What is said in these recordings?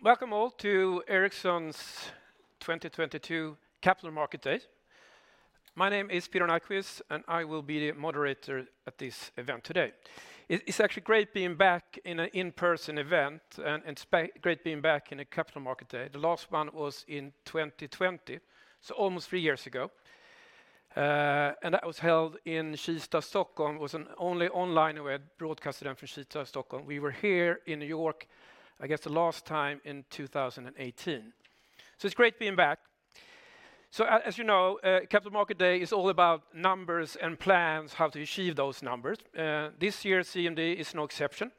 Welcome all to Ericsson's 2022 Capital Market Day. My name is Peter Nyquist, and I will be the moderator at this event today. It's actually great being back in a in-person event and great being back in a Capital Market Day. The last one was in 2020, so almost three years ago. That was held in Kista, Stockholm. It was an only online, and we had broadcasted them from Kista, Stockholm. We were here in New York, I guess the last time in 2018. It's great being back. As you know, Capital Market Day is all about numbers and plans, how to achieve those numbers. This year's CMD is no exception.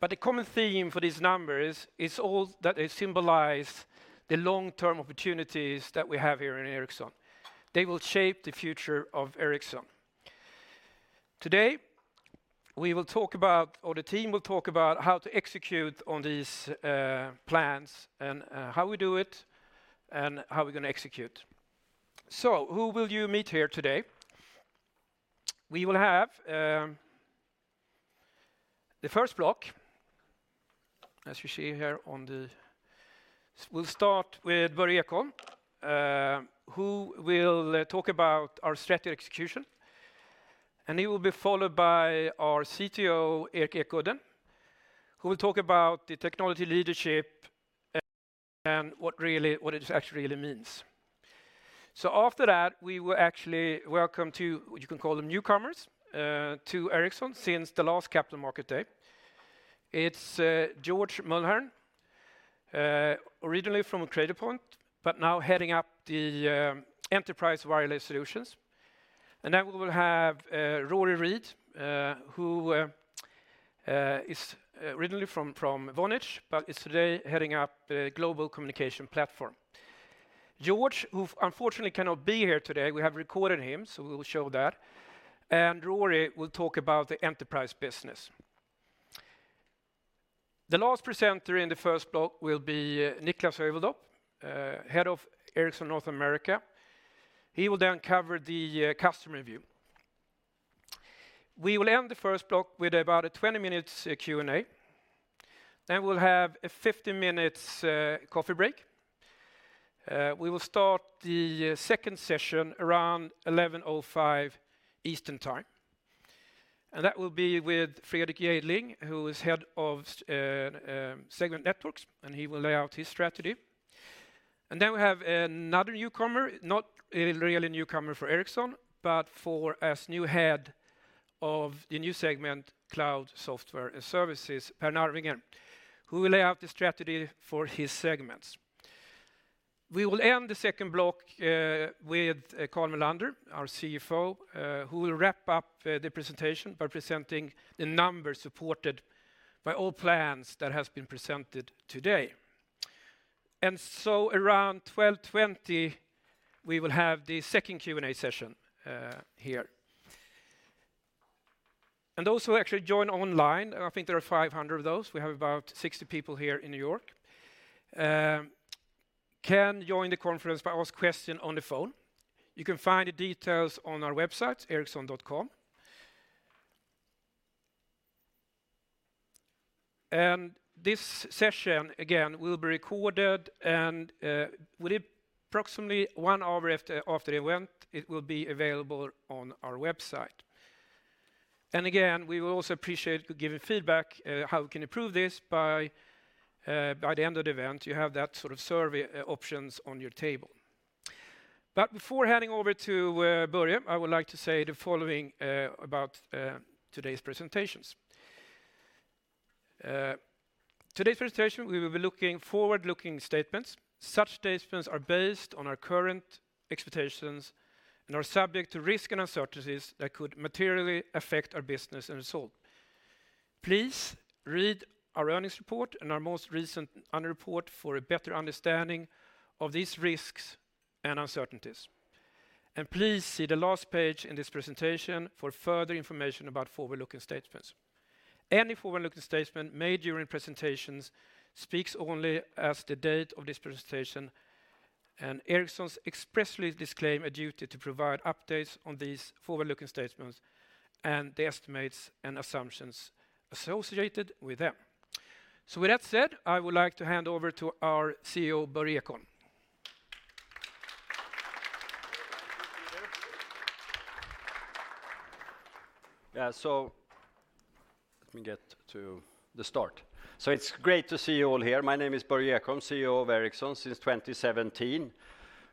The common theme for these numbers is all that they symbolize the long-term opportunities that we have here in Ericsson. They will shape the future of Ericsson. Today, we will talk about, or the team will talk about how to execute on these plans and how we do it and how we're gonna execute. Who will you meet here today? We will have the first block, as you see here. We'll start with Börje Ekholm, who will talk about our strategy execution. He will be followed by our CTO, Erik Ekudden, who will talk about the technology leadership and what really, what it actually really means. After that, we will actually welcome to, what you can call them newcomers, to Ericsson since the last Capital Market Day. It's George Mulhern, originally from Cradlepoint, but now heading up the Enterprise Wireless Solutions. We will have Rory Read, who is originally from Vonage, but is today heading up the Global Communication Platform. George, who unfortunately cannot be here today, we have recorded him. We will show that. Rory will talk about the enterprise business. The last presenter in the first block will be Niklas Heuveldop, head of Ericsson North America. He will cover the customer view. We will end the first block with about a 20-minutes Q&A. We'll have a 50-minutes coffee break. We will start the second session around 11:05 A.M. Eastern Time. That will be with Fredrik Jejdling, who is head of Segment Networks, and he will lay out his strategy. We have another newcomer, not a really newcomer for Ericsson, but for as new head of the new segment, Cloud Software and Services, Per Narvinger, who will lay out the strategy for his segments. We will end the second block with Carl Mellander, our CFO, who will wrap up the presentation by presenting the numbers supported by all plans that has been presented today. Around 12:20 P.M., we will have the second Q&A session here. Those who actually join online, I think there are 500 of those, we have about 60 people here in New York, can join the conference by ask question on the phone. You can find the details on our website, Ericsson.com. This session, again, will be recorded and, within approximately one hour after the event, it will be available on our website. Again, we will also appreciate giving feedback, how we can improve this by the end of the event. You have that sort of survey options on your table. Before heading over to Börje, I would like to say the following about today's presentations. Today's presentation, we will be looking forward-looking statements. Such statements are based on our current expectations and are subject to risks and uncertainties that could materially affect our business and result. Please read our earnings report and our most recent annual report for a better understanding of these risks and uncertainties. Please see the last page in this presentation for further information about forward-looking statements. Any forward-looking statement made during presentations speaks only as the date of this presentation. Ericsson expressly disclaim a duty to provide updates on these forward-looking statements and the estimates and assumptions associated with them. With that said, I would like to hand over to our CEO, Börje Ekholm. Yeah. Let me get to the start. It's great to see you all here. My name is Börje Ekholm, CEO of Ericsson since 2017.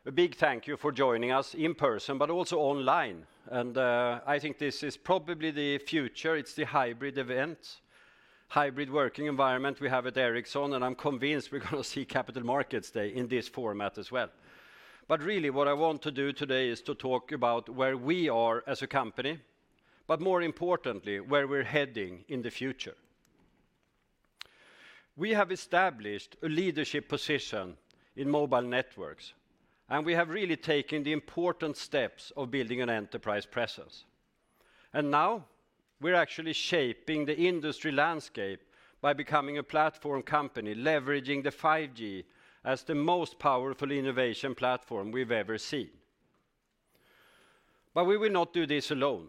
A big thank you for joining us in person, but also online. I think this is probably the future. It's the hybrid event, hybrid working environment we have at Ericsson, and I'm convinced we're gonna see Capital Markets Day in this format as well. Really what I want to do today is to talk about where we are as a company, but more importantly, where we're heading in the future. We have established a leadership position in mobile networks, and we have really taken the important steps of building an enterprise presence. Now we're actually shaping the industry landscape by becoming a platform company, leveraging the 5G as the most powerful innovation platform we've ever seen. We will not do this alone.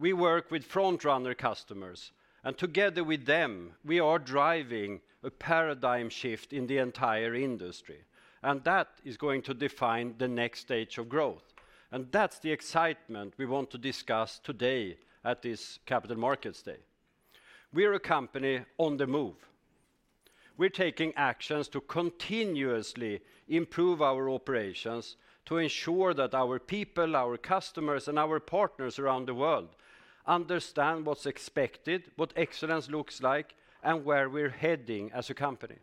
We work with frontrunner customers, and together with them, we are driving a paradigm shift in the entire industry, and that is going to define the next stage of growth, and that's the excitement we want to discuss today at this Capital Markets Day. We're a company on the move. We're taking actions to continuously improve our operations to ensure that our people, our customers, and our partners around the world understand what's expected, what excellence looks like, and where we're heading as a company.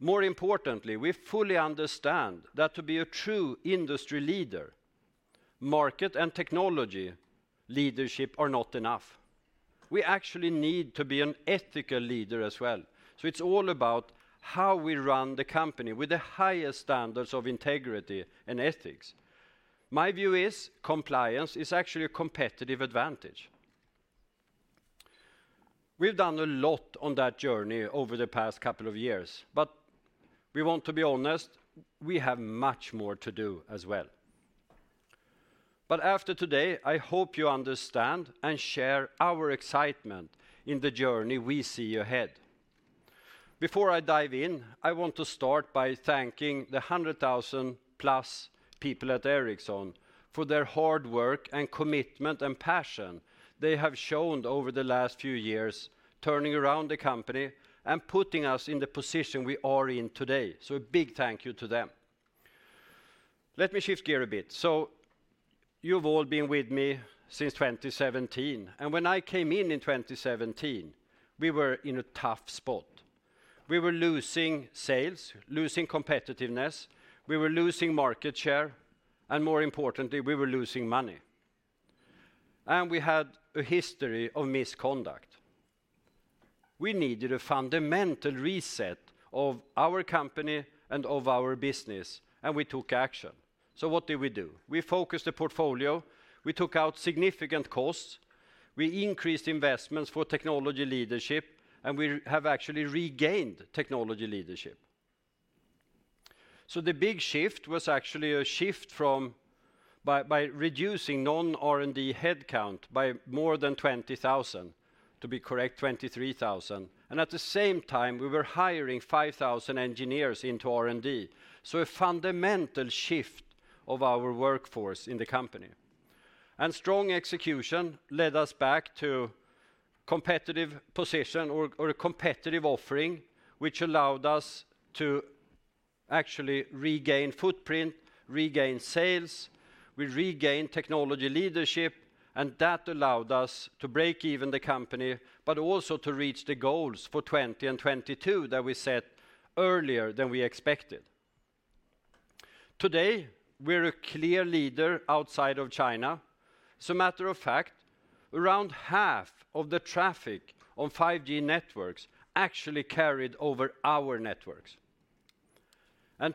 More importantly, we fully understand that to be a true industry leader, market and technology leadership are not enough. We actually need to be an ethical leader as well. It's all about how we run the company with the highest standards of integrity and ethics. My view is compliance is actually a competitive advantage. We've done a lot on that journey over the past couple of years, but we want to be honest, we have much more to do as well. After today, I hope you understand and share our excitement in the journey we see ahead. Before I dive in, I want to start by thanking the 100,000+ people at Ericsson for their hard work and commitment and passion they have shown over the last few years, turning around the company and putting us in the position we are in today. A big thank you to them. Let me shift gear a bit. You've all been with me since 2017, and when I came in in 2017, we were in a tough spot. We were losing sales, losing competitiveness, we were losing market share, and more importantly, we were losing money, and we had a history of misconduct. We needed a fundamental reset of our company and of our business, and we took action. What did we do? We focused the portfolio. We took out significant costs. We increased investments for technology leadership, and we have actually regained technology leadership. The big shift was actually a shift from reducing non-R&D headcount by more than 20,000. To be correct, 23,000. At the same time, we were hiring 5,000 engineers into R&D, so a fundamental shift of our workforce in the company. Strong execution led us back to competitive position or a competitive offering, which allowed us to actually regain footprint, regain sales. We regained technology leadership, and that allowed us to break even the company, but also to reach the goals for 2020 and 2022 that we set earlier than we expected. Today, we're a clear leader outside of China. As a matter of fact, around half of the traffic on 5G networks actually carried over our networks.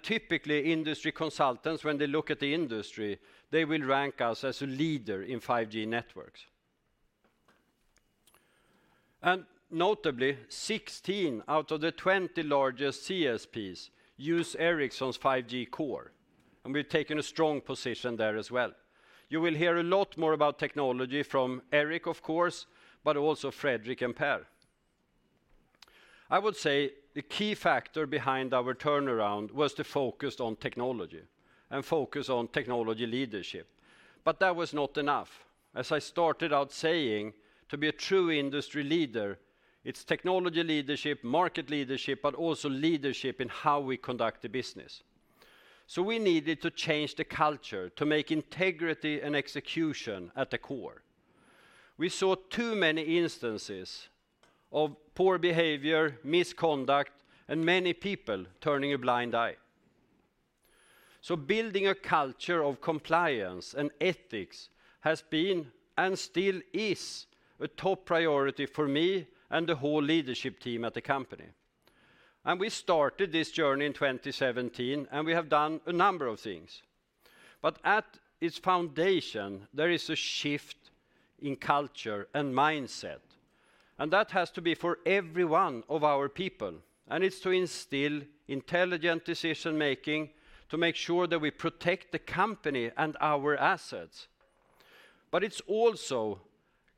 Typically, industry consultants, when they look at the industry, they will rank us as a leader in 5G networks. Notably, 16 out of the 20 largest CSPs use Ericsson's 5G Core, and we've taken a strong position there as well. You will hear a lot more about technology from Erik, of course, but also Fredrik and Per. I would say the key factor behind our turnaround was the focus on technology and focus on technology leadership, but that was not enough. As I started out saying, to be a true industry leader, it's technology leadership, market leadership, but also leadership in how we conduct the business. We needed to change the culture to make integrity and execution at the core. We saw too many instances of poor behavior, misconduct, and many people turning a blind eye. Building a culture of compliance and ethics has been, and still is, a top priority for me and the whole leadership team at the company. We started this journey in 2017, and we have done a number of things. At its foundation, there is a shift in culture and mindset, and that has to be for every one of our people. It's to instill intelligent decision-making to make sure that we protect the company and our assets. It's also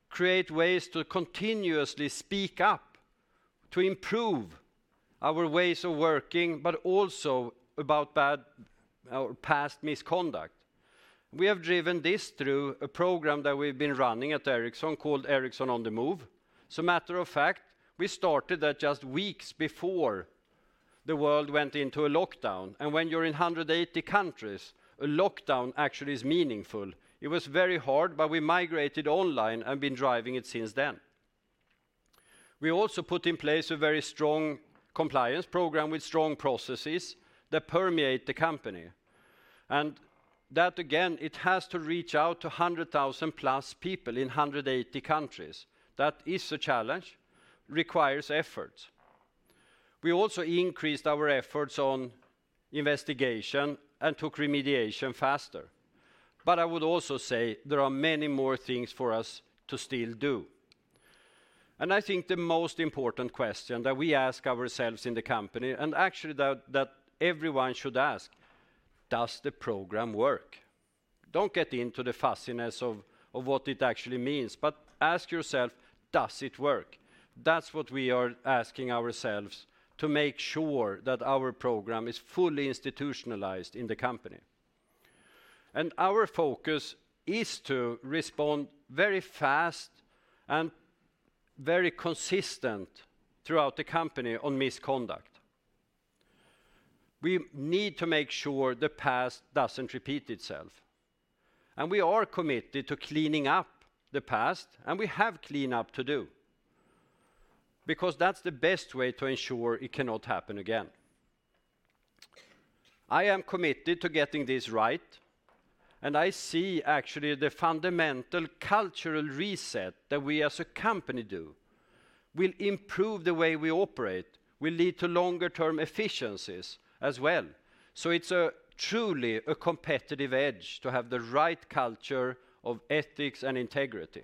create ways to continuously speak up to improve our ways of working, but also about past misconduct. We have driven this through a program that we've been running at Ericsson called Ericsson on the Move. As a matter of fact, we started that just weeks before the world went into a lockdown, and when you're in 180 countries, a lockdown actually is meaningful. It was very hard, but we migrated online and been driving it since then. We also put in place a very strong compliance program with strong processes that permeate the company, and that, again, it has to reach out to 100,000+ people in 180 countries. That is a challenge. It requires effort. We also increased our efforts on investigation and took remediation faster. I would also say there are many more things for us to still do. I think the most important question that we ask ourselves in the company, and actually that everyone should ask: Does the program work? Don't get into the fussiness of what it actually means, but ask yourself, "Does it work?" That's what we are asking ourselves to make sure that our program is fully institutionalized in the company. Our focus is to respond very fast and very consistent throughout the company on misconduct. We need to make sure the past doesn't repeat itself. We are committed to cleaning up the past, and we have cleanup to do. That's the best way to ensure it cannot happen again. I am committed to getting this right, and I see actually the fundamental cultural reset that we as a company do will improve the way we operate, will lead to longer term efficiencies as well. It's a truly a competitive edge to have the right culture of ethics and integrity.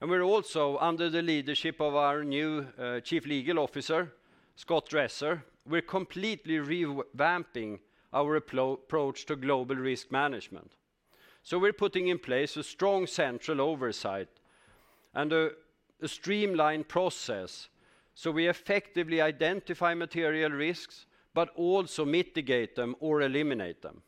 We're also, under the leadership of our new Chief Legal Officer, Scott Dresser, we're completely revamping our approach to global risk management. We're putting in place a strong central oversight and a streamlined process, so we effectively identify material risks, but also mitigate them or eliminate them.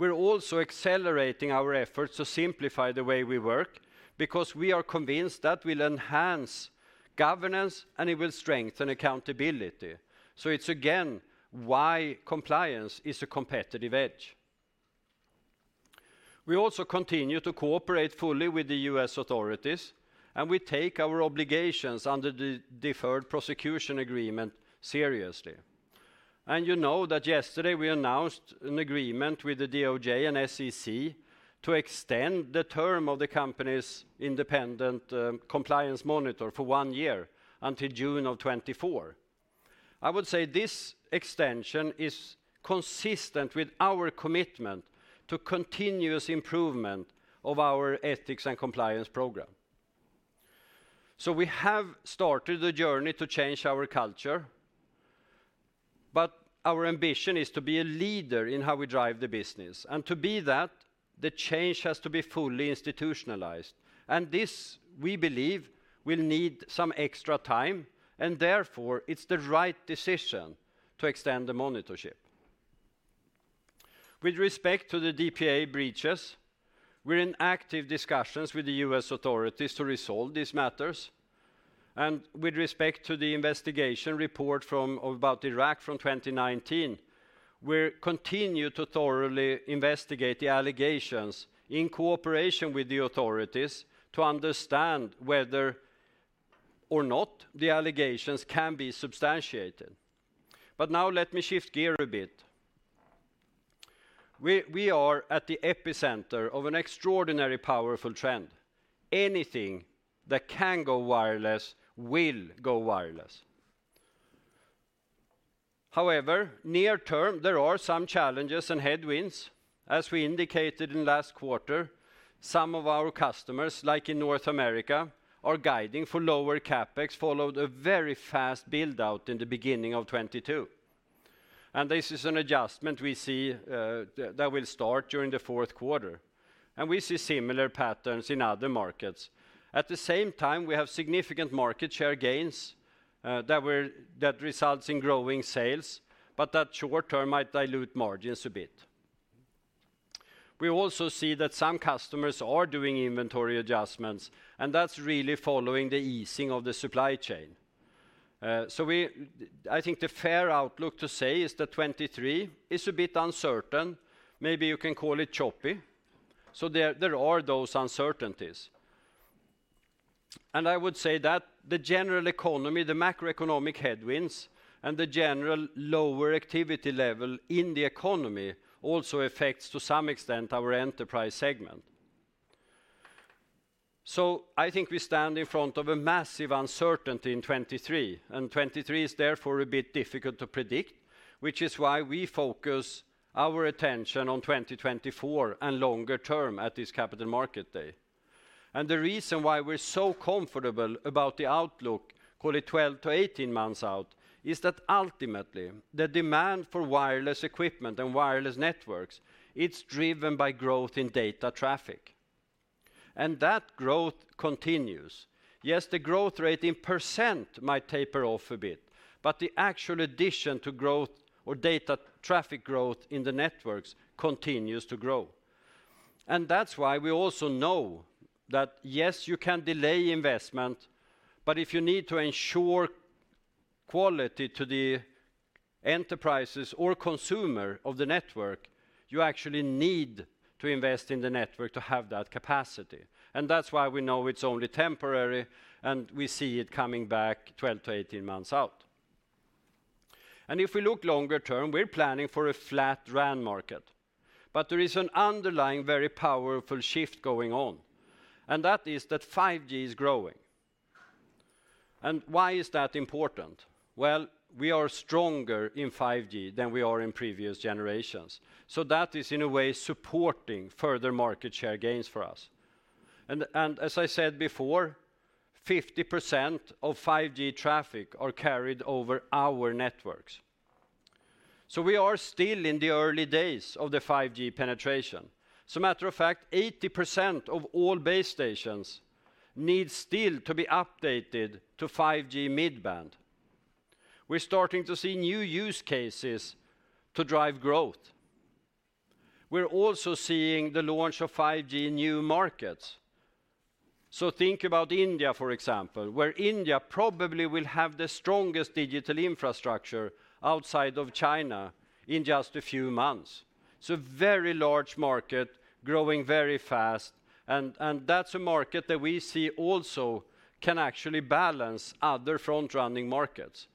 We're also accelerating our efforts to simplify the way we work because we are convinced that will enhance governance, and it will strengthen accountability. It's again why compliance is a competitive edge. We also continue to cooperate fully with the U.S. authorities, we take our obligations under the Deferred Prosecution Agreement seriously. You know that yesterday we announced an agreement with the DOJ and SEC to extend the term of the company's independent compliance monitor for one year until June of 2024. This extension is consistent with our commitment to continuous improvement of our ethics and compliance program. We have started the journey to change our culture, but our ambition is to be a leader in how we drive the business. To be that, the change has to be fully institutionalized. This, we believe, will need some extra time, and therefore, it's the right decision to extend the monitorship. With respect to the DPA breaches, we're in active discussions with the U.S. authorities to resolve these matters. With respect to the investigation report about Iraq from 2019, we're continue to thoroughly investigate the allegations in cooperation with the authorities to understand whether or not the allegations can be substantiated. Now let me shift gear a bit. We are at the epicenter of an extraordinary powerful trend. Anything that can go wireless will go wireless. However, near term, there are some challenges and headwinds. As we indicated in last quarter, some of our customers, like in North America, are guiding for lower CapEx, followed a very fast build-out in the beginning of 2022. This is an adjustment we see that will start during the fourth quarter. We see similar patterns in other markets. At the same time, we have significant market share gains that results in growing sales, but that short term might dilute margins a bit. We also see that some customers are doing inventory adjustments, and that's really following the easing of the supply chain. I think the fair outlook to say is that 2023 is a bit uncertain. Maybe you can call it choppy. There are those uncertainties. I would say that the general economy, the macroeconomic headwinds, and the general lower activity level in the economy also affects, to some extent, our enterprise segment. I think we stand in front of a massive uncertainty in 2023, and 2023 is therefore a bit difficult to predict, which is why we focus our attention on 2024 and longer term at this Capital Market Day. The reason why we're so comfortable about the outlook, call it 12 to 18 months out, is that ultimately, the demand for wireless equipment and wireless networks, it's driven by growth in data traffic. That growth continues. Yes, the growth rate in % might taper off a bit, but the actual addition to growth or data traffic growth in the networks continues to grow. That's why we also know that yes, you can delay investment, but if you need to ensure quality to the enterprises or consumer of the network, you actually need to invest in the network to have that capacity. That's why we know it's only temporary, and we see it coming back 12 to 18 months out. If we look longer term, we're planning for a flat RAN market. There is an underlying, very powerful shift going on, and that is that 5G is growing. Why is that important? We are stronger in 5G than we are in previous generations. That is, in a way, supporting further market share gains for us. As I said before, 50% of 5G traffic are carried over our networks. We are still in the early days of the 5G penetration. As a matter of fact, 80% of all base stations need still to be updated to 5G mid-band. We're starting to see new use cases to drive growth. We're also seeing the launch of 5G in new markets. Think about India, for example, where India probably will have the strongest digital infrastructure outside of China in just a few months. It's a very large market growing very fast, and that's a market that we see also can actually balance other front-running markets.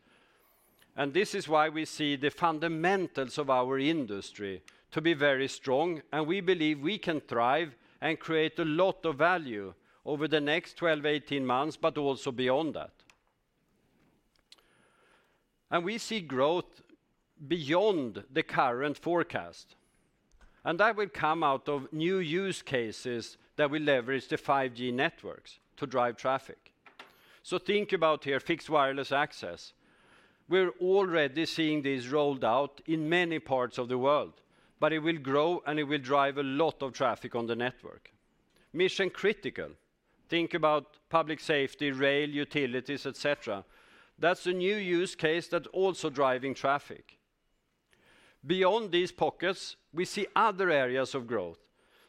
This is why we see the fundamentals of our industry to be very strong, and we believe we can thrive and create a lot of value over the next 12 to 18 months, but also beyond that. We see growth beyond the current forecast, and that will come out of new use cases that will leverage the 5G networks to drive traffic. Think about here Fixed Wireless Access. We're already seeing this rolled out in many parts of the world, but it will grow, and it will drive a lot of traffic on the network. Mission-critical. Think about public safety, rail, utilities, et cetera. That's a new use case that's also driving traffic. Beyond these pockets, we see other areas of growth.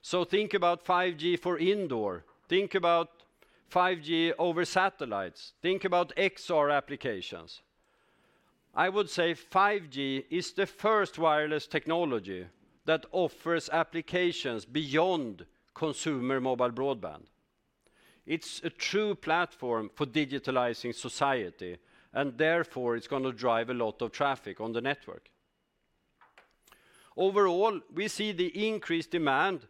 Think about 5G for indoor. Think about 5G over satellites. Think about XR applications. I would say 5G is the first wireless technology that offers applications beyond consumer mobile broadband. It's a true platform for digitalizing society, and therefore it's gonna drive a lot of traffic on the network. Overall, we see the increased demand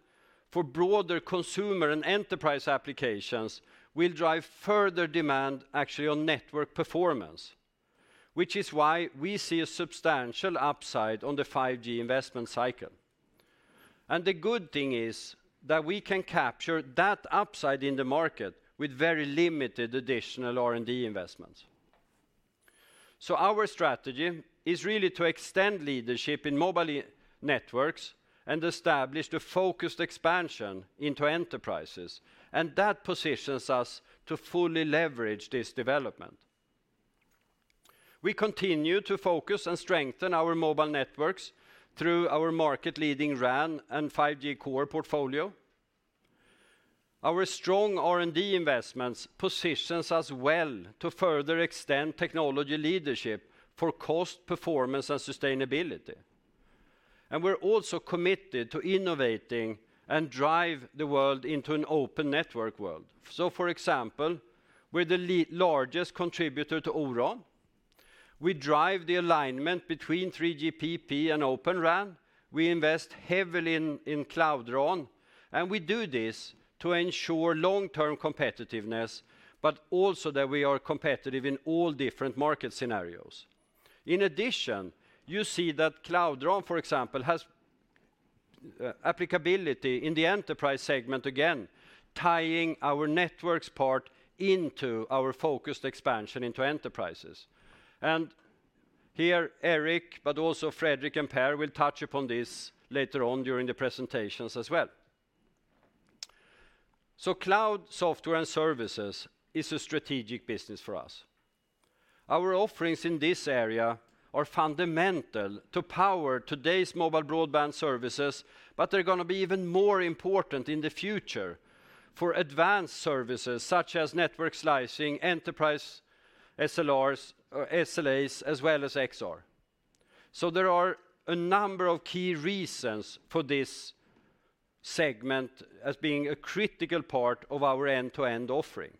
for broader consumer and enterprise applications will drive further demand actually on network performance. Which is why we see a substantial upside on the 5G investment cycle. The good thing is that we can capture that upside in the market with very limited additional R&D investments. Our strategy is really to extend leadership in mobile networks and establish the focused expansion into enterprises, and that positions us to fully leverage this development. We continue to focus and strengthen our mobile networks through our market-leading RAN and 5G Core portfolio. Our strong R&D investments positions us well to further extend technology leadership for cost, performance, and sustainability. We're also committed to innovating and drive the world into an open network world. For example, we're the largest contributor to O-RAN. We drive the alignment between 3GPP and Open RAN. We invest heavily in Cloud RAN, and we do this to ensure long-term competitiveness, but also that we are competitive in all different market scenarios. In addition, you see that Cloud RAN, for example, has applicability in the enterprise segment, again, tying our networks part into our focused expansion into enterprises. Here, Erik, but also Fredrik and Per, will touch upon this later on during the presentations as well. Cloud Software and Services is a strategic business for us. Our offerings in this area are fundamental to power today's mobile broadband services, but they're going to be even more important in the future for advanced services such as network slicing, enterprise SLRs, or SLAs, as well as XR. There are a number of key reasons for this segment as being a critical part of our end-to-end offering.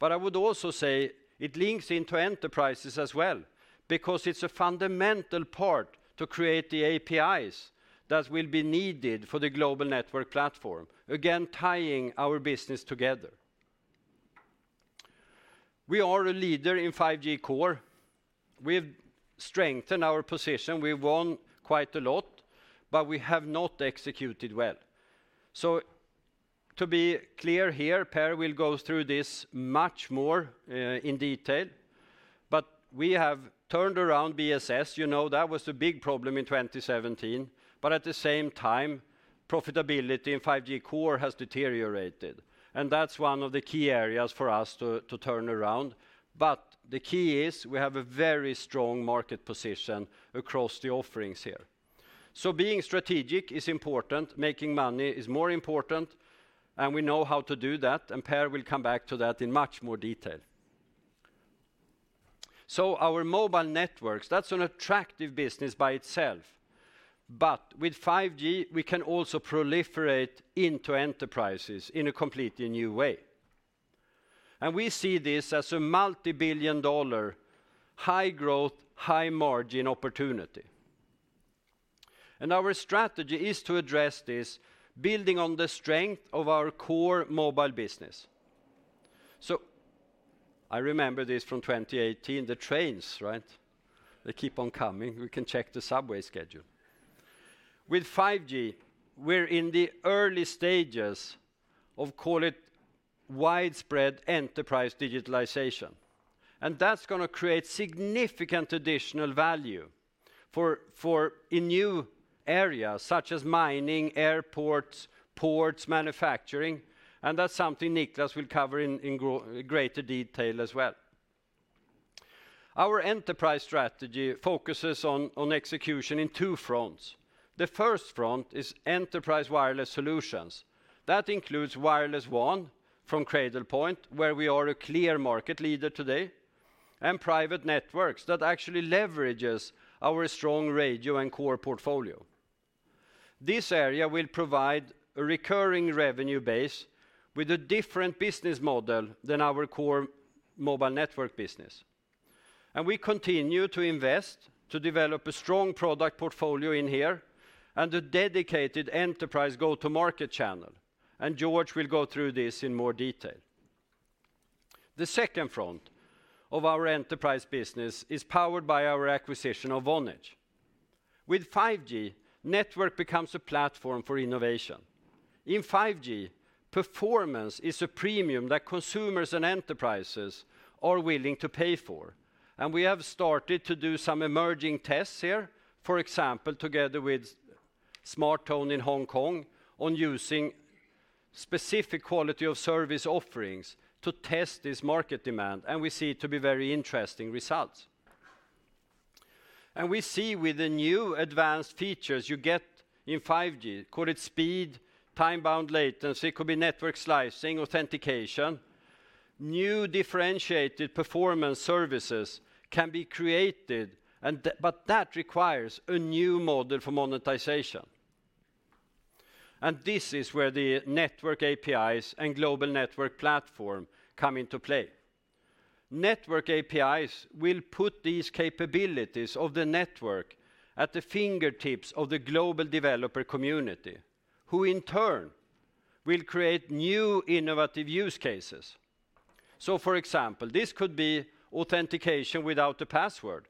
I would also say it links into enterprises as well because it's a fundamental part to create the APIs that will be needed for the Global Network Platform, again, tying our business together. We are a leader in 5G Core. We've strengthened our position. We've won quite a lot, but we have not executed well. To be clear here, Per will go through this much more in detail, but we have turned around BSS. You know, that was a big problem in 2017. At the same time, profitability in 5G Core has deteriorated, and that's one of the key areas for us to turn around. The key is we have a very strong market position across the offerings here. Being strategic is important. Making money is more important, and we know how to do that, and Per will come back to that in much more detail. Our mobile networks, that's an attractive business by itself. With 5G, we can also proliferate into enterprises in a completely new way. We see this as a multibillion-dollar, high-growth, high-margin opportunity. Our strategy is to address this building on the strength of our core mobile business. I remember this from 2018, the trains, right? They keep on coming. We can check the subway schedule. With 5G, we're in the early stages of call it widespread enterprise digitalization. That's gonna create significant additional value for a new area such as mining, airports, ports, manufacturing. That's something Niklas will cover in greater detail as well. Our enterprise strategy focuses on execution in two fronts. The first front is Enterprise Wireless Solutions. That includes Wireless WAN from Cradlepoint, where we are a clear market leader today, and private networks that actually leverages our strong radio and core portfolio. This area will provide a recurring revenue base with a different business model than our core mobile network business. We continue to invest to develop a strong product portfolio in here and a dedicated enterprise go-to-market channel. George will go through this in more detail. The second front of our enterprise business is powered by our acquisition of Vonage. With 5G, network becomes a platform for innovation. In 5G, performance is a premium that consumers and enterprises are willing to pay for, and we have started to do some emerging tests here. For example, together with SmarTone in Hong Kong on using specific quality of service offerings to test this market demand. We see to be very interesting results. We see with the new advanced features you get in 5G, call it speed, time bound latency, it could be network slicing, authentication. New differentiated performance services can be created but that requires a new model for monetization. This is where the network APIs and Global Network Platform come into play. Network APIs will put these capabilities of the network at the fingertips of the global developer community, who in turn will create new innovative use cases. For example, this could be authentication without a password,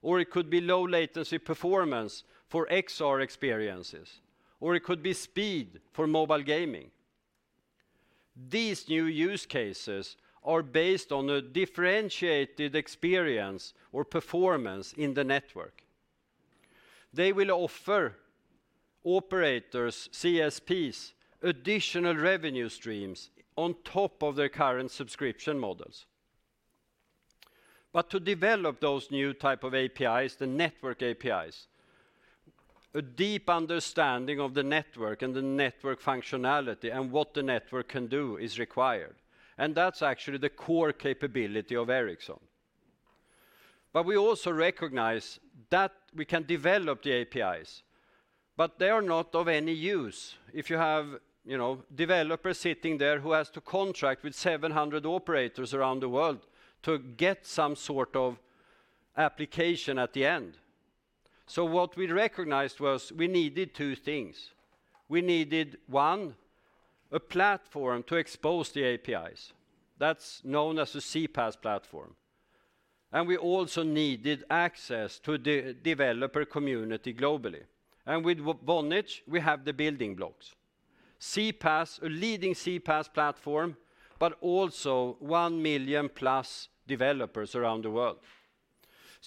or it could be low latency performance for XR experiences, or it could be speed for mobile gaming. These new use cases are based on a differentiated experience or performance in the network. They will offer operators, CSPs, additional revenue streams on top of their current subscription models. To develop those new type of APIs, the network APIs, a deep understanding of the network and the network functionality and what the network can do is required. That's actually the core capability of Ericsson. We also recognize that we can develop the APIs, but they are not of any use if you have, you know, developers sitting there who has to contract with 700 operators around the world to get some sort of application at the end. What we recognized was we needed two things. We needed, one, a platform to expose the APIs. That's known as a CPaaS platform. We also needed access to developer community globally. With Vonage, we have the building blocks. CPaaS, a leading CPaaS platform, but also 1+ million developers around the world.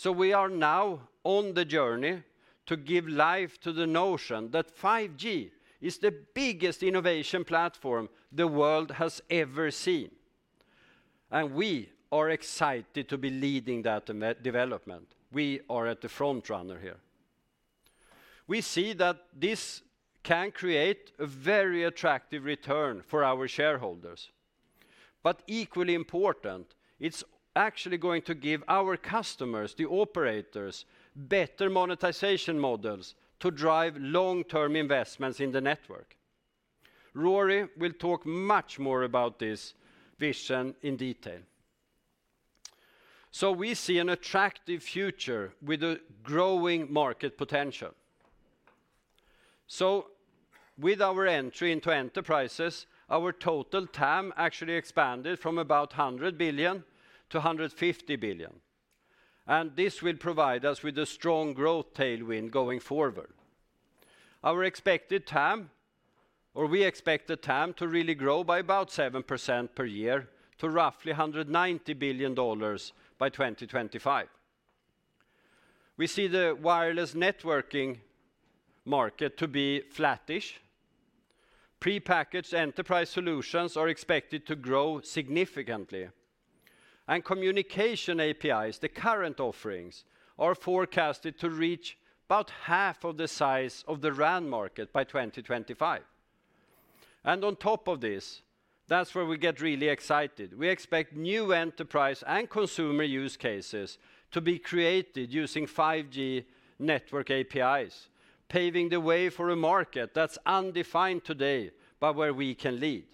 We are now on the journey to give life to the notion that 5G is the biggest innovation platform the world has ever seen. We are excited to be leading that development. We are at the front runner here. We see that this can create a very attractive return for our shareholders. Equally important, it's actually going to give our customers, the operators, better monetization models to drive long-term investments in the network. Rory will talk much more about this vision in detail. We see an attractive future with a growing market potential. With our entry into enterprises, our total TAM actually expanded from about $100 billion to $150 billion, and this will provide us with a strong growth tailwind going forward. We expect the TAM to really grow by about 7% per year to roughly $190 billion by 2025. We see the wireless networking market to be flattish. Prepackaged enterprise solutions are expected to grow significantly. Communication APIs, the current offerings, are forecasted to reach about half of the size of the RAN market by 2025. On top of this, that's where we get really excited. We expect new enterprise and consumer use cases to be created using 5G network APIs, paving the way for a market that's undefined today, but where we can lead.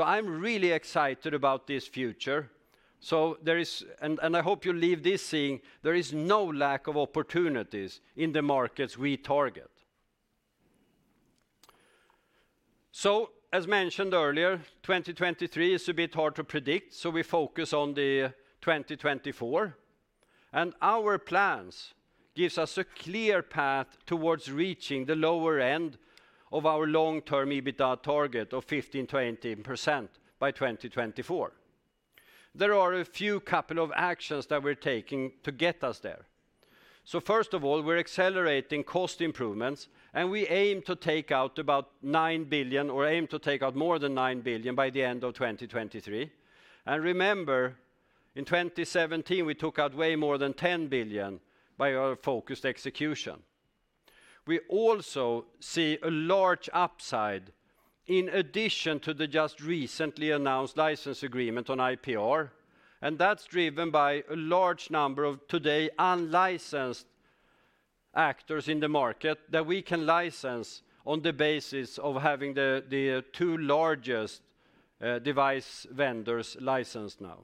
I'm really excited about this future. I hope you leave this saying there is no lack of opportunities in the markets we target. As mentioned earlier, 2023 is a bit hard to predict, so we focus on the 2024. Our plans gives us a clear path towards reaching the lower end of our long-term EBITDA target of 15%-18% by 2024. There are a few couple of actions that we're taking to get us there. First of all, we're accelerating cost improvements, and we aim to take out about 9 billion, or aim to take out more than 9 billion by the end of 2023. Remember, in 2017, we took out way more than 10 billion by our focused execution. We also see a large upside in addition to the just recently announced license agreement on IPR, and that's driven by a large number of today unlicensed actors in the market that we can license on the basis of having the two largest device vendors licensed now.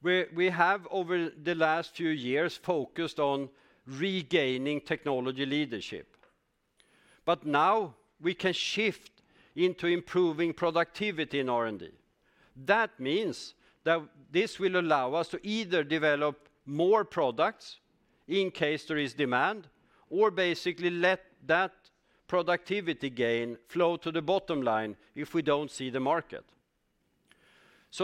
We have over the last few years focused on regaining technology leadership. Now we can shift into improving productivity in R&D. That means that this will allow us to either develop more products in case there is demand or basically let that productivity gain flow to the bottom line if we don't see the market.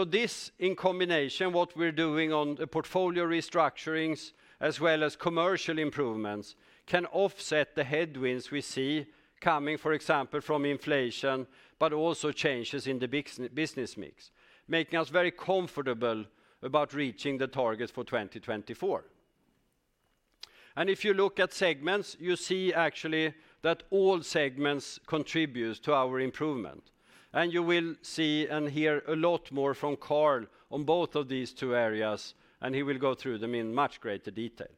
This in combination, what we're doing on the portfolio restructurings as well as commercial improvements, can offset the headwinds we see coming, for example, from inflation, but also changes in the business mix, making us very comfortable about reaching the targets for 2024. If you look at segments, you see actually that all segments contributes to our improvement. You will see and hear a lot more from Carl on both of these two areas, and he will go through them in much greater detail.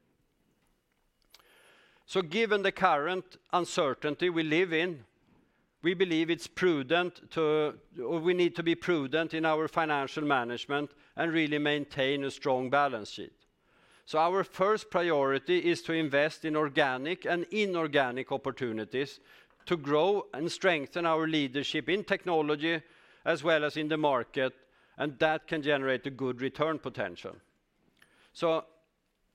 Given the current uncertainty we live in, we believe it's prudent or we need to be prudent in our financial management and really maintain a strong balance sheet. Our first priority is to invest in organic and inorganic opportunities to grow and strengthen our leadership in technology as well as in the market, and that can generate a good return potential.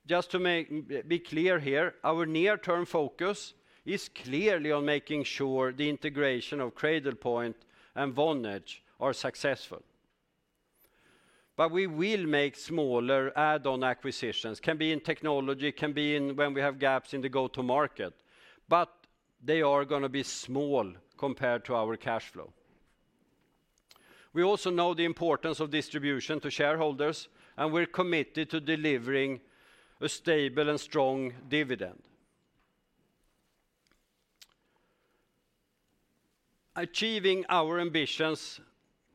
Just to be clear here, our near-term focus is clearly on making sure the integration of Cradlepoint and Vonage are successful. We will make smaller add-on acquisitions. Can be in technology, can be in when we have gaps in the go-to market. They are gonna be small compared to our cash flow. We also know the importance of distribution to shareholders, and we're committed to delivering a stable and strong dividend. Achieving our ambitions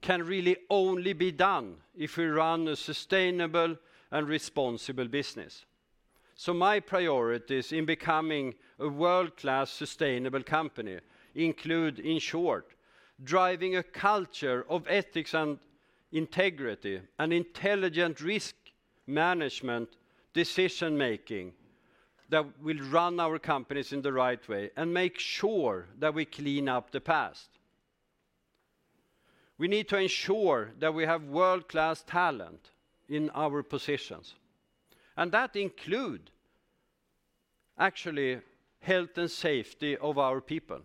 can really only be done if we run a sustainable and responsible business. My priorities in becoming a world-class sustainable company include, in short, driving a culture of ethics and integrity and intelligent risk management decision-making that will run our companies in the right way and make sure that we clean up the past. We need to ensure that we have world-class talent in our positions, and that include actually health and safety of our people.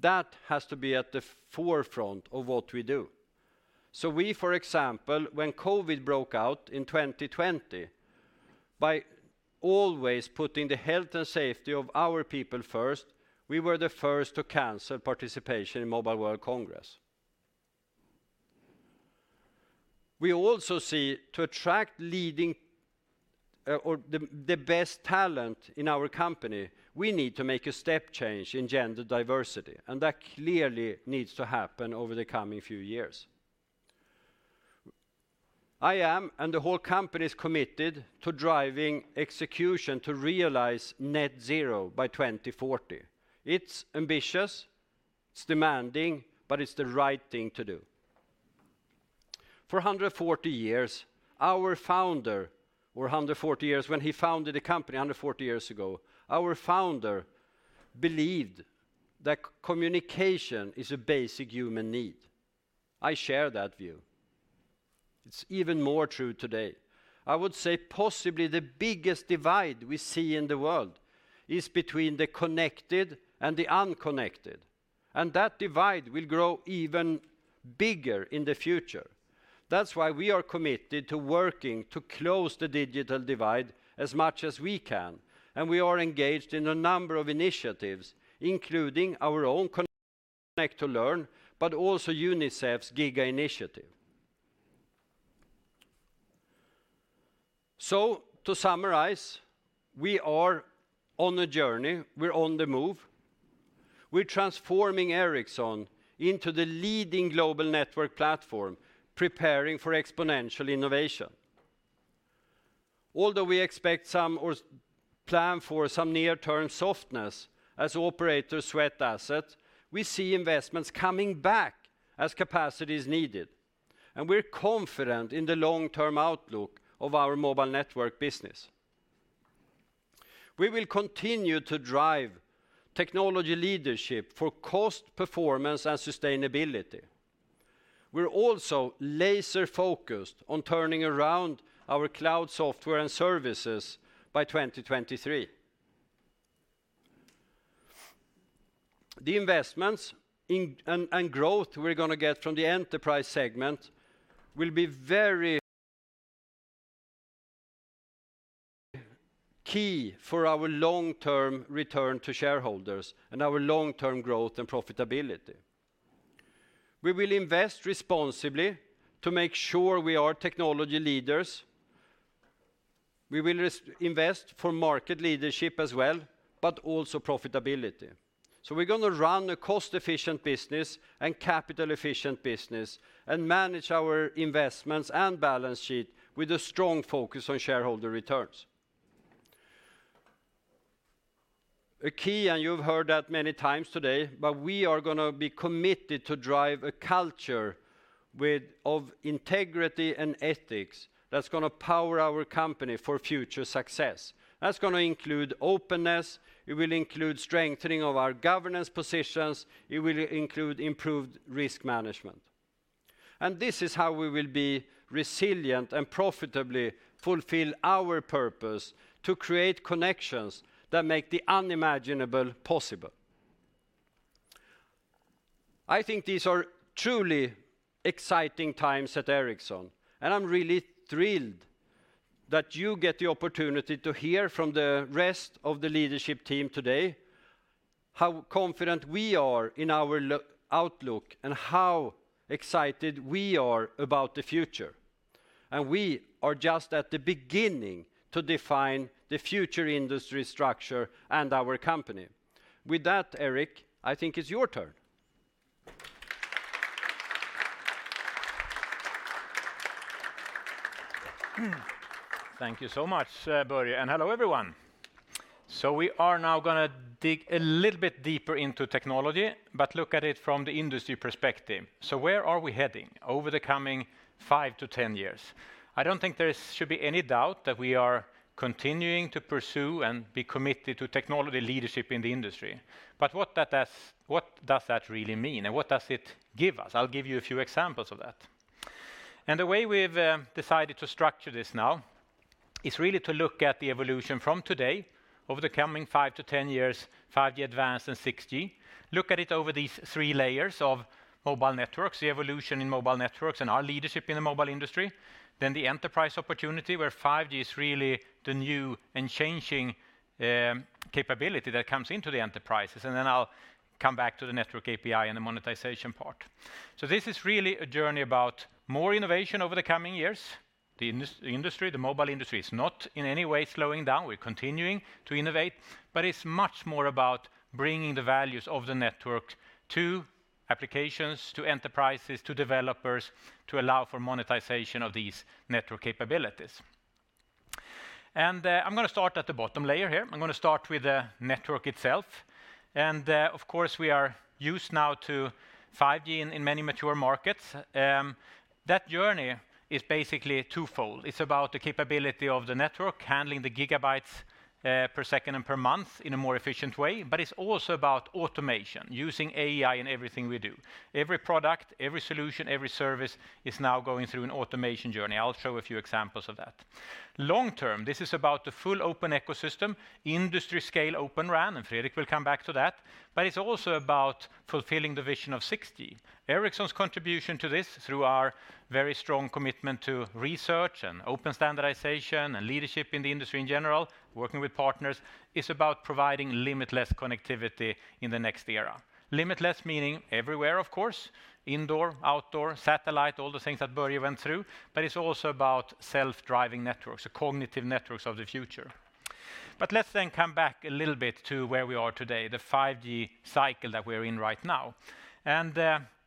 That has to be at the forefront of what we do. We, for example, when COVID broke out in 2020, by always putting the health and safety of our people first, we were the first to cancel participation in Mobile World Congress. We also see to attract leading or the best talent in our company, we need to make a step change in gender diversity, and that clearly needs to happen over the coming few years. I am, and the whole company is committed to driving execution to realize net zero by 2040. It's ambitious, it's demanding, but it's the right thing to do. For 140 years, when he founded the company 140 years ago, our founder believed that communication is a basic human need. I share that view. It's even more true today. I would say possibly the biggest divide we see in the world is between the connected and the unconnected, that divide will grow even bigger in the future. That's why we are committed to working to close the digital divide as much as we can, we are engaged in a number of initiatives, including our own Connect to Learn, also UNICEF's Giga initiative. To summarize, we are on a journey. We're On the Move. We're transforming Ericsson into the leading Global Network Platform, preparing for exponential innovation. We expect some or plan for some near-term softness as operators sweat assets, we see investments coming back as capacity is needed, and we're confident in the long-term outlook of our mobile network business. We will continue to drive technology leadership for cost, performance, and sustainability. We're also laser-focused on turning around our Cloud Software and Services by 2023. The investments and growth we're gonna get from the enterprise segment will be very key for our long-term return to shareholders and our long-term growth and profitability. We will invest responsibly to make sure we are technology leaders. We will invest for market leadership as well, but also profitability. We're gonna run a cost-efficient business and capital-efficient business and manage our investments and balance sheet with a strong focus on shareholder returns. A key, you've heard that many times today, we are gonna be committed to drive a culture of integrity and ethics that's gonna power our company for future success. That's gonna include openness. It will include strengthening of our governance positions. It will include improved risk management. This is how we will be resilient and profitably fulfill our purpose to create connections that make the unimaginable possible. I think these are truly exciting times at Ericsson, I'm really thrilled that you get the opportunity to hear from the rest of the leadership team today how confident we are in our outlook and how excited we are about the future. We are just at the beginning to define the future industry structure and our company. With that, Erik, I think it's your turn. Thank you so much, Börje, and hello, everyone. We are now gonna dig a little bit deeper into technology, but look at it from the industry perspective. Where are we heading over the coming five to 10 years? I don't think there should be any doubt that we are continuing to pursue and be committed to technology leadership in the industry. What does that really mean, and what does it give us? I'll give you a few examples of that. The way we've decided to structure this now is really to look at the evolution from today over the coming five to 10 years, 5G Advanced, and 6G. Look at it over these three layers of mobile networks, the evolution in mobile networks, and our leadership in the mobile industry. The enterprise opportunity, where 5G is really the new and changing capability that comes into the enterprises. I'll come back to the network API and the monetization part. This is really a journey about more innovation over the coming years. The industry, the mobile industry, is not in any way slowing down. We're continuing to innovate. It's much more about bringing the values of the network to applications, to enterprises, to developers, to allow for monetization of these network capabilities. I'm gonna start at the bottom layer here. I'm gonna start with the network itself. Of course, we are used now to 5G in many mature markets. That journey is basically twofold. It's about the capability of the network handling the gigabytes per second and per month in a more efficient way, but it's also about automation, using AI in everything we do. Every product, every solution, every service is now going through an automation journey. I'll show a few examples of that. Long term, this is about the full open ecosystem, industry scale Open RAN, and Fredrik will come back to that, but it's also about fulfilling the vision of 6G. Ericsson's contribution to this, through our very strong commitment to research and open standardization and leadership in the industry in general, working with partners, is about providing limitless connectivity in the next era. Limitless meaning everywhere, of course, indoor, outdoor, satellite, all the things that Börje went through, but it's also about self-driving networks, the cognitive networks of the future. Let's then come back a little bit to where we are today, the 5G cycle that we're in right now.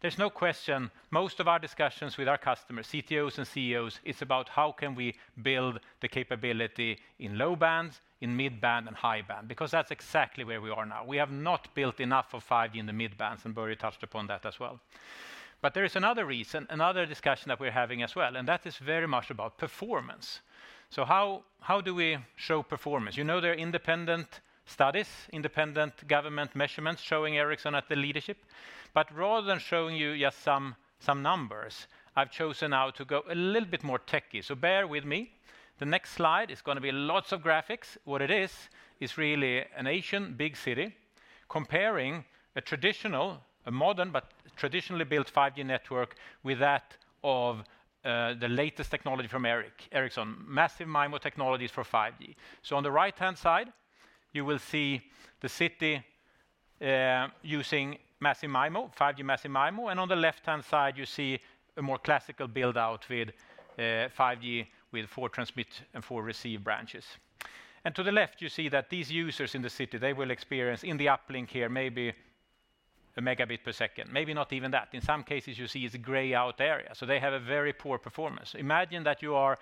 There's no question most of our discussions with our customers, CTOs and CEOs, is about how can we build the capability in low bands, in mid band, and high band, because that's exactly where we are now. We have not built enough of 5G in the mid bands, and Börje touched upon that as well. There is another reason, another discussion that we're having as well, and that is very much about performance. How do we show performance? You know, there are independent studies, independent government measurements showing Ericsson at the leadership. Rather than showing you just some numbers, I've chosen now to go a little bit more techy. Bear with me. The next slide is gonna be lots of graphics. What it is really an Asian big city comparing a traditional, a modern, but traditionally built 5G network with that of the latest technology from Ericsson, Massive MIMO technologies for 5G. On the right-hand side, you will see the city using Massive MIMO, 5G Massive MIMO, and on the left-hand side, you see a more classical build-out with 5G with four transmit and four receive branches. To the left, you see that these users in the city, they will experience in the uplink here maybe 1 Mb per second, maybe not even that. In some cases, you see it's a gray out area, so they have a very poor performance. Imagine that you are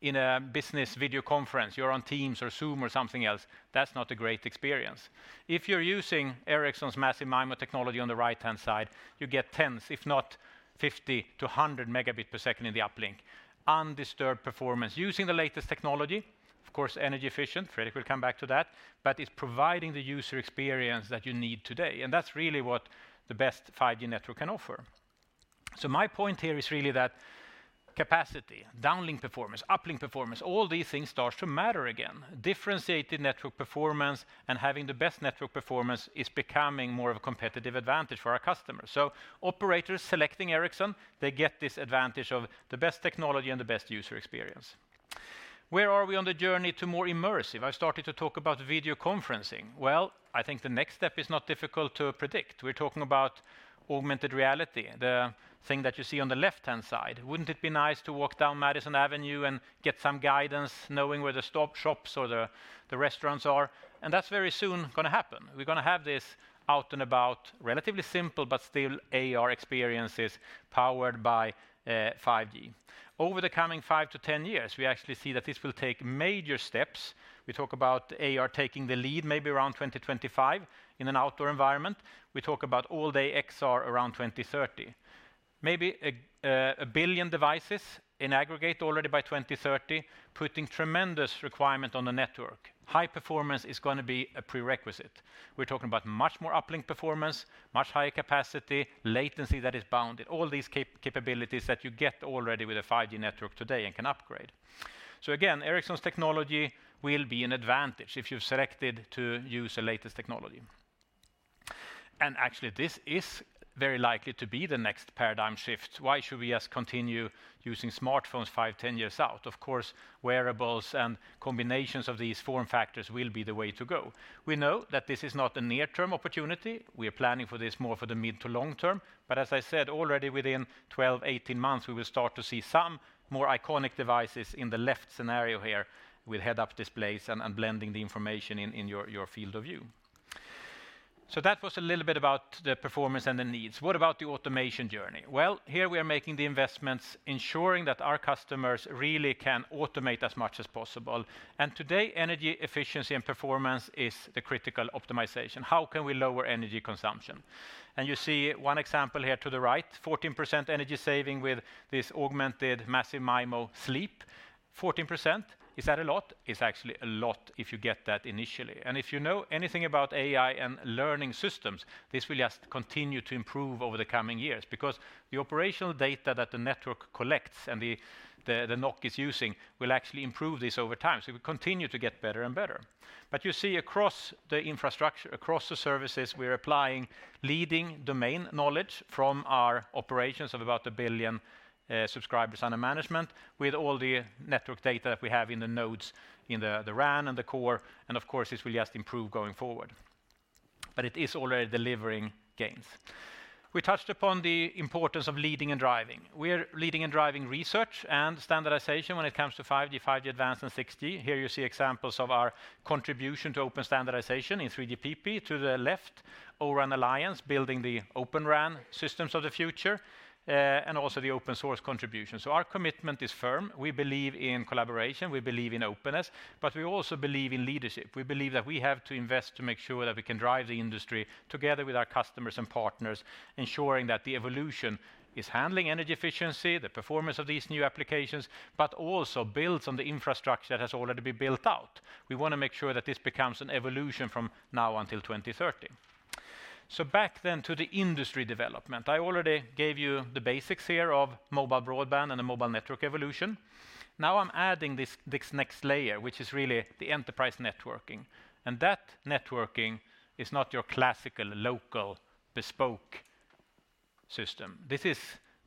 in a business video conference, you're on Teams or Zoom or something else. That's not a great experience. If you're using Ericsson's Massive MIMO technology on the right-hand side, you get tens, if not 50-100 Mbps in the uplink. Undisturbed performance using the latest technology, of course, energy efficient, Fredrik will come back to that, it's providing the user experience that you need today. That's really what the best 5G network can offer. My point here is really that capacity, downlink performance, uplink performance, all these things starts to matter again. Differentiating network performance and having the best network performance is becoming more of a competitive advantage for our customers. Operators selecting Ericsson, they get this advantage of the best technology and the best user experience. Where are we on the journey to more immersive? I started to talk about video conferencing. Well, I think the next step is not difficult to predict. We're talking about augmented reality, the thing that you see on the left-hand side. Wouldn't it be nice to walk down Madison Avenue and get some guidance knowing where the stop shops or the restaurants are? That's very soon gonna happen. We're gonna have this out and about, relatively simple, but still AR experiences powered by 5G. Over the coming five to 10 years, we actually see that this will take major steps. We talk about AR taking the lead maybe around 2025 in an outdoor environment. We talk about all-day XR around 2030. Maybe a billion devices in aggregate already by 2030, putting tremendous requirement on the network. High performance is gonna be a prerequisite. We're talking about much more uplink performance, much higher capacity, latency that is bounded, all these capabilities that you get already with a 5G network today and can upgrade. Again, Ericsson's technology will be an advantage if you've selected to use the latest technology. Actually, this is very likely to be the next paradigm shift. Why should we just continue using smartphones five, 10 years out? Of course, wearables and combinations of these form factors will be the way to go. We know that this is not a near-term opportunity. We are planning for this more for the mid to long term. As I said, already within 12, 18 months, we will start to see some more iconic devices in the left scenario here with head-up displays and blending the information in your field of view. That was a little bit about the performance and the needs. What about the automation journey? Here we are making the investments ensuring that our customers really can automate as much as possible. Today, energy efficiency and performance is the critical optimization. How can we lower energy consumption? You see one example here to the right, 14% energy saving with this augmented Massive MIMO sleep. 14%, is that a lot? It's actually a lot if you get that initially. If you know anything about AI and learning systems, this will just continue to improve over the coming years because the operational data that the network collects and the NOC is using will actually improve this over time. It will continue to get better and better. You see across the infrastructure, across the services, we're applying leading domain knowledge from our operations of about 1 billion subscribers under management with all the network data we have in the nodes in the RAN and the core, and of course, this will just improve going forward. It is already delivering gains. We touched upon the importance of leading and driving. We're leading and driving research and standardization when it comes to 5G Advanced and 6G. Here you see examples of our contribution to open standardization in 3GPP to the left, O-RAN ALLIANCE building the Open RAN systems of the future, and also the open-source contribution. Our commitment is firm. We believe in collaboration, we believe in openness, but we also believe in leadership. We believe that we have to invest to make sure that we can drive the industry together with our customers and partners, ensuring that the evolution is handling energy efficiency, the performance of these new applications, but also builds on the infrastructure that has already been built out. We wanna make sure that this becomes an evolution from now until 2030. Back then to the industry development. I already gave you the basics here of mobile broadband and the mobile network evolution. Now I'm adding this next layer, which is really the enterprise networking. That networking is not your classical, local, bespoke system. This is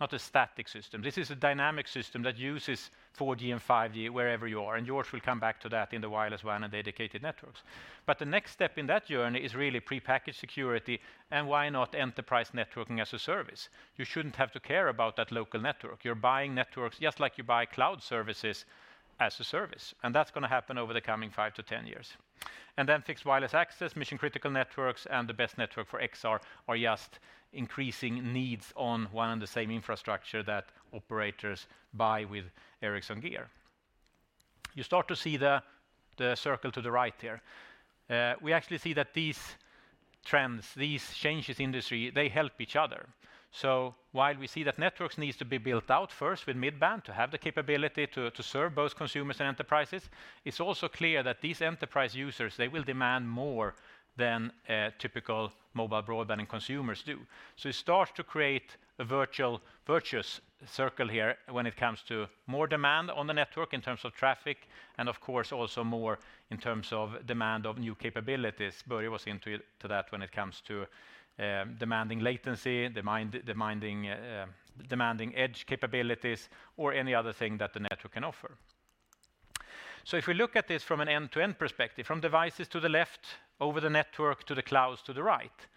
not a static system. This is a dynamic system that uses 4G and 5G wherever you are, and George will come back to that in the Wireless WAN and dedicated networks. The next step in that journey is really prepackaged security and why not enterprise networking as a service. You shouldn't have to care about that local network. You're buying networks just like you buy cloud services as a service, and that's gonna happen over the coming five to 10 years. Fixed Wireless Access, mission-critical networks, and the best network for XR are just increasing needs on one and the same infrastructure that operators buy with Ericsson gear. You start to see the circle to the right here. We actually see that these trends, these changes industry, they help each other. While we see that networks needs to be built out first with mid-band to have the capability to serve both consumers and enterprises, it's also clear that these enterprise users, they will demand more than typical mobile broadband and consumers do. It starts to create a virtual virtuous circle here when it comes to more demand on the network in terms of traffic and of course, also more in terms of demand of new capabilities. Börje was into that when it comes to demanding latency, demanding edge capabilities or any other thing that the network can offer. If we look at this from an end-to-end perspective, from devices to the left over the network, to the clouds to the right,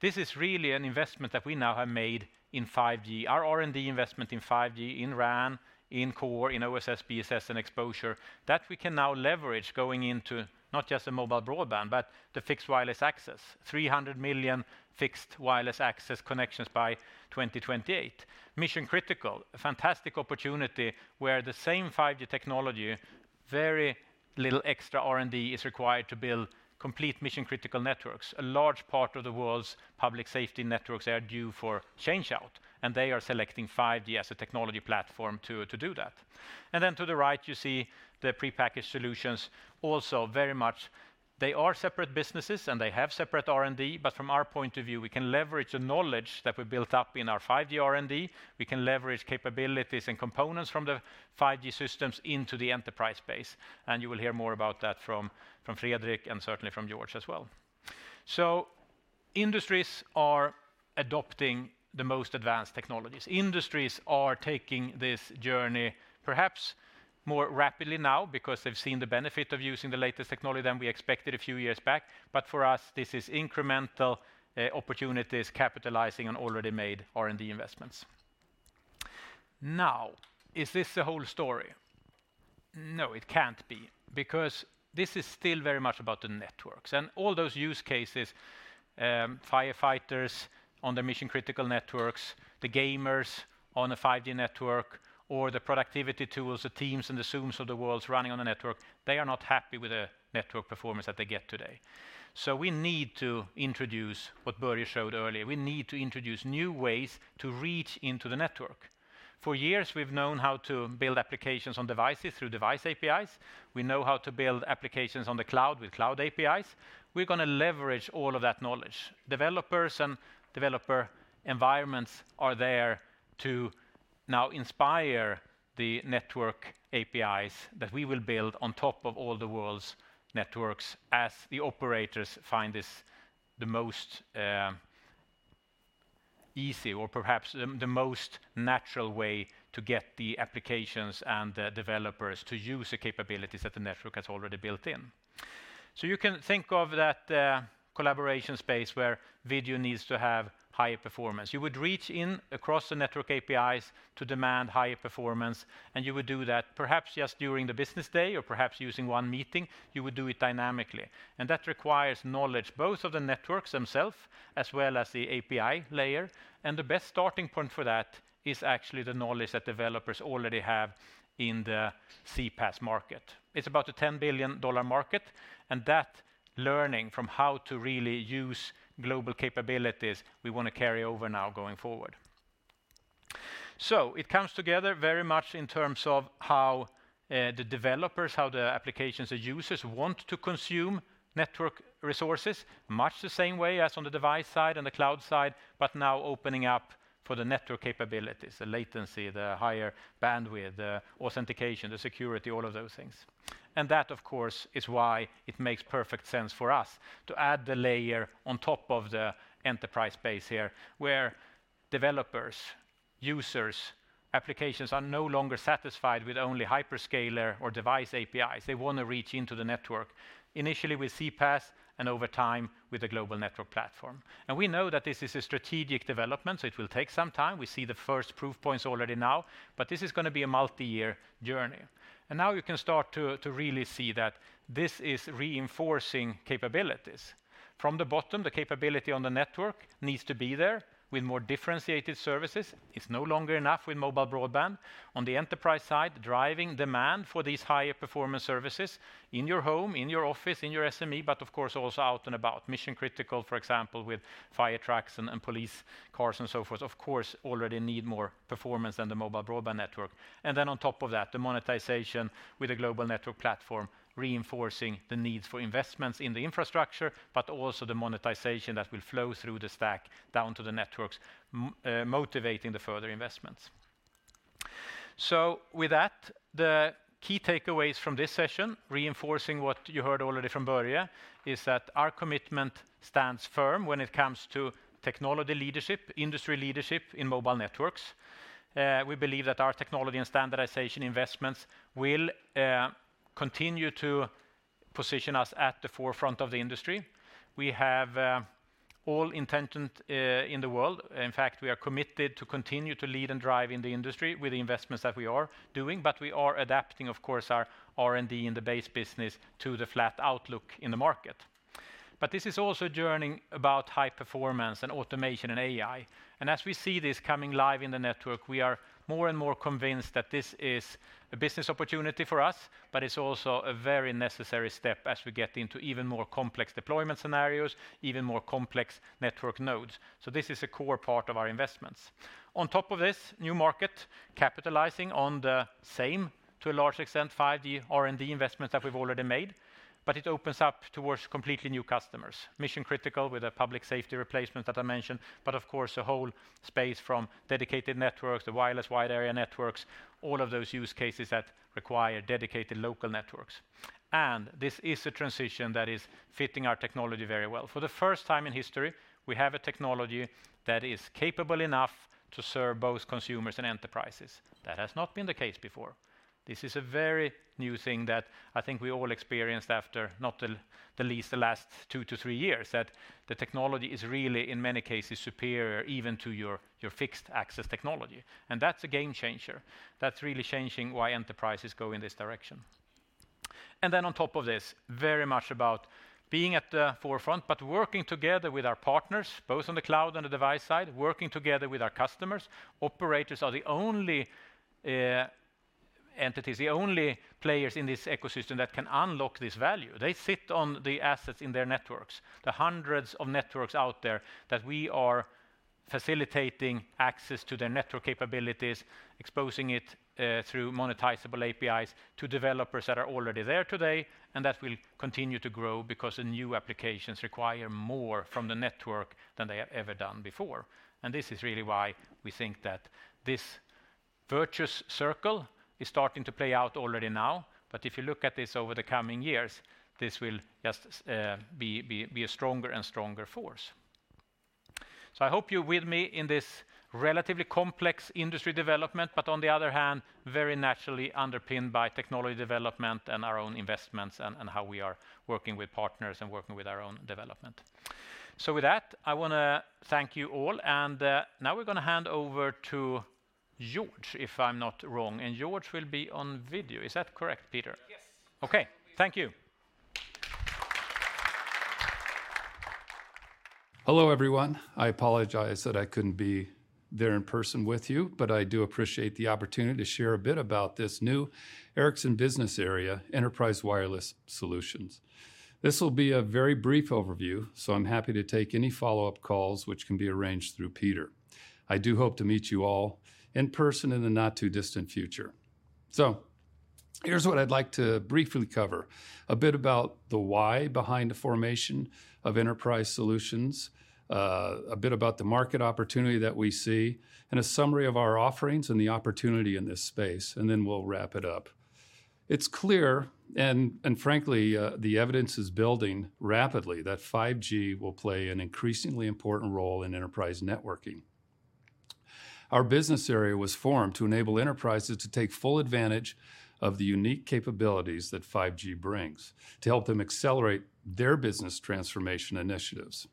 this is really an investment that we now have made in 5G. Our R&D investment in 5G, in RAN, in Core, in OSS, BSS, and exposure that we can now leverage going into not just a mobile broadband, but the Fixed Wireless Access. 300 million Fixed Wireless Access connections by 2028. Mission-critical, a fantastic opportunity where the same 5G technology, very little extra R&D is required to build complete mission-critical networks. A large part of the world's public safety networks are due for change-out, and they are selecting 5G as a technology platform to do that. To the right, you see the prepackaged solutions also very much. They are separate businesses, and they have separate R&D, but from our point of view, we can leverage the knowledge that we built up in our 5G R&D. We can leverage capabilities and components from the 5G systems into the enterprise space, and you will hear more about that from Fredrik and certainly from George as well. Industries are adopting the most advanced technologies. Industries are taking this journey perhaps more rapidly now because they've seen the benefit of using the latest technology than we expected a few years back. For us, this is incremental opportunities capitalizing on already made R&D investments. Is this the whole story? No, it can't be, because this is still very much about the networks and all those use cases, firefighters on the mission-critical networks, the gamers on a 5G network, or the productivity tools, the Teams and the Zooms of the world running on the network, they are not happy with the network performance that they get today. We need to introduce what Börje showed earlier. We need to introduce new ways to reach into the network. For years, we've known how to build applications on devices through device APIs. We know how to build applications on the cloud with cloud APIs. We're gonna leverage all of that knowledge. Developers and developer environments are there to now inspire the network APIs that we will build on top of all the world's networks as the operators find this the most easy or perhaps the most natural way to get the applications and the developers to use the capabilities that the network has already built in. You can think of that collaboration space where video needs to have high performance. You would reach in across the network APIs to demand high performance, and you would do that perhaps just during the business day or perhaps using one meeting, you would do it dynamically. That requires knowledge both of the networks themselves as well as the API layer, and the best starting point for that is actually the knowledge that developers already have in the CPaaS market. It's about a $10 billion market. That learning from how to really use global capabilities, we wanna carry over now going forward. It comes together very much in terms of how the developers, how the applications the users want to consume network resources, much the same way as on the device side and the cloud side, but now opening up for the network capabilities, the latency, the higher bandwidth, the authentication, the security, all of those things. That, of course, is why it makes perfect sense for us to add the layer on top of the enterprise base here, where developers, users, applications are no longer satisfied with only hyperscaler or device APIs. They wanna reach into the network, initially with CPaaS, and over time, with a Global Network Platform. We know that this is a strategic development, so it will take some time. We see the first proof points already now, this is gonna be a multi-year journey. Now you can start to really see that this is reinforcing capabilities. From the bottom, the capability on the network needs to be there with more differentiated services. It's no longer enough with mobile broadband. On the enterprise side, driving demand for these higher-performance services in your home, in your office, in your SME, but of course also out and about. Mission-critical, for example, with fire trucks and police cars and so forth, of course, already need more performance than the mobile broadband network. On top of that, the monetization with a Global Network Platform reinforcing the needs for investments in the infrastructure, but also the monetization that will flow through the stack down to the networks motivating the further investments. With that, the key takeaways from this session, reinforcing what you heard already from Börje, is that our commitment stands firm when it comes to technology leadership, industry leadership in mobile networks. We believe that our technology and standardization investments will continue to position us at the forefront of the industry. We have all intention in the world. In fact, we are committed to continue to lead and drive in the industry with the investments that we are doing, but we are adapting, of course, our R&D in the base business to the flat outlook in the market. This is also a journey about high performance and automation and AI. As we see this coming live in the network, we are more and more convinced that this is a business opportunity for us, but it's also a very necessary step as we get into even more complex deployment scenarios, even more complex network nodes. This is a core part of our investments. On top of this, new market capitalizing on the same, to a large extent, 5G R&D investments that we've already made, but it opens up towards completely new customers. Mission-critical with a public safety replacement that I mentioned, but of course, a whole space from dedicated networks to wireless wide area networks, all of those use cases that require dedicated local networks. This is a transition that is fitting our technology very well. For the first time in history, we have a technology that is capable enough to serve both consumers and enterprises. That has not been the case before. This is a very new thing that I think we all experienced after not the least the last two to three years, that the technology is really, in many cases, superior even to your fixed access technology. That's a game changer. That's really changing why enterprises go in this direction. On top of this, very much about being at the forefront, but working together with our partners, both on the cloud and the device side, working together with our customers. Operators are the only entities, the only players in this ecosystem that can unlock this value. They sit on the assets in their networks. The hundreds of networks out there that we are facilitating access to their network capabilities, exposing it through monetizable APIs to developers that are already there today, that will continue to grow because the new applications require more from the network than they have ever done before. This is really why we think that this virtuous circle is starting to play out already now. If you look at this over the coming years, this will just be a stronger and stronger force. I hope you're with me in this relatively complex industry development, but on the other hand, very naturally underpinned by technology development and our own investments and how we are working with partners and working with our own development. With that, I wanna thank you all. Now we're gonna hand over to George, if I'm not wrong, and George will be on video. Is that correct, Peter? Yes. Okay. Thank you. Hello, everyone. I apologize that I couldn't be there in person with you, but I do appreciate the opportunity to share a bit about this new Ericsson Business Area, Enterprise Wireless Solutions. This will be a very brief overview, so I'm happy to take any follow-up calls which can be arranged through Peter. I do hope to meet you all in person in the not-too-distant future. Here's what I'd like to briefly cover: a bit about the why behind the formation Enterprise Wireless Solutions, a bit about the market opportunity that we see, and a summary of our offerings and the opportunity in this space, and then we'll wrap it up. It's clear and frankly, the evidence is building rapidly that 5G will play an increasingly important role in enterprise networking. Our business area was formed to enable enterprises to take full advantage of the unique capabilities that 5G brings to help them accelerate their business transformation initiatives.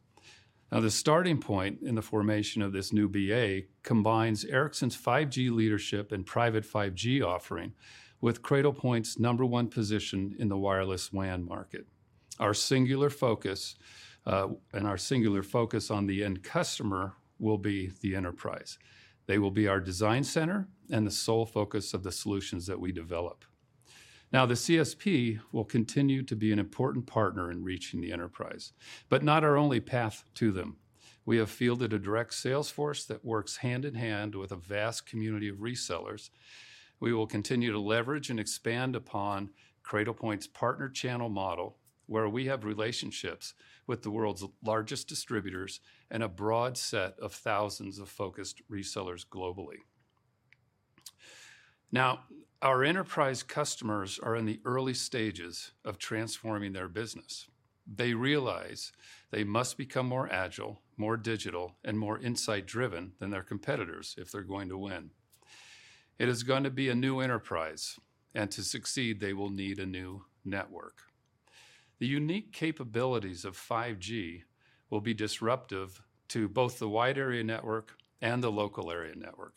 The starting point in the formation of this new BA combines Ericsson's 5G leadership and private 5G offering with Cradlepoint's number one position in the Wireless WAN market. Our singular focus on the end customer will be the enterprise. They will be our design center and the sole focus of the solutions that we develop. The CSP will continue to be an important partner in reaching the enterprise, but not our only path to them. We have fielded a direct sales force that works hand-in-hand with a vast community of resellers. We will continue to leverage and expand upon Cradlepoint's partner channel model, where we have relationships with the world's largest distributors and a broad set of thousands of focused resellers globally. Our enterprise customers are in the early stages of transforming their business. They realize they must become more agile, more digital, and more insight-driven than their competitors if they're going to win. It is gonna be a new enterprise, and to succeed, they will need a new network. The unique capabilities of 5G will be disruptive to both the wide area network and the local area network,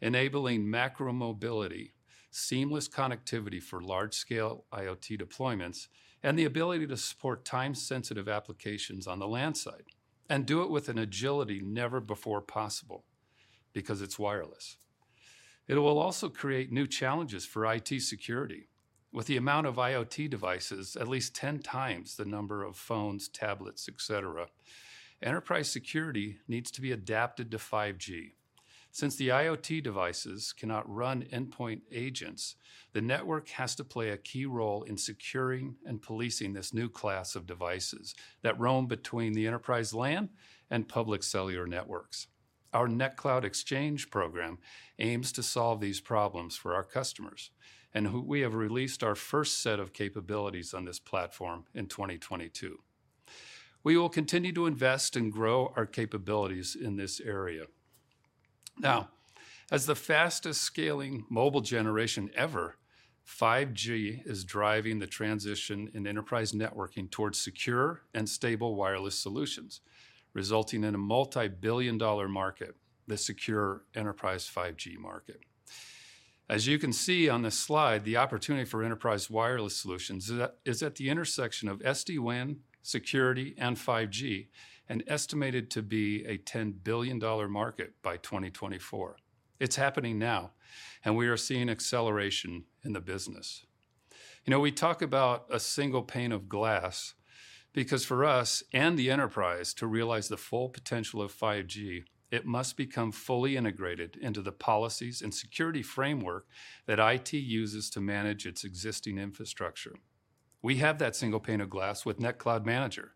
enabling macro mobility, seamless connectivity for large-scale IoT deployments, and the ability to support time-sensitive applications on the LAN site, and do it with an agility never before possible because it's wireless. It will also create new challenges for IT security. With the amount of IoT devices, at least 10 times the number of phones, tablets, et cetera, enterprise security needs to be adapted to 5G. Since the IoT devices cannot run endpoint agents, the network has to play a key role in securing and policing this new class of devices that roam between the enterprise LAN and public cellular networks. Our NetCloud Exchange program aims to solve these problems for our customers. We have released our first set of capabilities on this platform in 2022. We will continue to invest and grow our capabilities in this area. As the fastest-scaling mobile generation ever, 5G is driving the transition in enterprise networking towards secure and stable wireless solutions, resulting in a multi-billion-dollar market, the secure enterprise 5G market. As you can see on this slide, the opportunity for Enterprise Wireless Solutions is at the intersection of SD-WAN, security, and 5G, and estimated to be a $10 billion market by 2024. It's happening now, and we are seeing acceleration in the business. You know, we talk about a single pane of glass because for us and the enterprise to realize the full potential of 5G, it must become fully integrated into the policies and security framework that IT uses to manage its existing infrastructure. We have that single pane of glass with NetCloud Manager,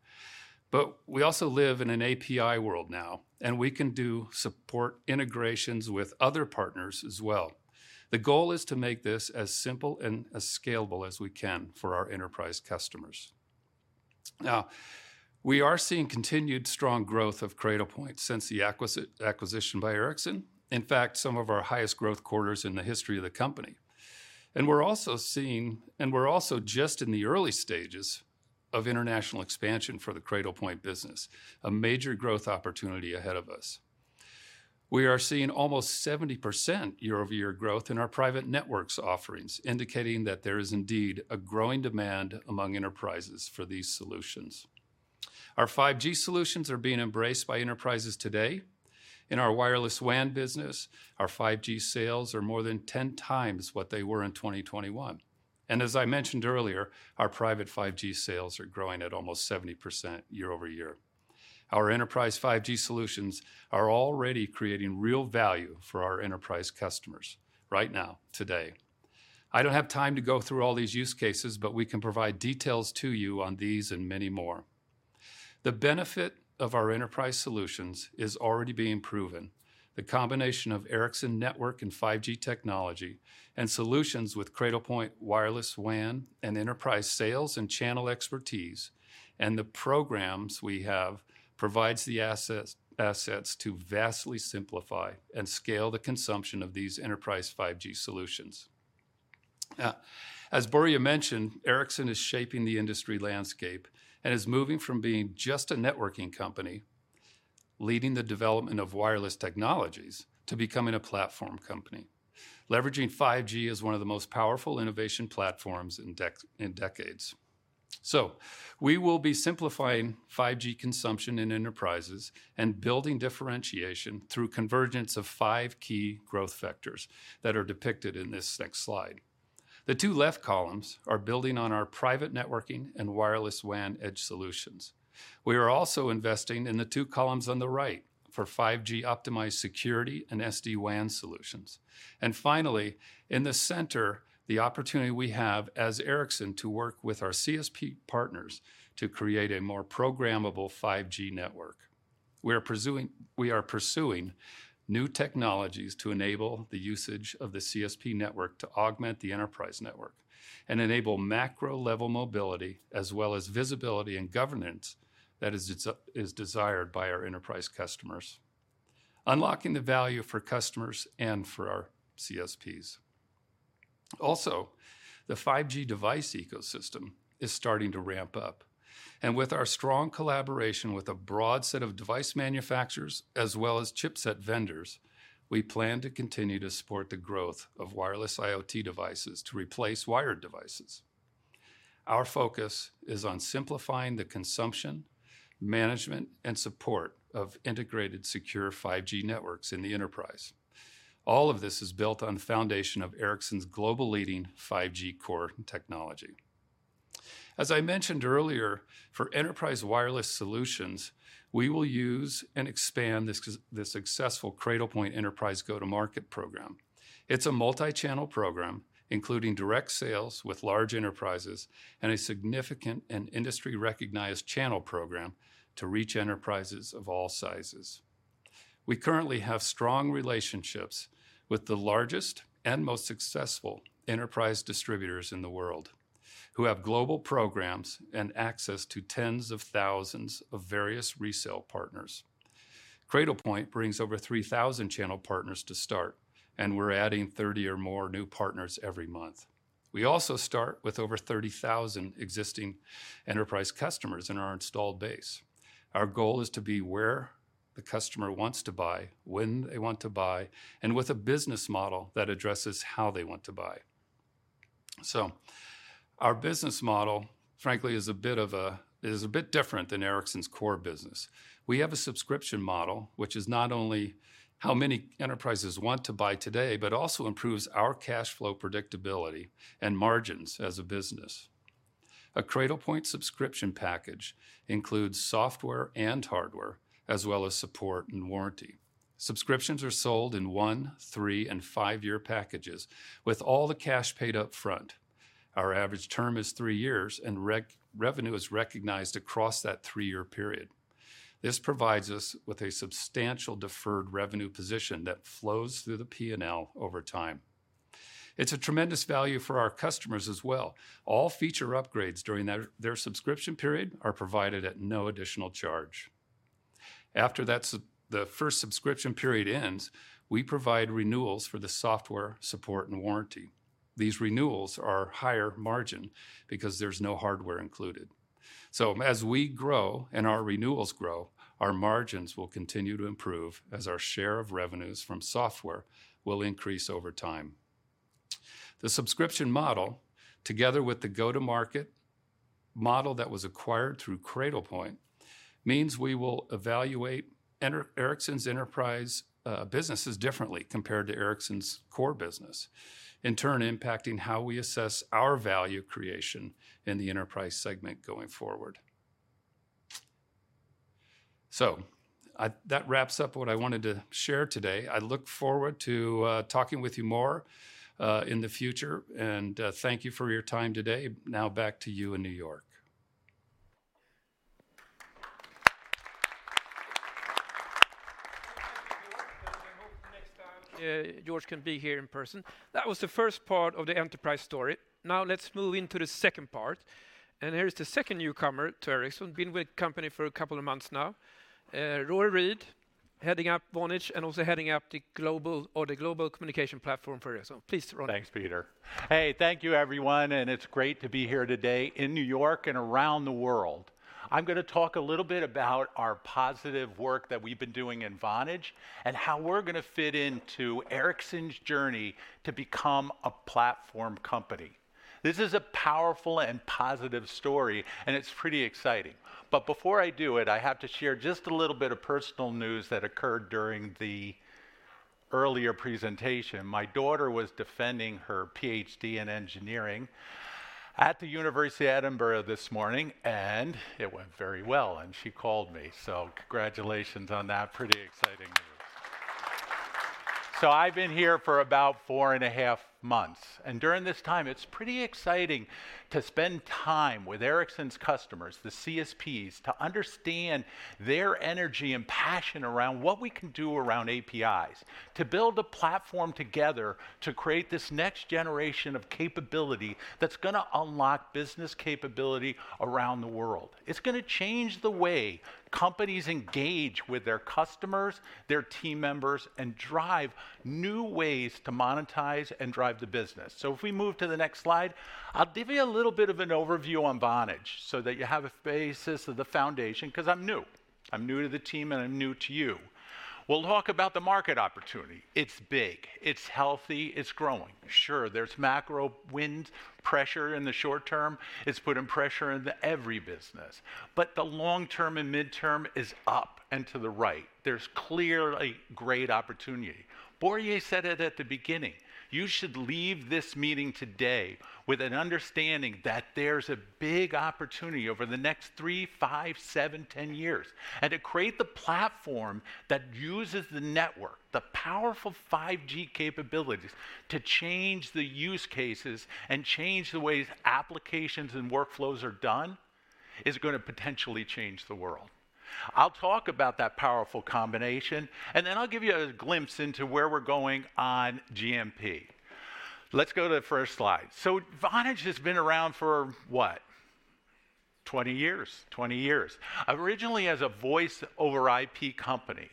but we also live in an API world now, and we can do support integrations with other partners as well. The goal is to make this as simple and as scalable as we can for our enterprise customers. We are seeing continued strong growth of Cradlepoint since the acquisition by Ericsson. In fact, some of our highest growth quarters in the history of the company. We're also just in the early stages of international expansion for the Cradlepoint business, a major growth opportunity ahead of us. We are seeing almost 70% year-over-year growth in our private networks offerings, indicating that there is indeed a growing demand among enterprises for these solutions. Our 5G solutions are being embraced by enterprises today. In our Wireless WAN business, our 5G sales are more than 10 times what they were in 2021. As I mentioned earlier, our private 5G sales are growing at almost 70% year-over-year. Our enterprise 5G solutions are already creating real value for our enterprise customers right now, today. I don't have time to go through all these use cases. We can provide details to you on these and many more. The benefit of our enterprise solutions is already being proven. The combination of Ericsson network and 5G technology and solutions with Cradlepoint Wireless WAN and enterprise sales and channel expertise, and the programs we have provides the assets to vastly simplify and scale the consumption of these enterprise 5G solutions. As Börje mentioned, Ericsson is shaping the industry landscape and is moving from being just a networking company, leading the development of wireless technologies, to becoming a platform company. Leveraging 5G is one of the most powerful innovation platforms in decades. We will be simplifying 5G consumption in enterprises and building differentiation through convergence of five key growth vectors that are depicted in this next slide. The two left columns are building on our private networking and Wireless WAN edge solutions. We are also investing in the two columns on the right for 5G-optimized security and SD-WAN solutions. Finally, in the center, the opportunity we have as Ericsson to work with our CSP partners to create a more programmable 5G network. We are pursuing new technologies to enable the usage of the CSP network to augment the enterprise network and enable macro-level mobility as well as visibility and governance that is desired by our enterprise customers, unlocking the value for customers and for our CSPs. Also, the 5G device ecosystem is starting to ramp up. With our strong collaboration with a broad set of device manufacturers as well as chipset vendors, we plan to continue to support the growth of wireless IoT devices to replace wired devices. Our focus is on simplifying the consumption, management, and support of integrated secure 5G networks in the enterprise. All of this is built on the foundation of Ericsson's global leading 5G Core technology. As I mentioned earlier, for Enterprise Wireless Solutions, we will use and expand the successful Cradlepoint enterprise go-to-market program. It's a multi-channel program, including direct sales with large enterprises and a significant and industry-recognized channel program to reach enterprises of all sizes. We currently have strong relationships with the largest and most successful enterprise distributors in the world, who have global programs and access to tens of thousands of various resale partners. Cradlepoint brings over 3,000 channel partners to start, and we're adding 30 or more new partners every month. We also start with over 30,000 existing enterprise customers in our installed base. Our goal is to be where the customer wants to buy, when they want to buy, and with a business model that addresses how they want to buy. Our business model, frankly, is a bit different than Ericsson's core business. We have a subscription model, which is not only how many enterprises want to buy today, but also improves our cash flow predictability and margins as a business. A Cradlepoint subscription package includes software and hardware, as well as support and warranty. Subscriptions are sold in one, three, and five-year packages with all the cash paid up front. Our average term is three years, and revenue is recognized across that three-year period. This provides us with a substantial deferred revenue position that flows through the P&L over time. It's a tremendous value for our customers as well. All feature upgrades during their subscription period are provided at no additional charge. After the first subscription period ends, we provide renewals for the software support and warranty. These renewals are higher margin because there's no hardware included. As we grow and our renewals grow, our margins will continue to improve as our share of revenues from software will increase over time. The subscription model, together with the go-to-market model that was acquired through Cradlepoint, means we will evaluate Ericsson's enterprise businesses differently compared to Ericsson's core business, in turn impacting how we assess our value creation in the enterprise segment going forward. That wraps up what I wanted to share today. I look forward to talking with you more in the future, and thank you for your time today. Back to you in New York. George can't be here in person. That was the first part of the enterprise story. Now let's move into the second part. Here is the second newcomer to Ericsson, been with the company for a couple of months now. Rory Read, heading up Vonage and also heading up the Global Communication Platform for Ericsson. Please, Rory. Thanks, Peter. Hey, thank you everyone, it's great to be here today in New York and around the world. I'm gonna talk a little bit about our positive work that we've been doing in Vonage and how we're gonna fit into Ericsson's journey to become a platform company. This is a powerful and positive story, it's pretty exciting. Before I do it, I have to share just a little bit of personal news that occurred during the earlier presentation. My daughter was defending her PhD in engineering at The University of Edinburgh this morning, it went very well, she called me, congratulations on that. Pretty exciting news. I've been here for about four and a half months, and during this time it's pretty exciting to spend time with Ericsson's customers, the CSPs, to understand their energy and passion around what we can do around APIs, to build a platform together to create this next generation of capability that's gonna unlock business capability around the world. It's gonna change the way companies engage with their customers, their team members, and drive new ways to monetize and drive the business. If we move to the next slide, I'll give you a little bit of an overview on Vonage so that you have a basis of the foundation, 'cause I'm new. I'm new to the team, and I'm new to you. We'll talk about the market opportunity. It's big, it's healthy, it's growing. Sure, there's macro wind pressure in the short term. It's putting pressure into every business. The long term and midterm is up and to the right. There's clearly great opportunity. Börje said it at the beginning. You should leave this meeting today with an understanding that there's a big opportunity over the next three, five, seven, 10 years. To create the platform that uses the network, the powerful 5G capabilities to change the use cases and change the way applications and workflows are done, is gonna potentially change the world. I'll talk about that powerful combination, and then I'll give you a glimpse into where we're going on GCP. Let's go to the first slide. Vonage has been around for, what? 20 years. 20 years. Originally as a voice over IP company.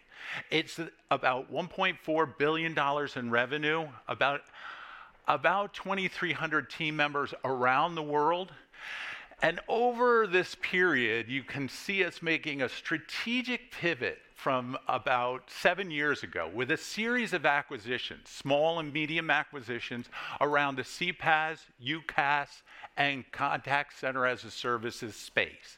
It's about $1.4 billion in revenue, about 2,300 team members around the world. Over this period, you can see us making a strategic pivot from about seven years ago with a series of acquisitions, small and medium acquisitions, around the CPaaS, UCaaS, and Contact Center as a Services space.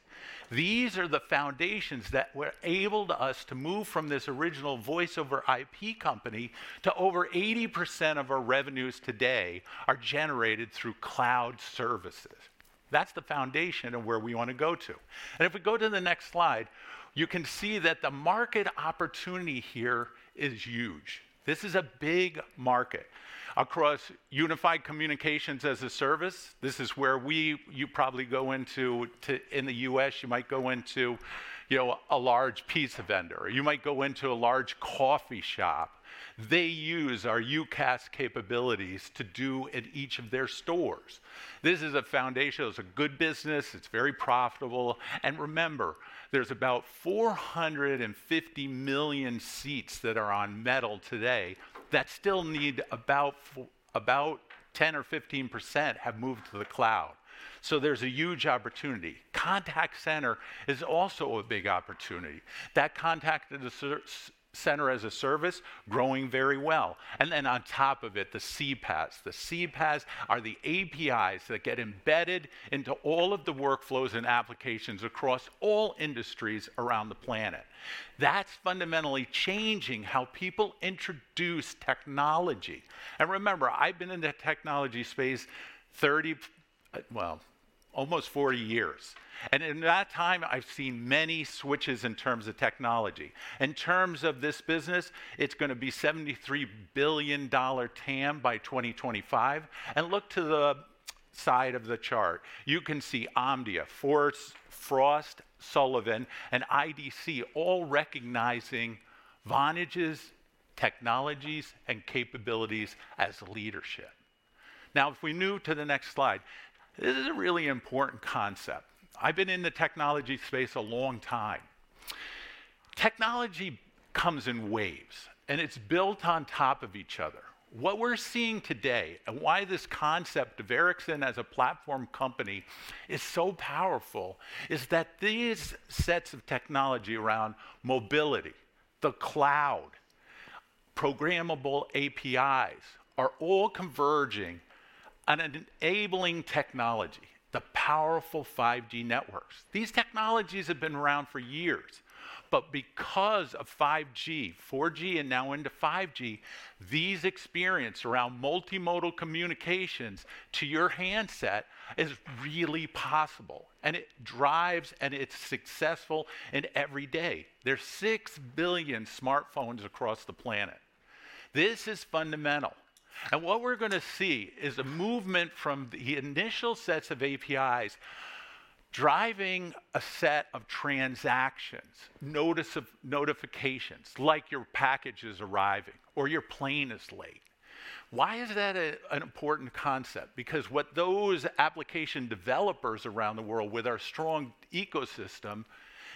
These are the foundations that were able to us to move from this original Voice over IP company to over 80% of our revenues today are generated through cloud services. That's the foundation of where we wanna go to. If we go to the next slide, you can see that the market opportunity here is huge. This is a big market across Unified Communications as a Service. This is where you probably go into. In the U.S., you might go into, you know, a large pizza vendor, or you might go into a large coffee shop. They use our UCaaS capabilities to do at each of their stores. This is a foundation. It's a good business. It's very profitable. Remember, there's about 450 million seats that are on metal today that still need about 10% or 15% have moved to the cloud. There's a huge opportunity. Contact center is also a big opportunity. That Contact Center as a Service, growing very well. Then on top of it, the CPaaS. The CPaaS are the APIs that get embedded into all of the workflows and applications across all industries around the planet. That's fundamentally changing how people introduce technology. Remember, I've been in the technology space 30, well, almost 40 years, and in that time I've seen many switches in terms of technology. In terms of this business, it's gonna be a $73 billion TAM by 2025. Look to the side of the chart. You can see Omdia, Frost & Sullivan, and IDC all recognizing Vonage's technologies and capabilities as leadership. If we move to the next slide, this is a really important concept. I've been in the technology space a long time. Technology comes in waves, and it's built on top of each other. What we're seeing today and why this concept of Ericsson as a platform company is so powerful is that these sets of technology around mobility, the cloud, programmable APIs are all converging on an enabling technology, the powerful 5G networks. These technologies have been around for years, because of 5G, 4G, and now into 5G, these experience around multimodal communications to your handset is really possible, and it drives, and it's successful in every day. There's 6 billion smartphones across the planet. This is fundamental. What we're going to see is a movement from the initial sets of APIs driving a set of transactions, notice of notifications, like your package is arriving or your plane is late. Why is that an important concept? What those application developers around the world with our strong ecosystem,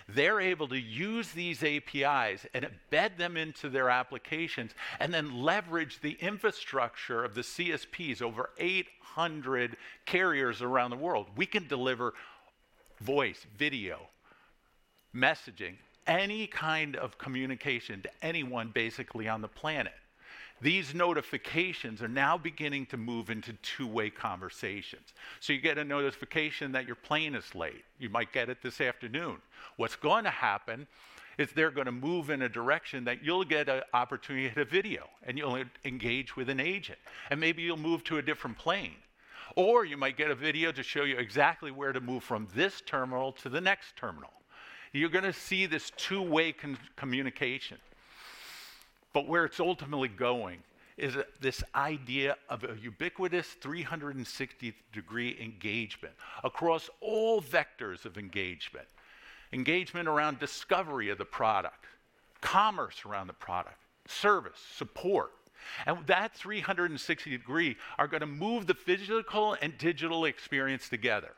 they're able to use these APIs and embed them into their applications and then leverage the infrastructure of the CSPs, over 800 carriers around the world. We can deliver voice, video, messaging, any kind of communication to anyone basically on the planet. These notifications are now beginning to move into two-way conversations. You get a notification that your plane is late. You might get it this afternoon. What's gonna happen is they're gonna move in a direction that you'll get a opportunity to hit a video, and you'll engage with an agent, and maybe you'll move to a different plane. You might get a video to show you exactly where to move from this terminal to the next terminal. You're gonna see this two-way communication. Where it's ultimately going is this idea of a ubiquitous 360-degree engagement across all vectors of engagement. Engagement around discovery of the product, commerce around the product, service, support. That 360-degree are gonna move the physical and digital experience together.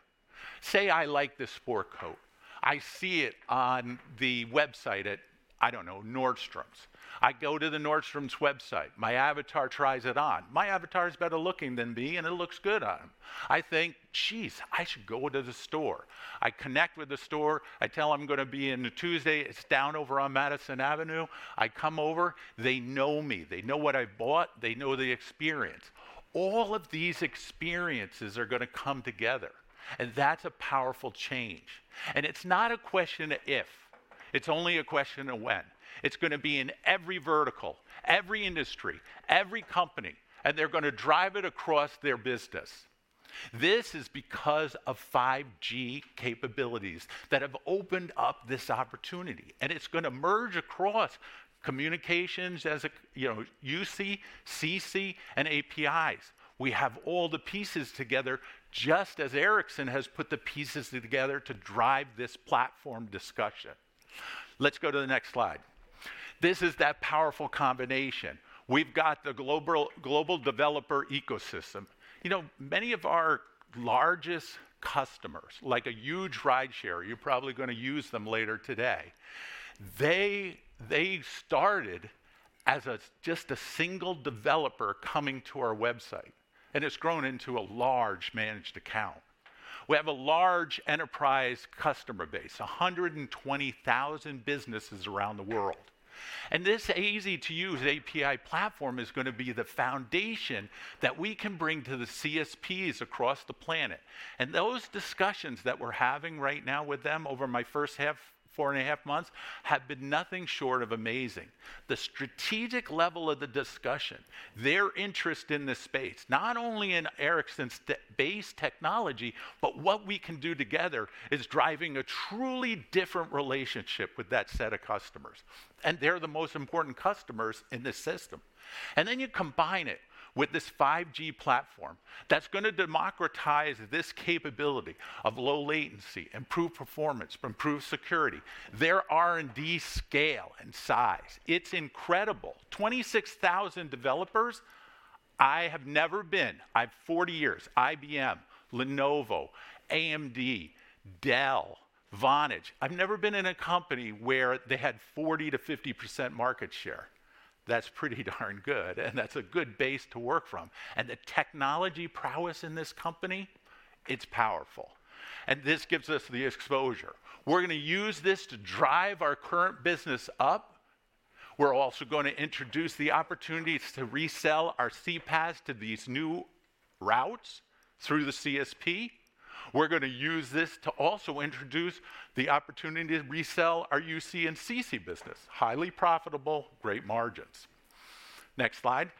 Say I like this sport coat. I see it on the website at, I don't know, Nordstrom's. I go to the Nordstrom's website. My avatar tries it on. My avatar is better looking than me, and it looks good on him. I think, "Geez, I should go to the store." I connect with the store. I tell them I'm gonna be in Tuesday. It's down over on Madison Avenue. I come over. They know me. They know what I bought. They know the experience. All of these experiences are gonna come together, and that's a powerful change. It's not a question of if, it's only a question of when. It's gonna be in every vertical, every industry, every company, and they're gonna drive it across their business. This is because of 5G capabilities that have opened up this opportunity, and it's gonna merge across communications as a, you know, UC, CC, and APIs. We have all the pieces together, just as Ericsson has put the pieces together to drive this platform discussion. Let's go to the next slide. This is that powerful combination. We've got the global developer ecosystem. You know, many of our largest customers, like a huge rideshare, you're probably gonna use them later today, they started as a single developer coming to our website, and it's grown into a large managed account. We have a large enterprise customer base, 120,000 businesses around the world. This easy-to-use API platform is gonna be the foundation that we can bring to the CSPs across the planet. Those discussions that we're having right now with them over my first half, four and a half months have been nothing short of amazing. The strategic level of the discussion, their interest in this space, not only in Ericsson-based technology, but what we can do together is driving a truly different relationship with that set of customers, and they're the most important customers in this system. You combine it with this 5G platform that is going to democratize this capability of low latency, improved performance, improved security, their R&D scale and size. It is incredible. 26,000 developers. I have never been. I have 40 years, IBM, Lenovo, AMD, Dell, Vonage, I have never been in a company where they had 40%-50% market share. That is pretty darn good, and that is a good base to work from. The technology prowess in this company, it is powerful, and this gives us the exposure. We are going to use this to drive our current business up. We are also going to introduce the opportunities to resell our CPaaS to these new routes through the CSP. We are going to use this to also introduce the opportunity to resell our UC and CC business. Highly profitable, great margins. Next slide.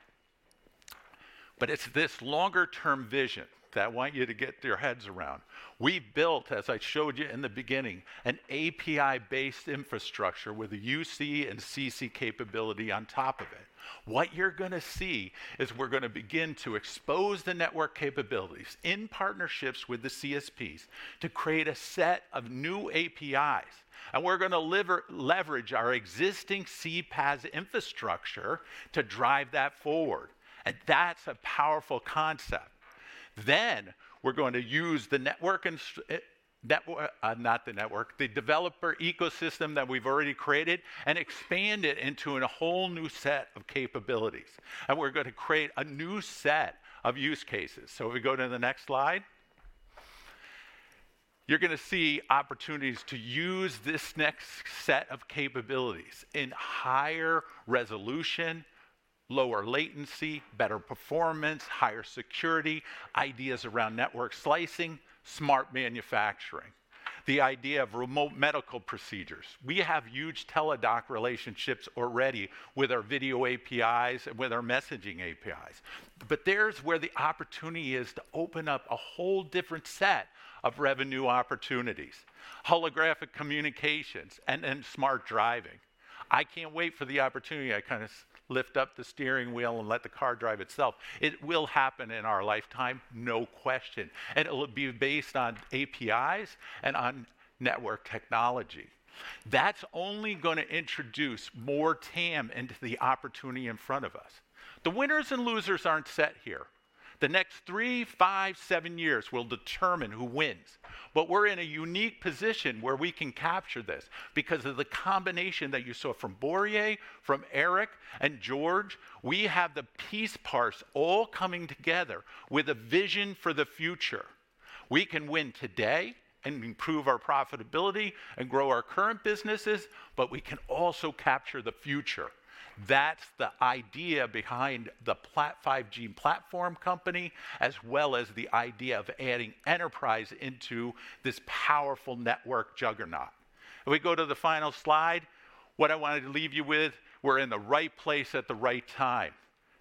It's this longer-term vision that I want you to get your heads around. We built, as I showed you in the beginning, an API-based infrastructure with the UC and CC capability on top of it. What you're gonna see is we're gonna begin to expose the network capabilities in partnerships with the CSPs to create a set of new APIs, and we're gonna leverage our existing CPaaS infrastructure to drive that forward, and that's a powerful concept. We're going to use the developer ecosystem that we've already created and expand it into a whole new set of capabilities, and we're gonna create a new set of use cases. If we go to the next slide. You're gonna see opportunities to use this next set of capabilities in higher resolution, lower latency, better performance, higher security, ideas around network slicing, smart manufacturing, the idea of remote medical procedures. We have huge Teladoc relationships already with our video APIs and with our messaging APIs. There's where the opportunity is to open up a whole different set of revenue opportunities, holographic communications and smart driving. I can't wait for the opportunity. I kind of lift up the steering wheel and let the car drive itself. It will happen in our lifetime, no question, and it will be based on APIs and on network technology. That's only gonna introduce more TAM into the opportunity in front of us. The winners and losers aren't set here. The next three, five, seven years will determine who wins. We're in a unique position where we can capture this because of the combination that you saw from Börje, from Erik, and George. We have the piece parts all coming together with a vision for the future. We can win today and improve our profitability and grow our current businesses, but we can also capture the future. That's the idea behind the 5G platform company, as well as the idea of adding enterprise into this powerful network juggernaut. Can we go to the final slide? What I wanted to leave you with, we're in the right place at the right time.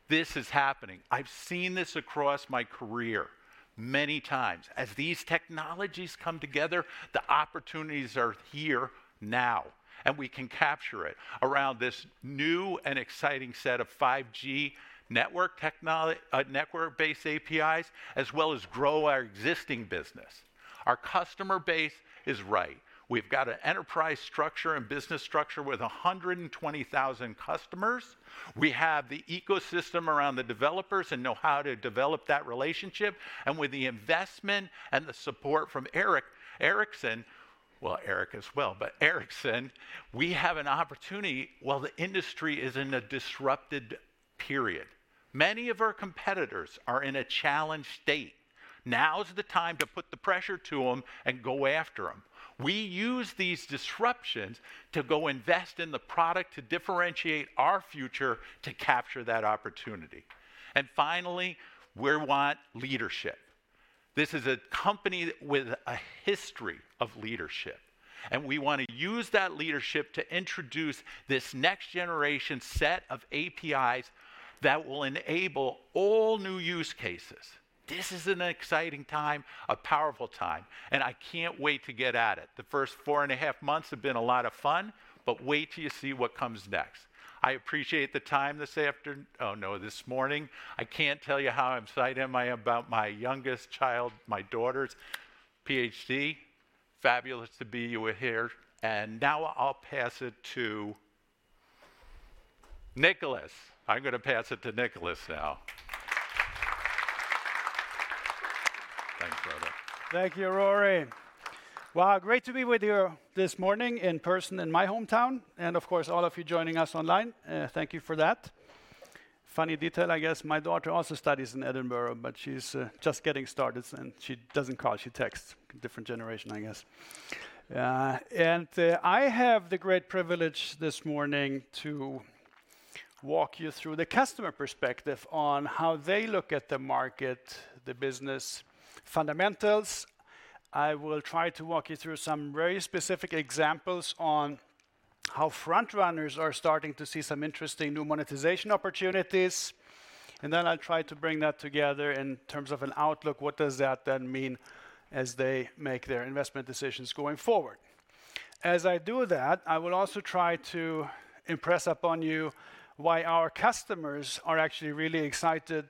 This is happening. I've seen this across my career many times. As these technologies come together, the opportunities are here now, and we can capture it around this new and exciting set of 5G network-based APIs, as well as grow our existing business. Our customer base is right. We've got an enterprise structure and business structure with 120,000 customers. We have the ecosystem around the developers and know how to develop that relationship. With the investment and the support from Ericsson, we have an opportunity while the industry is in a disrupted period. Many of our competitors are in a challenged state. Now is the time to put the pressure to them and go after them. We use these disruptions to go invest in the product to differentiate our future to capture that opportunity. Finally, we want leadership. This is a company with a history of leadership, and we wanna use that leadership to introduce this next generation set of APIs that will enable all new use cases. This is an exciting time, a powerful time, and I can't wait to get at it. The first four and a half months have been a lot of fun, but wait till you see what comes next. I appreciate the time this morning. I can't tell you how excited am I about my youngest child, my daughter's PhD. Fabulous to be with here. Now I'll pass it to Niklas. I'm gonna pass it to Niklas now. Thanks, Rory. Thank you, Rory. Well, great to be with you this morning in person in my hometown, and of course, all of you joining us online. Thank you for that. Funny detail, I guess my daughter also studies in Edinburgh, but she's just getting started and she doesn't call, she texts. Different generation, I guess. I have the great privilege this morning to walk you through the customer perspective on how they look at the market, the business fundamentals. I will try to walk you through some very specific examples on how frontrunners are starting to see some interesting new monetization opportunities, and then I'll try to bring that together in terms of an outlook, what does that then mean as they make their investment decisions going forward. As I do that, I will also try to impress upon you why our customers are actually really excited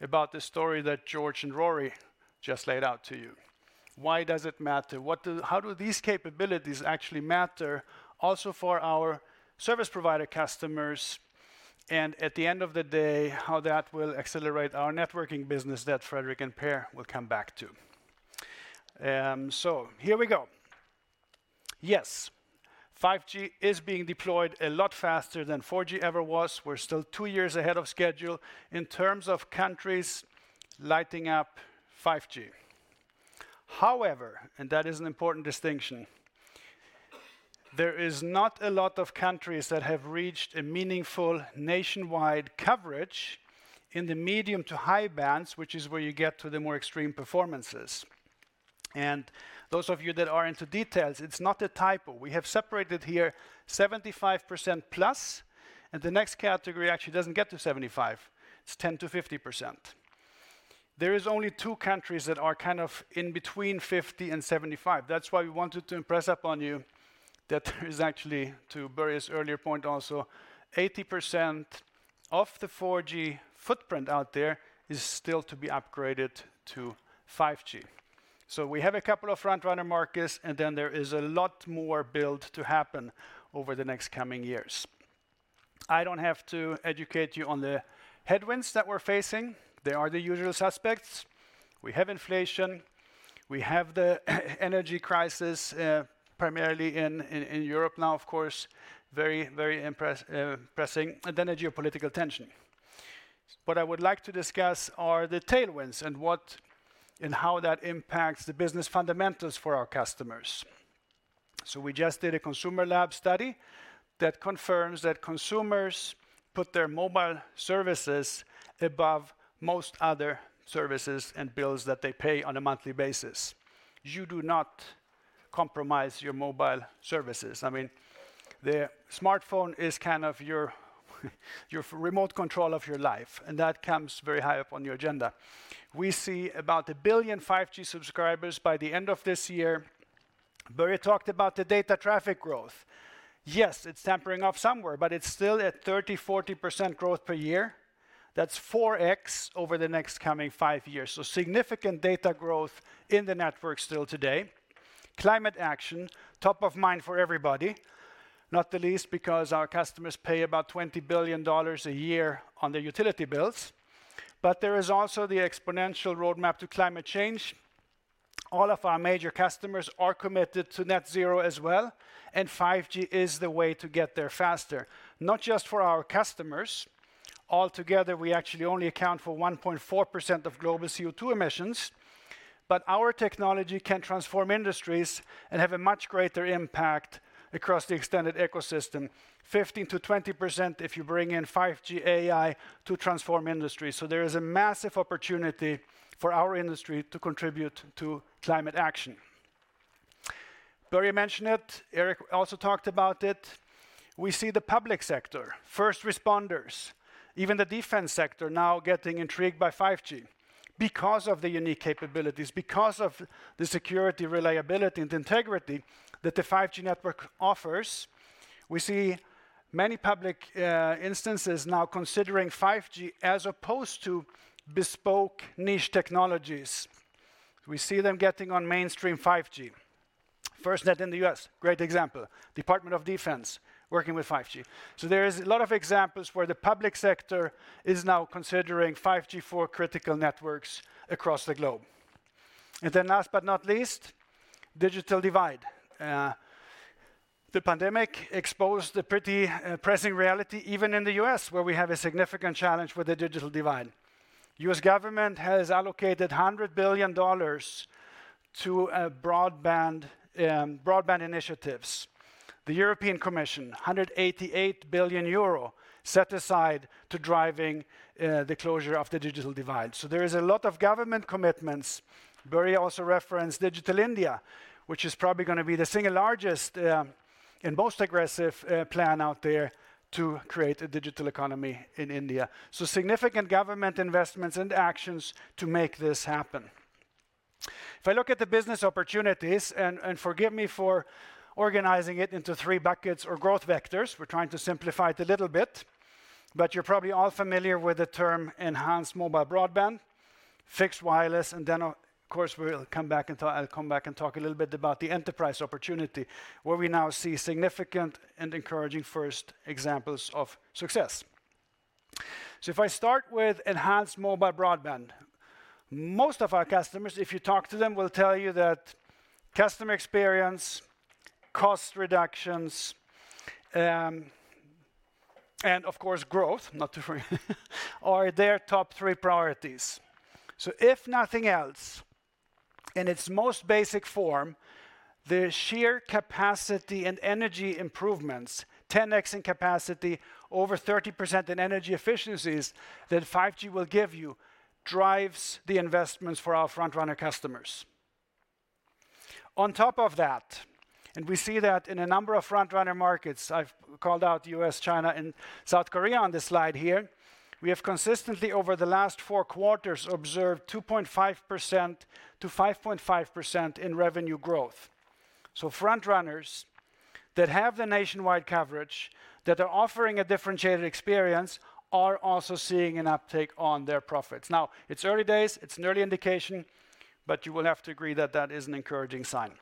about the story that George and Rory just laid out to you. Why does it matter? How do these capabilities actually matter also for our service provider customers and at the end of the day, how that will accelerate our networking business that Fredrik and Per will come back to. Here we go. Yes, 5G is being deployed a lot faster than 4G ever was. We're still two years ahead of schedule in terms of countries lighting up 5G. However, that is an important distinction, there is not a lot of countries that have reached a meaningful nationwide coverage in the medium to high bands, which is where you get to the more extreme performances. Those of you that are into details, it's not a typo. We have separated here 75%+, and the next category actually doesn't get to 75%. It's 10%-50%. There is only two countries that are kind of in between 50% and 75%. That's why we wanted to impress upon you that there is actually, to Börje's earlier point also, 80% of the 4G footprint out there is still to be upgraded to 5G. We have a couple of frontrunner markets, and then there is a lot more build to happen over the next coming years. I don't have to educate you on the headwinds that we're facing. They are the usual suspects. We have inflation, we have the energy crisis, primarily in Europe now, of course, very, very pressing. The geopolitical tension. What I would like to discuss are the tailwinds and what and how that impacts the business fundamentals for our customers. We just did a consumer lab study that confirms that consumers put their mobile services above most other services and bills that they pay on a monthly basis. You do not compromise your mobile services. I mean, the smartphone is kind of your remote control of your life, and that comes very high up on your agenda. We see about 1 billion 5G subscribers by the end of this year. Börje talked about the data traffic growth. Yes, it's tampering off somewhere, but it's still at 30%-40% growth per year. That's 4x over the next coming five years. Significant data growth in the network still today. Climate action, top of mind for everybody, not the least because our customers pay about $20 billion a year on their utility bills. There is also the exponential roadmap to climate change. All of our major customers are committed to net zero as well, and 5G is the way to get there faster, not just for our customers. Altogether, we actually only account for 1.4% of global CO2 emissions, but our technology can transform industries and have a much greater impact across the extended ecosystem. 15%-20% if you bring in 5G AI to transform industry. There is a massive opportunity for our industry to contribute to climate action. Börje mentioned it, Erik also talked about it. We see the public sector, first responders, even the Department of Defense now getting intrigued by 5G because of the unique capabilities, because of the security, reliability and integrity that the 5G network offers. We see many public instances now considering 5G as opposed to bespoke niche technologies. We see them getting on mainstream 5G. FirstNet in the U.S., great example. Department of Defense working with 5G. There is a lot of examples where the public sector is now considering 5G for critical networks across the globe. Last but not least, digital divide. The pandemic exposed a pretty pressing reality even in the U.S., where we have a significant challenge with the digital divide. U.S. government has allocated $100 billion to broadband initiatives. The European Commission, 188 billion euro set aside to driving the closure of the digital divide. There is a lot of government commitments. Börje also referenced Digital India, which is probably gonna be the single largest and most aggressive plan out there to create a digital economy in India. Significant government investments and actions to make this happen. If I look at the business opportunities, and forgive me for organizing it into three buckets or growth vectors. We're trying to simplify it a little bit. You're probably all familiar with the term enhanced mobile broadband, fixed wireless, and then of course, I'll come back and talk a little bit about the enterprise opportunity, where we now see significant and encouraging first examples of success. If I start with enhanced mobile broadband, most of our customers, if you talk to them, will tell you that customer experience, cost reductions, and of course growth, not to forget, are their top three priorities. If nothing else, in its most basic form, the sheer capacity and energy improvements, 10x in capacity, over 30% in energy efficiencies that 5G will give you, drives the investments for our frontrunner customers. On top of that, and we see that in a number of frontrunner markets. I've called out U.S., China, and South Korea on this slide here. We have consistently, over the last four quarters, observed 2.5%-5.5% in revenue growth. Frontrunners that have the nationwide coverage, that are offering a differentiated experience, are also seeing an uptake on their profits. Now, it's early days, it's an early indication, but you will have to agree that that is an encouraging sign.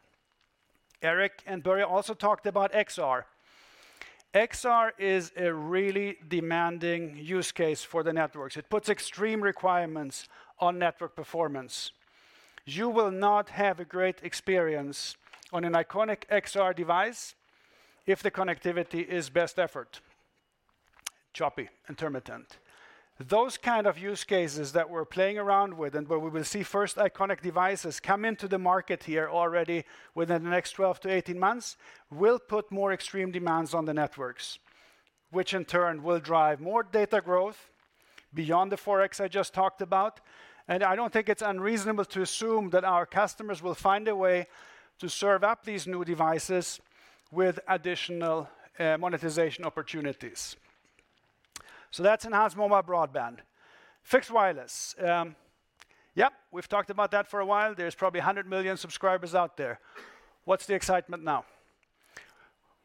Erik and Börje also talked about XR. XR is a really demanding use case for the networks. It puts extreme requirements on network performance. You will not have a great experience on an iconic XR device if the connectivity is best effort, choppy, intermittent. Those kind of use cases that we're playing around with and where we will see first iconic devices come into the market here already within the next 12 to 18 months, will put more extreme demands on the networks, which in turn will drive more data growth beyond the 4x I just talked about. I don't think it's unreasonable to assume that our customers will find a way to serve up these new devices with additional monetization opportunities. That's enhanced mobile broadband. Fixed Wireless. Yep, we've talked about that for a while. There's probably 100 million subscribers out there. What's the excitement now?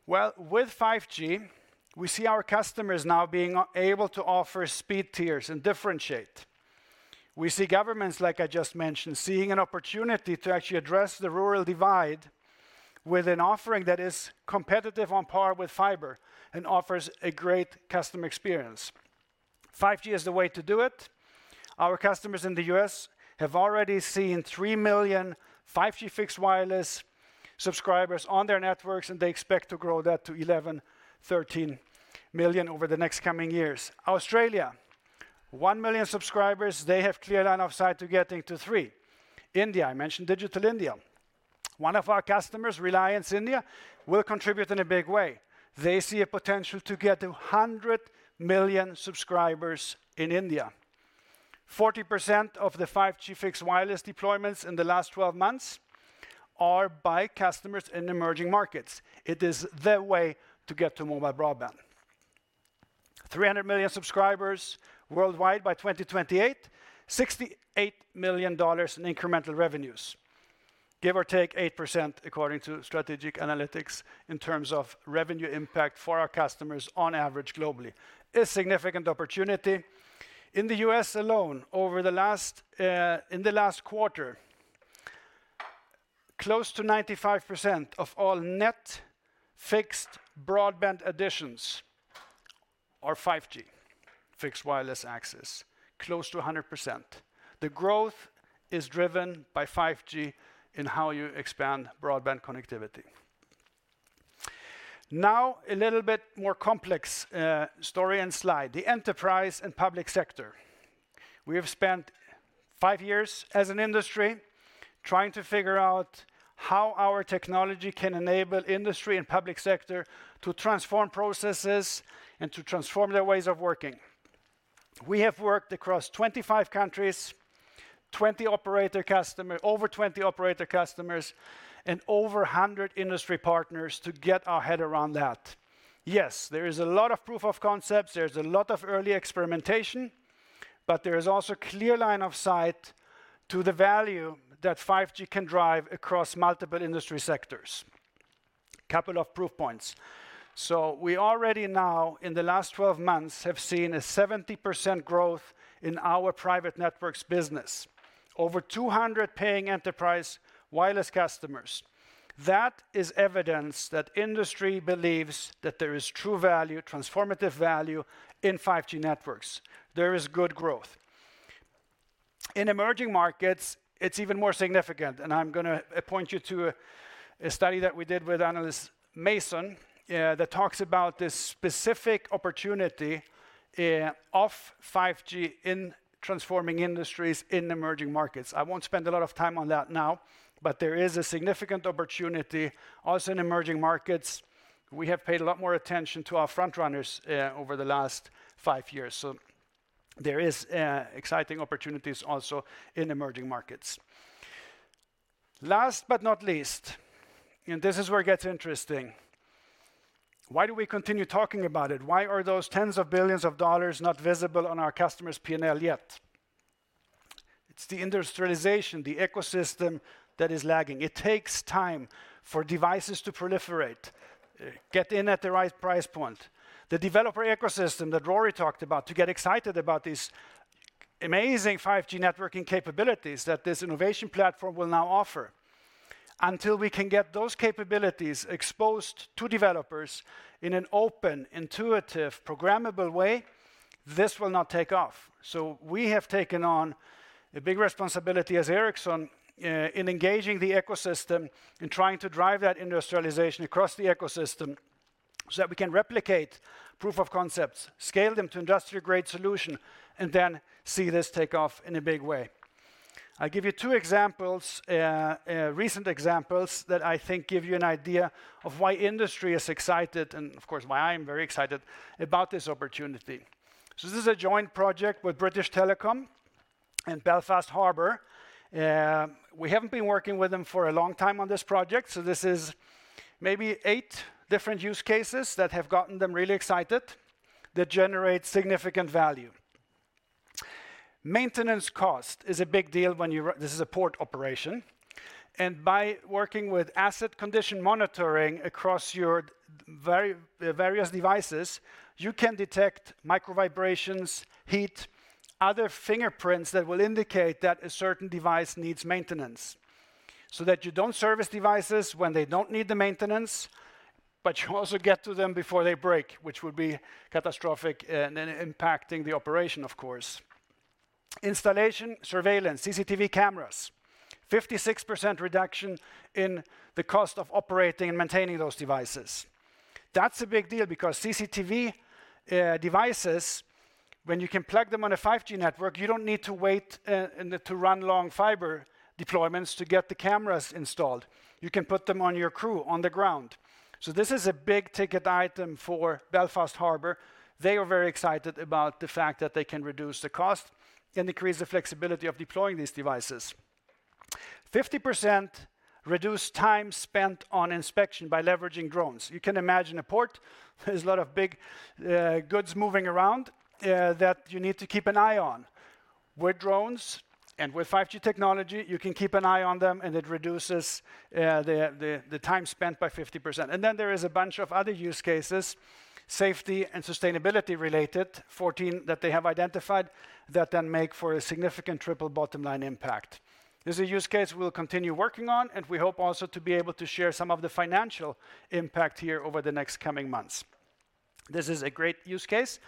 Well, with 5G, we see our customers now being able to offer speed tiers and differentiate. We see governments, like I just mentioned, seeing an opportunity to actually address the rural divide with an offering that is competitive on par with fiber and offers a great customer experience. 5G is the way to do it. Our customers in the U.S. have already seen 3 million 5G fixed wireless subscribers on their networks, and they expect to grow that to 11 million-13 million over the next coming years. Australia, 1 million subscribers. They have clear line of sight to getting to 3. India, I mentioned Digital India. One of our customers, Reliance India, will contribute in a big way. They see a potential to get to 100 million subscribers in India. 40% of the 5G Fixed Wireless deployments in the last 12 months are by customers in emerging markets. It is their way to get to mobile broadband. 300 million subscribers worldwide by 2028. $68 million in incremental revenues, give or take 8% according to Strategy Analytics in terms of revenue impact for our customers on average globally. A significant opportunity. In the U.S. alone, over the last, in the last quarter, close to 95% of all net fixed broadband additions are 5G Fixed Wireless Access. Close to 100%. The growth is driven by 5G in how you expand broadband connectivity. Now, a little bit more complex story and slide. The enterprise and public sector. We have spent five years as an industry trying to figure out how our technology can enable industry and public sector to transform processes and to transform their ways of working. We have worked across 25 countries, over 20 operator customers, and over 100 industry partners to get our head around that. Yes, there is a lot of proof of concepts, there's a lot of early experimentation, but there is also clear line of sight to the value that 5G can drive across multiple industry sectors. Couple of proof points. We already now in the last 12 months, have seen a 70% growth in our private networks business. Over 200 paying enterprise wireless customers. That is evidence that industry believes that there is true value, transformative value in 5G networks. There is good growth. In emerging markets, it's even more significant. I'm gonna point you to a study that we did with Analysys Mason that talks about this specific opportunity of 5G in transforming industries in emerging markets. I won't spend a lot of time on that now. There is a significant opportunity also in emerging markets. We have paid a lot more attention to our front runners over the last five years. There is exciting opportunities also in emerging markets. Last but not least, this is where it gets interesting. Why do we continue talking about it? Why are those tens of billions of dollars not visible on our customers' P&L yet? It's the industrialization, the ecosystem that is lagging. It takes time for devices to proliferate, get in at the right price point. The developer ecosystem that Rory talked about to get excited about these amazing 5G networking capabilities that this innovation platform will now offer. Until we can get those capabilities exposed to developers in an open, intuitive, programmable way, this will not take off. We have taken on a big responsibility as Ericsson in engaging the ecosystem and trying to drive that industrialization across the ecosystem so that we can replicate proof of concepts, scale them to industrial-grade solution, and then see this take off in a big way. I'll give you two examples, recent examples that I think give you an idea of why industry is excited and of course why I am very excited about this opportunity. This is a joint project with British Telecom and Belfast Harbour. We haven't been working with them for a long time on this project, this is maybe eight different use cases that have gotten them really excited that generate significant value. Maintenance cost is a big deal when you this is a port operation, by working with asset condition monitoring across your various devices, you can detect micro vibrations, heat, other fingerprints that will indicate that a certain device needs maintenance, that you don't service devices when they don't need the maintenance, you also get to them before they break, which would be catastrophic in impacting the operation, of course. Installation, surveillance, CCTV cameras, 56% reduction in the cost of operating and maintaining those devices. That's a big deal because CCTV devices, when you can plug them on a 5G network, you don't need to wait to run long fiber deployments to get the cameras installed. You can put them on your crew on the ground. This is a big-ticket item for Belfast Harbour. They are very excited about the fact that they can reduce the cost and increase the flexibility of deploying these devices. 50% reduced time spent on inspection by leveraging drones. You can imagine a port, there's a lot of big goods moving around that you need to keep an eye on. With drones and with 5G technology, you can keep an eye on them, and it reduces the time spent by 50%. There is a bunch of other use cases, safety and sustainability-related, 14 that they have identified that then make for a significant triple bottom line impact. This is a use case we'll continue working on, and we hope also to be able to share some of the financial impact here over the next coming months. This is a great use case.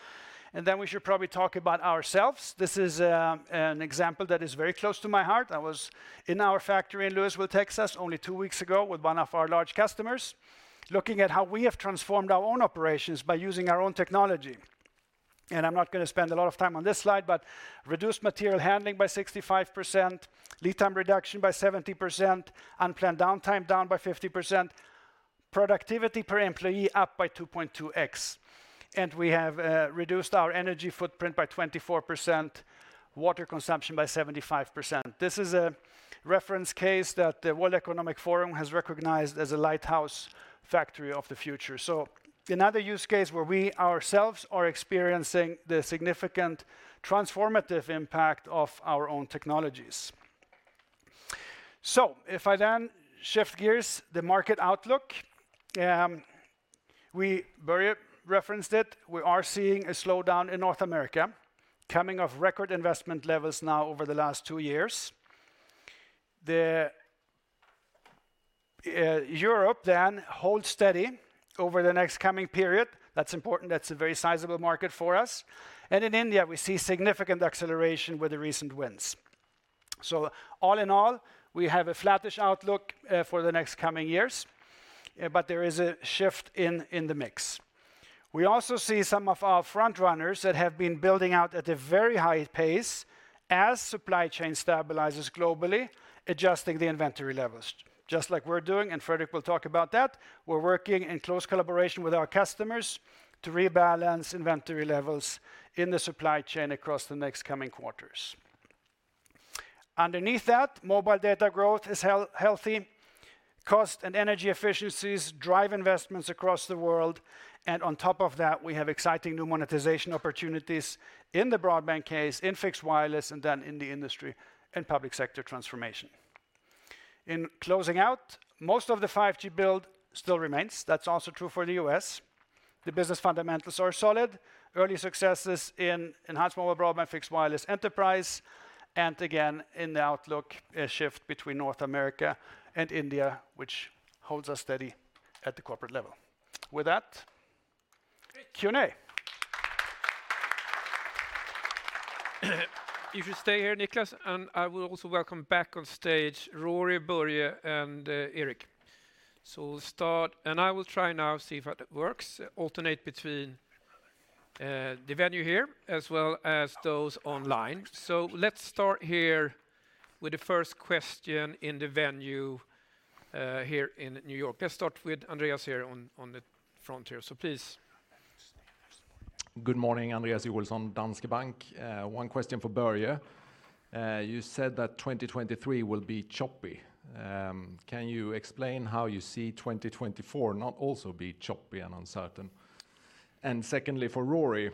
We should probably talk about ourselves. This is an example that is very close to my heart. I was in our factory in Lewisville, Texas, only two weeks ago with one of our large customers, looking at how we have transformed our own operations by using our own technology. I'm not gonna spend a lot of time on this slide, but reduced material handling by 65%, lead time reduction by 70%, unplanned downtime down by 50%. Productivity per employee up by 2.2x. We have reduced our energy footprint by 24%, water consumption by 75%. This is a reference case that the World Economic Forum has recognized as a lighthouse factory of the future. Another use case where we ourselves are experiencing the significant transformative impact of our own technologies. If I then shift gears, the market outlook, Börje referenced it. We are seeing a slowdown in North America coming off record investment levels now over the last two years. Europe holds steady over the next coming period. That's important. That's a very sizable market for us. In India, we see significant acceleration with the recent wins. All in all, we have a flattish outlook for the next coming years, but there is a shift in the mix. We also see some of our front runners that have been building out at a very high pace as supply chain stabilizes globally, adjusting the inventory levels, just like we're doing, and Fredrik will talk about that. We're working in close collaboration with our customers to rebalance inventory levels in the supply chain across the next coming quarters. Underneath that, mobile data growth is healthy. Cost and energy efficiencies drive investments across the world. On top of that, we have exciting new monetization opportunities in the broadband case, in fixed wireless, and then in the industry and public sector transformation. In closing out, most of the 5G build still remains. That's also true for the U.S. The business fundamentals are solid. Early successes in enhanced mobile broadband, fixed wireless enterprise, and again, in the outlook, a shift between North America and India, which holds us steady at the corporate level. Great. With that, Q&A. If you stay here, Niklas, I will also welcome back on stage Rory, Börje, and Erik. We'll start, and I will try now, see if that works, alternate between the venue here as well as those online. Let's start here with the first question in the venue here in New York. Let's start with Andreas here on the front here. Please. Good morning. Andreas Joelsson, Danske Bank. One question for Börje. You said that 2023 will be choppy. Can you explain how you see 2024 not also be choppy and uncertain? Secondly, for Rory,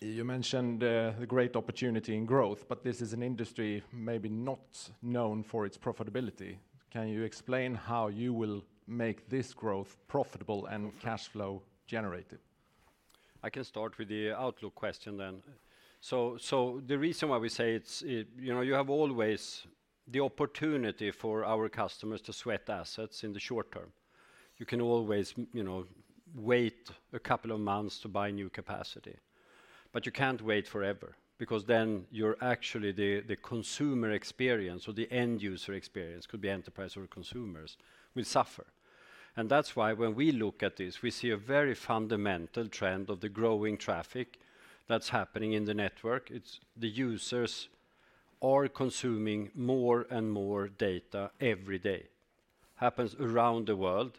you mentioned the great opportunity in growth, but this is an industry maybe not known for its profitability. Can you explain how you will make this growth profitable and cash flow generative? I can start with the outlook question then. The reason why we say it's, you know, you have always the opportunity for our customers to sweat assets in the short term. You can always, you know, wait a couple of months to buy new capacity. You can't wait forever because then you're actually the consumer experience or the end user experience, could be enterprise or consumers, will suffer. That's why when we look at this, we see a very fundamental trend of the growing traffic that's happening in the network. It's the users are consuming more and more data every day. Happens around the world.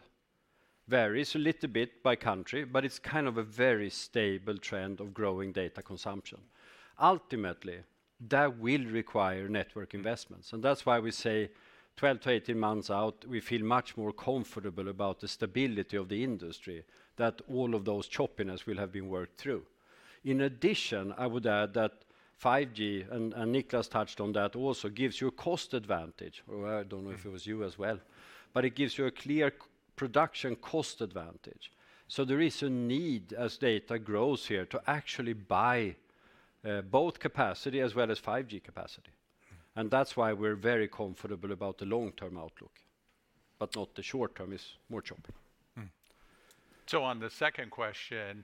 Varies a little bit by country, but it's kind of a very stable trend of growing data consumption. Ultimately, that will require network investments, that's why we say 12 to 18 months out, we feel much more comfortable about the stability of the industry, that all of those choppiness will have been worked through. In addition, I would add that 5G, and Niklas touched on that also, gives you a cost advantage. I don't know if it was you as well. It gives you a clear production cost advantage. There is a need as data grows here to actually buy both capacity as well as 5G capacity. That's why we're very comfortable about the long-term outlook, but not the short term is more choppy. Mm. On the second question,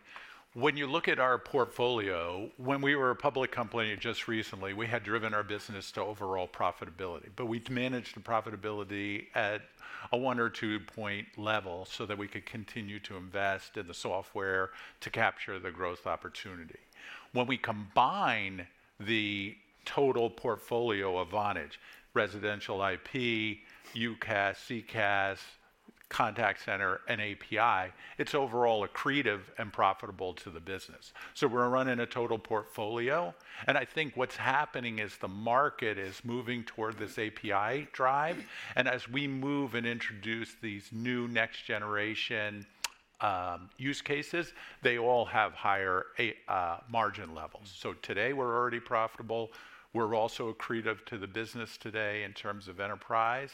when you look at our portfolio, when we were a public company just recently, we had driven our business to overall profitability. We'd managed the profitability at a one or two-point level so that we could continue to invest in the software to capture the growth opportunity. When we combine the total portfolio of Vonage, residential IP, UCaaS, CCaaS, contact center and API, it's overall accretive and profitable to the business. We're running a total portfolio, and I think what's happening is the market is moving toward this API drive. As we move and introduce these new next-generation use cases, they all have higher a margin levels. Today we're already profitable. We're also accretive to the business today in terms of enterprise.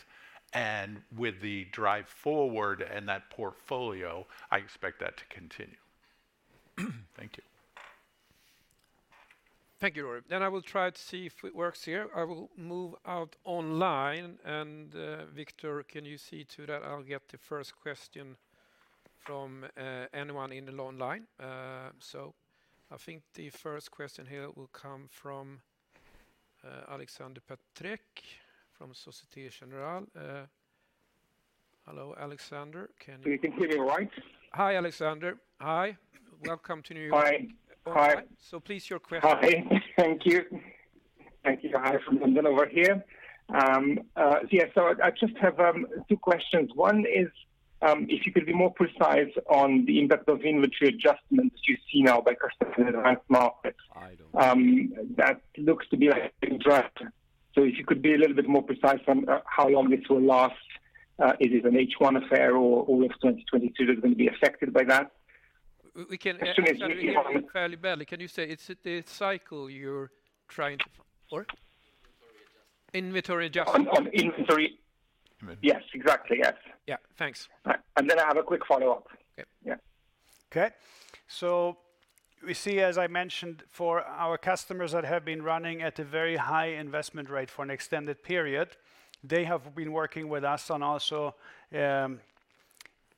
With the drive forward and that portfolio, I expect that to continue. Thank you. Thank you, Rory. I will try to see if it works here. I will move out online and Victor, can you see to that I'll get the first question from anyone in the online? I think the first question here will come from Aleksander Peterc from Société Générale. Hello, Alexander. Can you hear me all right? Hi, Alexandre. Hi. Welcome to New York. Hi. Hi. Please, your question. Hi. Thank you. Thank you. Hi from London over here. Yeah, I just have two questions. One is, if you could be more precise on the impact of inventory adjustments you see now by customers in advanced markets. I don't— That looks to be like a big draft. If you could be a little bit more precise on how long this will last? Is it an H1 affair or all of 2022 that's going to be affected by that? We can— As soon as you— Aleksander, can you say it's the cycle you're trying to—sorry. Inventory adjustment? On inventory. Yes, exactly. Yes. Yeah. Thanks. I have a quick follow-up. Okay. We see, as I mentioned, for our customers that have been running at a very high investment rate for an extended period, they have been working with us on also,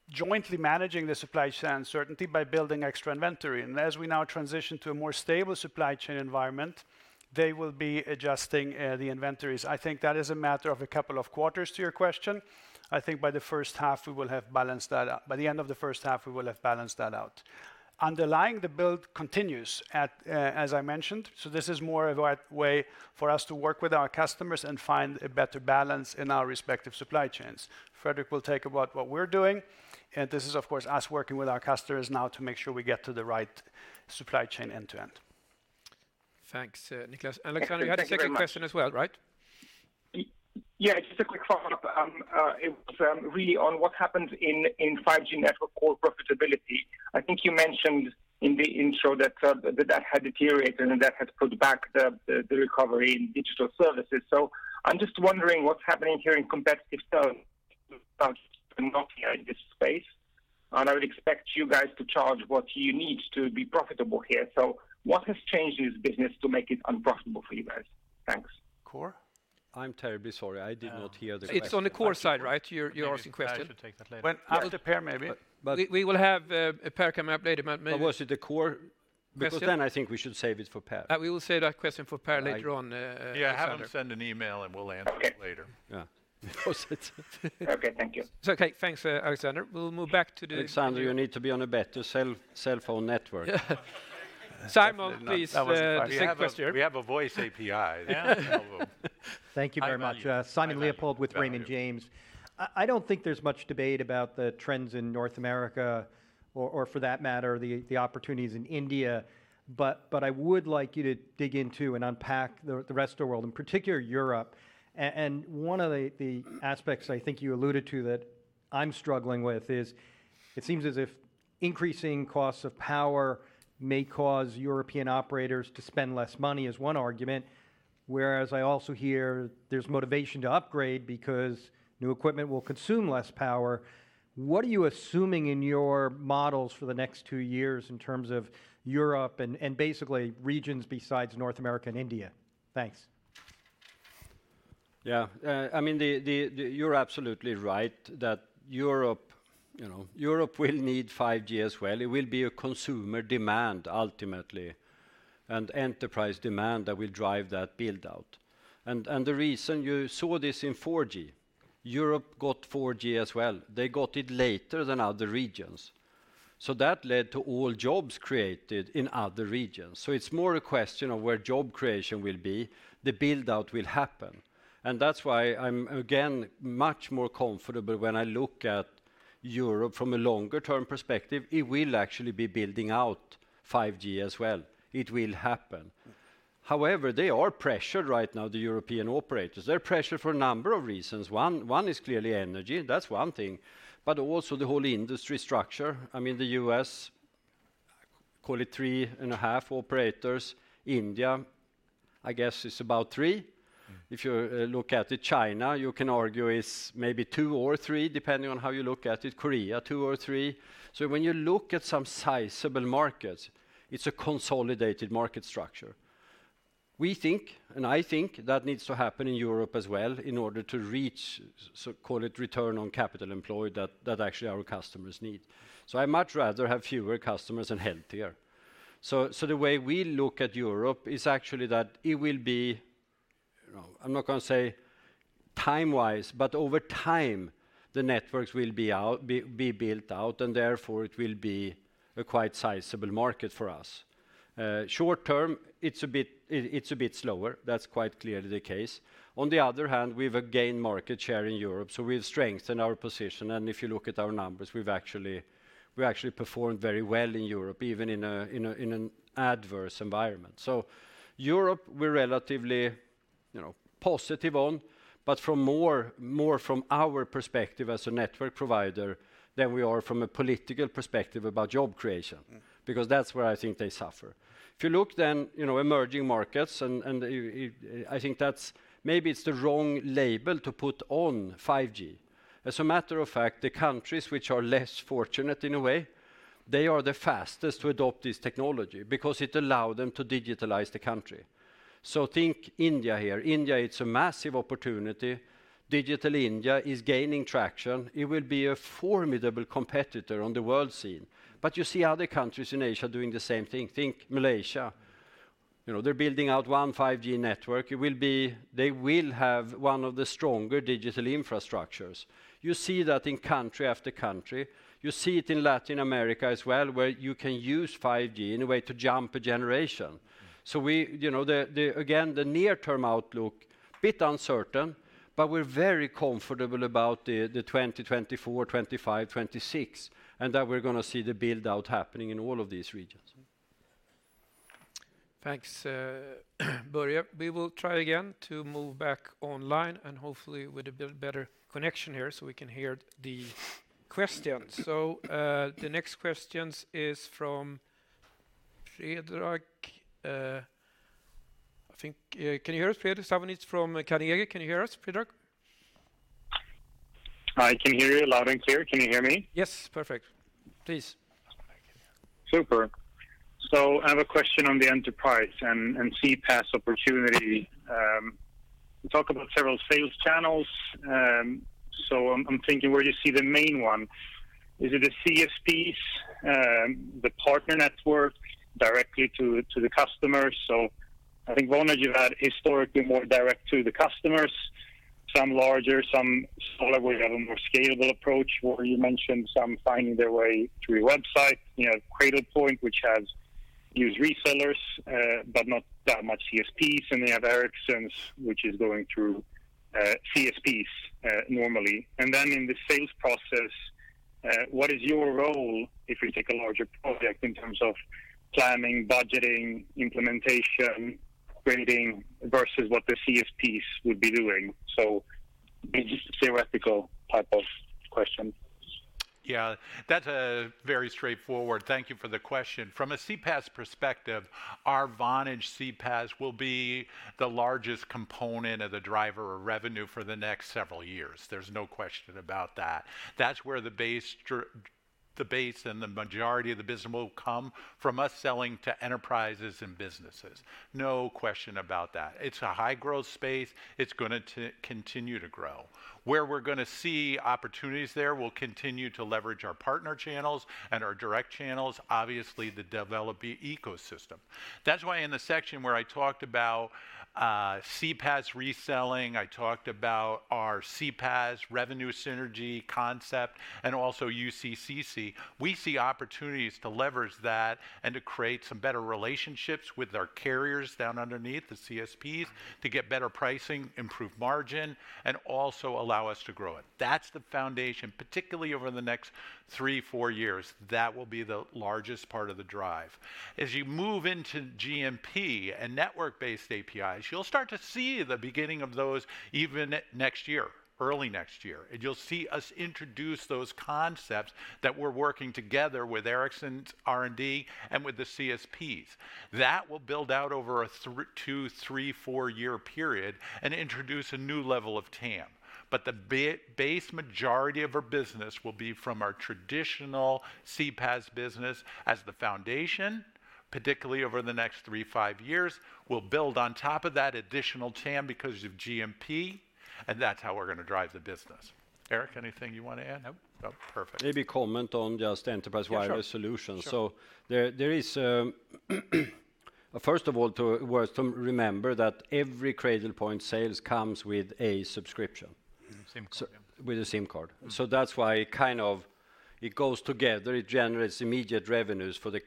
jointly managing the supply chain uncertainty by building extra inventory. As we now transition to a more stable supply chain environment, they will be adjusting the inventories. I think that is a matter of a couple of quarters to your question. I think by the first half, we will have balanced that out. By the end of the first half, we will have balanced that out. Underlying the build continues at, as I mentioned. This is more of a way for us to work with our customers and find a better balance in our respective supply chains. Fredrik will talk about what we're doing, and this is of course us working with our customers now to make sure we get to the right supply chain end-to-end. Thanks, Niklas. Thank you very much. Aleksander, you had a second question as well, right? Yeah, just a quick follow-up. It was really on what happened in 5G network Core profitability. I think you mentioned in the intro that that had deteriorated and that had pushed back the recovery in digital services. I'm just wondering what's happening here in competitive terms with Nokia in this space. I would expect you guys to charge what you need to be profitable here. What has changed in this business to make it unprofitable for you guys? Thanks. Core? I'm terribly sorry. I did not hear the question. It's on the core side, right? Your question. Maybe Per should take that later. Well, ask Per maybe. But— We will have Per come up later, but. Was it the core? Question. Then I think we should save it for Per. We will save that question for Per later on, Aleksander. Yeah, have him send an email. We'll answer it later. Okay. Yeah. Was it? Okay. Thank you. It's okay. Thanks, Aleksander. Alexander, you need to be on a better cell phone network. Simon, please, take question. We have a voice API. Thank you very much. I believe. Simon Leopold with Raymond James. Value. I don't think there's much debate about the trends in North America or for that matter, the opportunities in India, but I would like you to dig into and unpack the rest of the world, in particular Europe. One of the aspects I think you alluded to that I'm struggling with is it seems as if increasing costs of power may cause European operators to spend less money is one argument, whereas I also hear there's motivation to upgrade because new equipment will consume less power. What are you assuming in your models for the next two years in terms of Europe and basically regions besides North America and India? Thanks. I mean, You're absolutely right that Europe, you know, Europe will need 5G as well. It will be a consumer demand ultimately and enterprise demand that will drive that build-out. The reason you saw this in 4G, Europe got 4G as well. They got it later than other regions. That led to all jobs created in other regions. It's more a question of where job creation will be, the build-out will happen. That's why I'm again, much more comfortable when I look at Europe from a longer-term perspective. It will actually be building out 5G as well. It will happen. They are pressured right now, the European operators. They're pressured for a number of reasons. One is clearly energy. That's one thing. Also the whole industry structure. I mean, the U.S., call it three and a half operators. India, I guess, is about three. If you look at China, you can argue it's maybe two or three, depending on how you look at it. Korea, two or three. When you look at some sizable markets, it's a consolidated market structure. We think, and I think, that needs to happen in Europe as well in order to reach, so call it return on capital employed that actually our customers need. I much rather have fewer customers and healthier. The way we look at Europe is actually that it will be, you know, I'm not gonna say time-wise, but over time, the networks will be out, be built out, and therefore it will be a quite sizable market for us. Short-term, it's a bit slower. That's quite clearly the case. On the other hand, we've, again, market share in Europe, so we've strengthened our position. If you look at our numbers, we actually performed very well in Europe, even in an adverse environment. Europe, we're relatively, you know, positive on, but from more from our perspective as a network provider than we are from a political perspective about job creation, because that's where I think they suffer. If you look, you know, emerging markets and I think that's maybe it's the wrong label to put on 5G. As a matter of fact, the countries which are less fortunate in a way, they are the fastest to adopt this technology because it allow them to digitalize the country. Think India here. India, it's a massive opportunity. Digital India is gaining traction. It will be a formidable competitor on the world scene. You see other countries in Asia doing the same thing. Think Malaysia. You know, they're building out one 5G network. They will have one of the stronger digital infrastructures. You see that in country after country. You see it in Latin America as well, where you can use 5G in a way to jump a generation. We, you know, again, the near-term outlook, bit uncertain, but we're very comfortable about the 2024, 2025, 2026, and that we're gonna see the build-out happening in all of these regions. Thanks, Börje. We will try again to move back online and hopefully with a build better connection here so we can hear the questions. The next questions is from Fredrik, I think. Can you hear us, Fredrik? Someone is from Handelsbanken. Can you hear us, Fredrik? I can hear you loud and clear. Can you hear me? Yes. Perfect. Please. Super. I have a question on the enterprise and CPaaS opportunity. You talk about several sales channels. I'm thinking where do you see the main one? Is it the CSPs, the partner network directly to the customers? I think Vonage, you've had historically more direct to the customers, some larger, some smaller way of a more scalable approach, where you mentioned some finding their way through your website. You know, Cradlepoint, which has used resellers, but not that much CSPs, and they have Ericsson's, which is going through CSPs normally. In the sales process, what is your role if you take a larger project in terms of planning, budgeting, implementation, grading versus what the CSPs would be doing? Just a theoretical type of question. That's very straightforward. Thank you for the question. From a CPaaS perspective, our Vonage CPaaS will be the largest component of the driver of revenue for the next several years. There's no question about that. That's where the base and the majority of the business will come from us selling to enterprises and businesses. No question about that. It's a high-growth space. It's gonna continue to grow. Where we're gonna see opportunities there, we'll continue to leverage our partner channels and our direct channels, obviously the developing ecosystem. That's why in the section where I talked about CPaaS reselling, I talked about our CPaaS revenue synergy concept and also UCCC. We see opportunities to leverage that and to create some better relationships with our carriers down underneath, the CSPs, to get better pricing, improve margin, and also allow us to grow it. That's the foundation, particularly over the next three, four years. That will be the largest part of the drive. As you move into GCP and network-based APIs, you'll start to see the beginning of those even next year, early next year. You'll see us introduce those concepts that we're working together with Ericsson's R&D and with the CSPs. That will build out over a two, three, four-year period and introduce a new level of TAM. The base majority of our business will be from our traditional CPaaS business as the foundation, particularly over the next three, five years. We'll build on top of that additional TAM because of GCP, and that's how we're gonna drive the business. Erik, anything you wanna add? Nope? Oh, perfect. Maybe comment on just Enterprise Wireless Solutions. Sure. Sure. There is, first of all, worth to remember that every Cradlepoint sales comes with a subscription. SIM card, yeah. With a SIM card. That's why it kind of goes together. It generates immediate revenues for the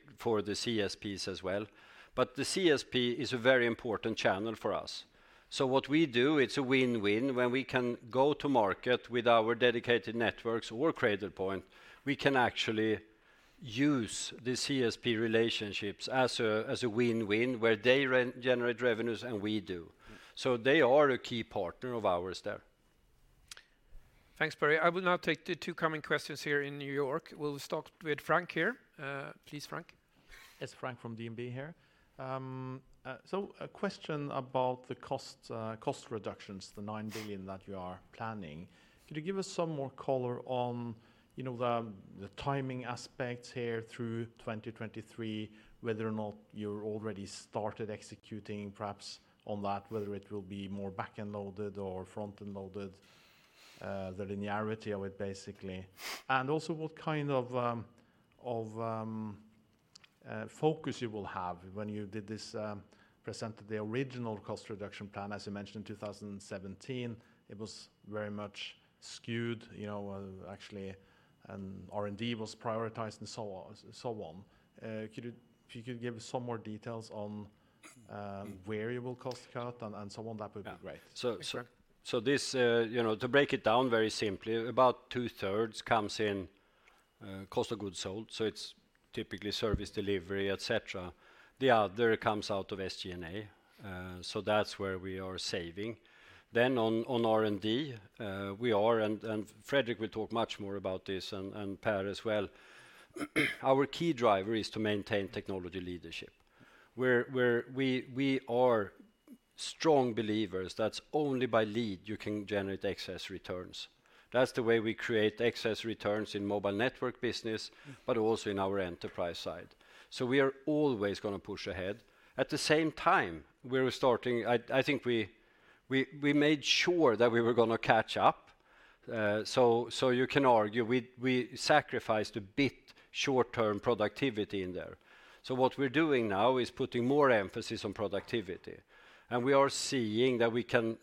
CSPs as well. The CSP is a very important channel for us. What we do, it's a win-win when we can go to market with our dedicated networks or Cradlepoint. We can actually use the CSP relationships as a win-win, where they generate revenues and we do. They are a key partner of ours there. Thanks, Börje. I will now take the two coming questions here in New York. We'll start with Frank here. Please, Frank. Yes. Frank from DNB here. A question about the cost reductions, the 9 billion that you are planning. Could you give us some more color on, you know, the timing aspects here through 2023, whether or not you're already started executing perhaps on that, whether it will be more back-end loaded or front-end loaded, the linearity of it, basically. Also what kind of focus you will have when you did this presented the original cost reduction plan, as you mentioned, in 2017. It was very much skewed, you know, actually, R&D was prioritized and so on. If you could give some more details on where you will cost cut and so on, that would be great. Yeah, so this, you know, to break it down very simply, about two-thirds comes in cost of goods sold, so it's typically service delivery, et cetera. The other comes out of SG&A, so that's where we are saving. On R&D, we are, and Fredrik will talk much more about this and Per as well. Our key driver is to maintain technology leadership, where we are strong believers that's only by lead you can generate excess returns. That's the way we create excess returns in mobile network business but also in our enterprise side. We are always gonna push ahead. At the same time, we're starting. I think we made sure that we were gonna catch up. You can argue we sacrificed a bit short-term productivity in there. What we're doing now is putting more emphasis on productivity, and we are seeing that we can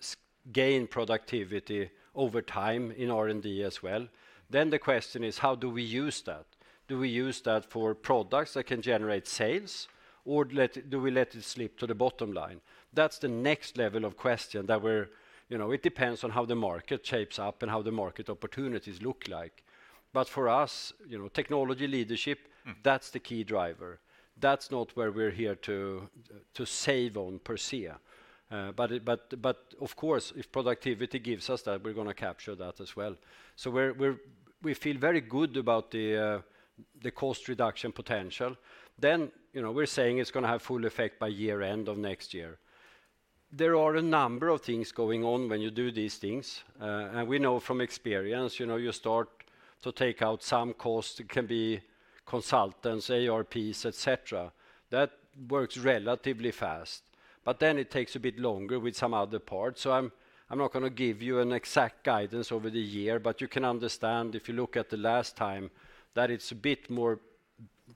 gain productivity over time in R&D as well. The question is: how do we use that? Do we use that for products that can generate sales, or do we let it slip to the bottom line? That's the next level of question. You know, it depends on how the market shapes up and how the market opportunities look like. For us, you know, technology leadership, that's the key driver. That's not where we're here to save on per se. But of course, if productivity gives us that, we're gonna capture that as well. We feel very good about the cost reduction potential. You know, we're saying it's gonna have full effect by year-end of next year. There are a number of things going on when you do these things. We know from experience, you know, you start to take out some costs. It can be consultants, ARPs, et cetera. That works relatively fast. It takes a bit longer with some other parts. I'm not gonna give you an exact guidance over the year, but you can understand if you look at the last time that it's a bit more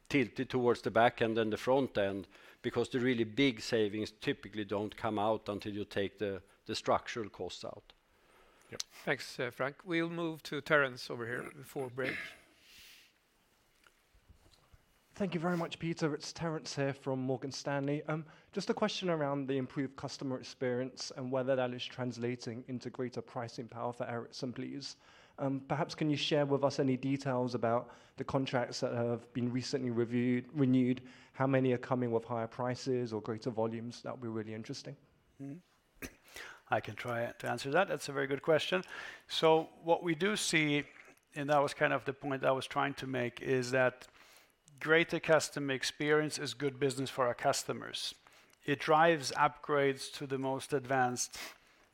tilted towards the back end than the front end because the really big savings typically don't come out until you take the structural costs out. Yep. Thanks, Frank. We'll move to Terrence over here before break. Thank you very much, Peter. It's Terrence here from Morgan Stanley. Just a question around the improved customer experience and whether that is translating into greater pricing power for Ericsson, please? Perhaps can you share with us any details about the contracts that have been recently renewed? How many are coming with higher prices or greater volumes? That would be really interesting. I can try to answer that. That's a very good question. What we do see, and that was kind of the point I was trying to make, is that greater customer experience is good business for our customers. It drives upgrades to the most advanced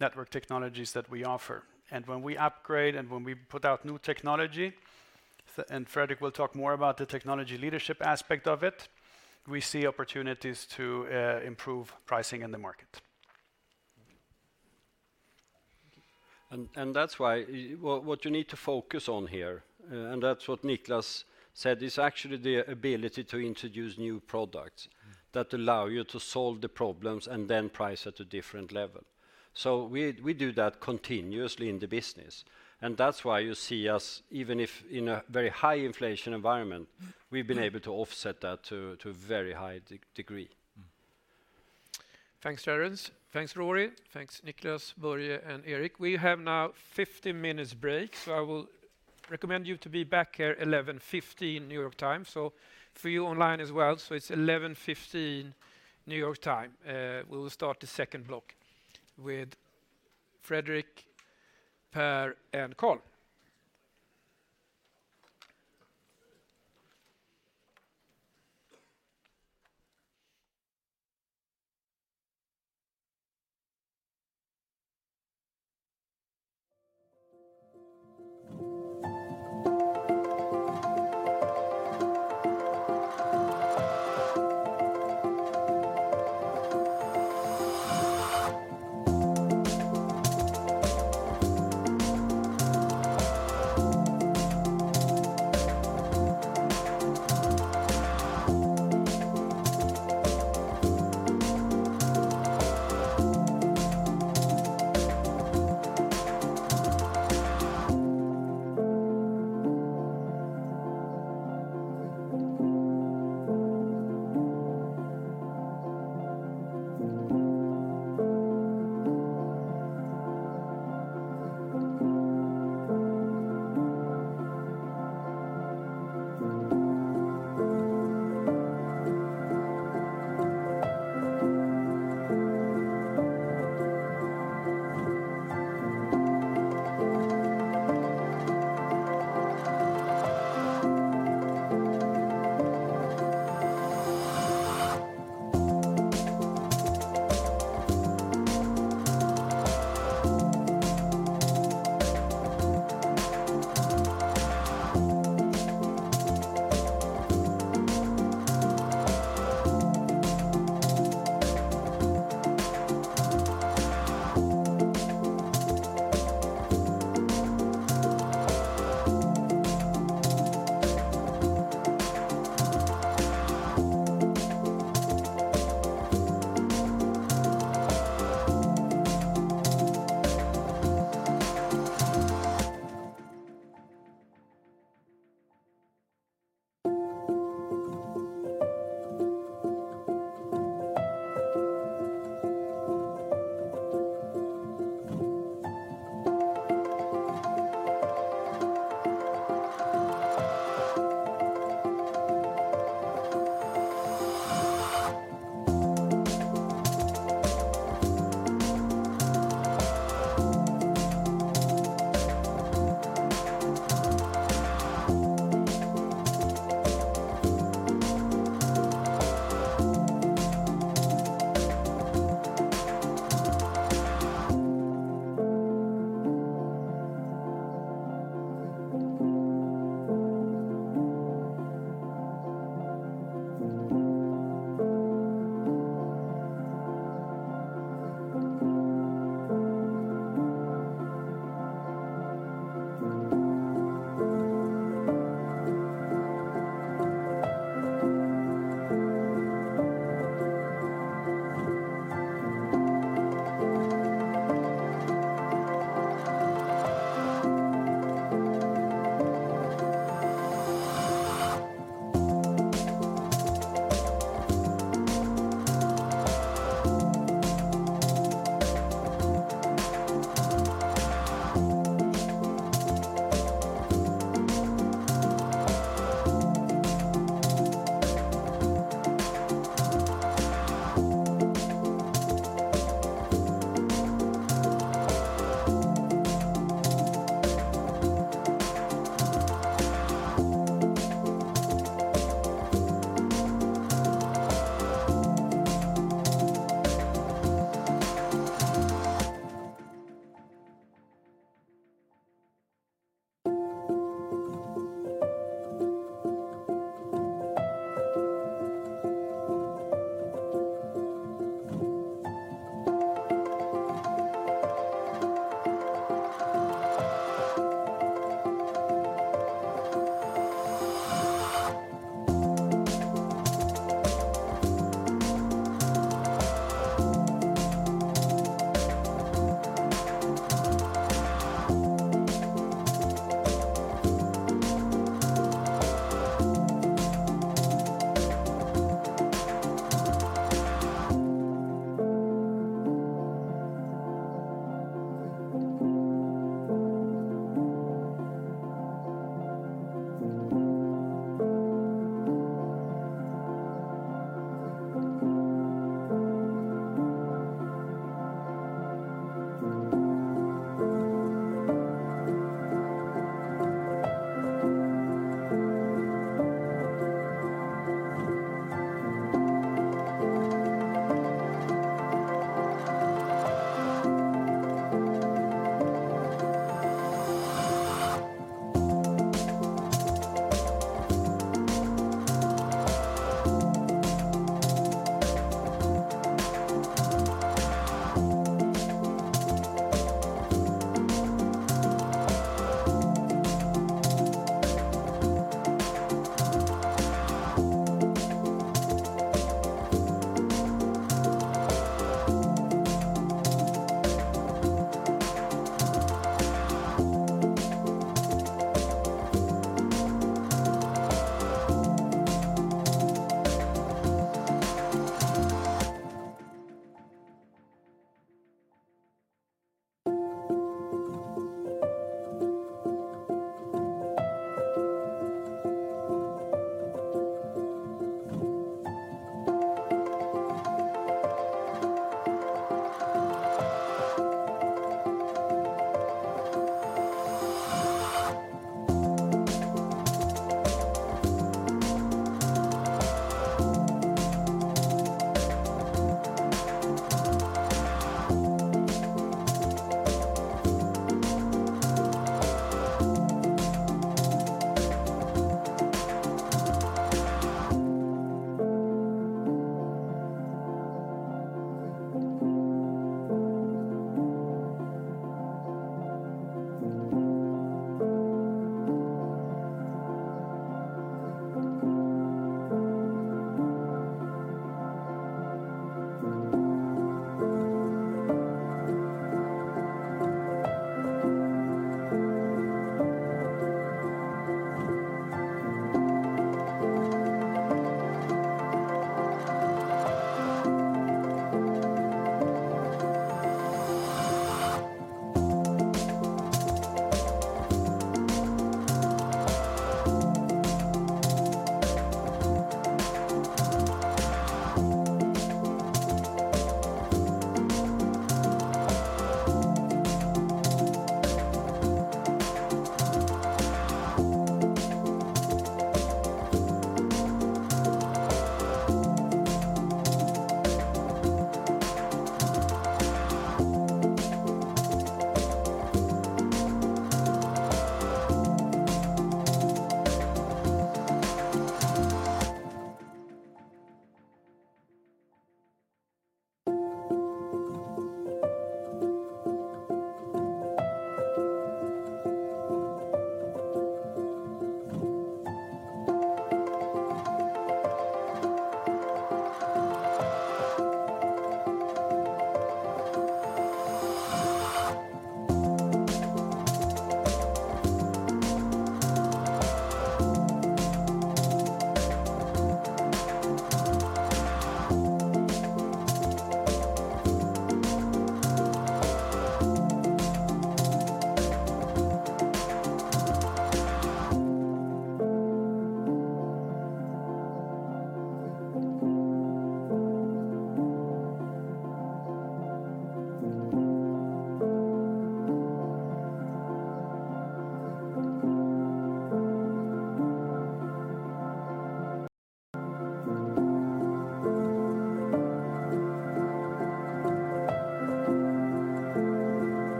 network technologies that we offer. When we upgrade and when we put out new technology, and Fredrik will talk more about the technology leadership aspect of it, we see opportunities to improve pricing in the market. That's why, what you need to focus on here, and that's what Niklas said, is actually the ability to introduce new products that allow you to solve the problems and then price at a different level. We do that continuously in the business, and that's why you see us, even if in a very high inflation environment, we've been able to offset that to a very high degree. Thanks, Terrence. Thanks, Rory. Thanks, Niklas, Börje, and Erik. We have now 50-minutes break. I will recommend you to be back here 11:50 A.M. New York time. For you online as well, it's 11:15 A.M. New York time. We will start the second block with Fredrik, Per, and Carl.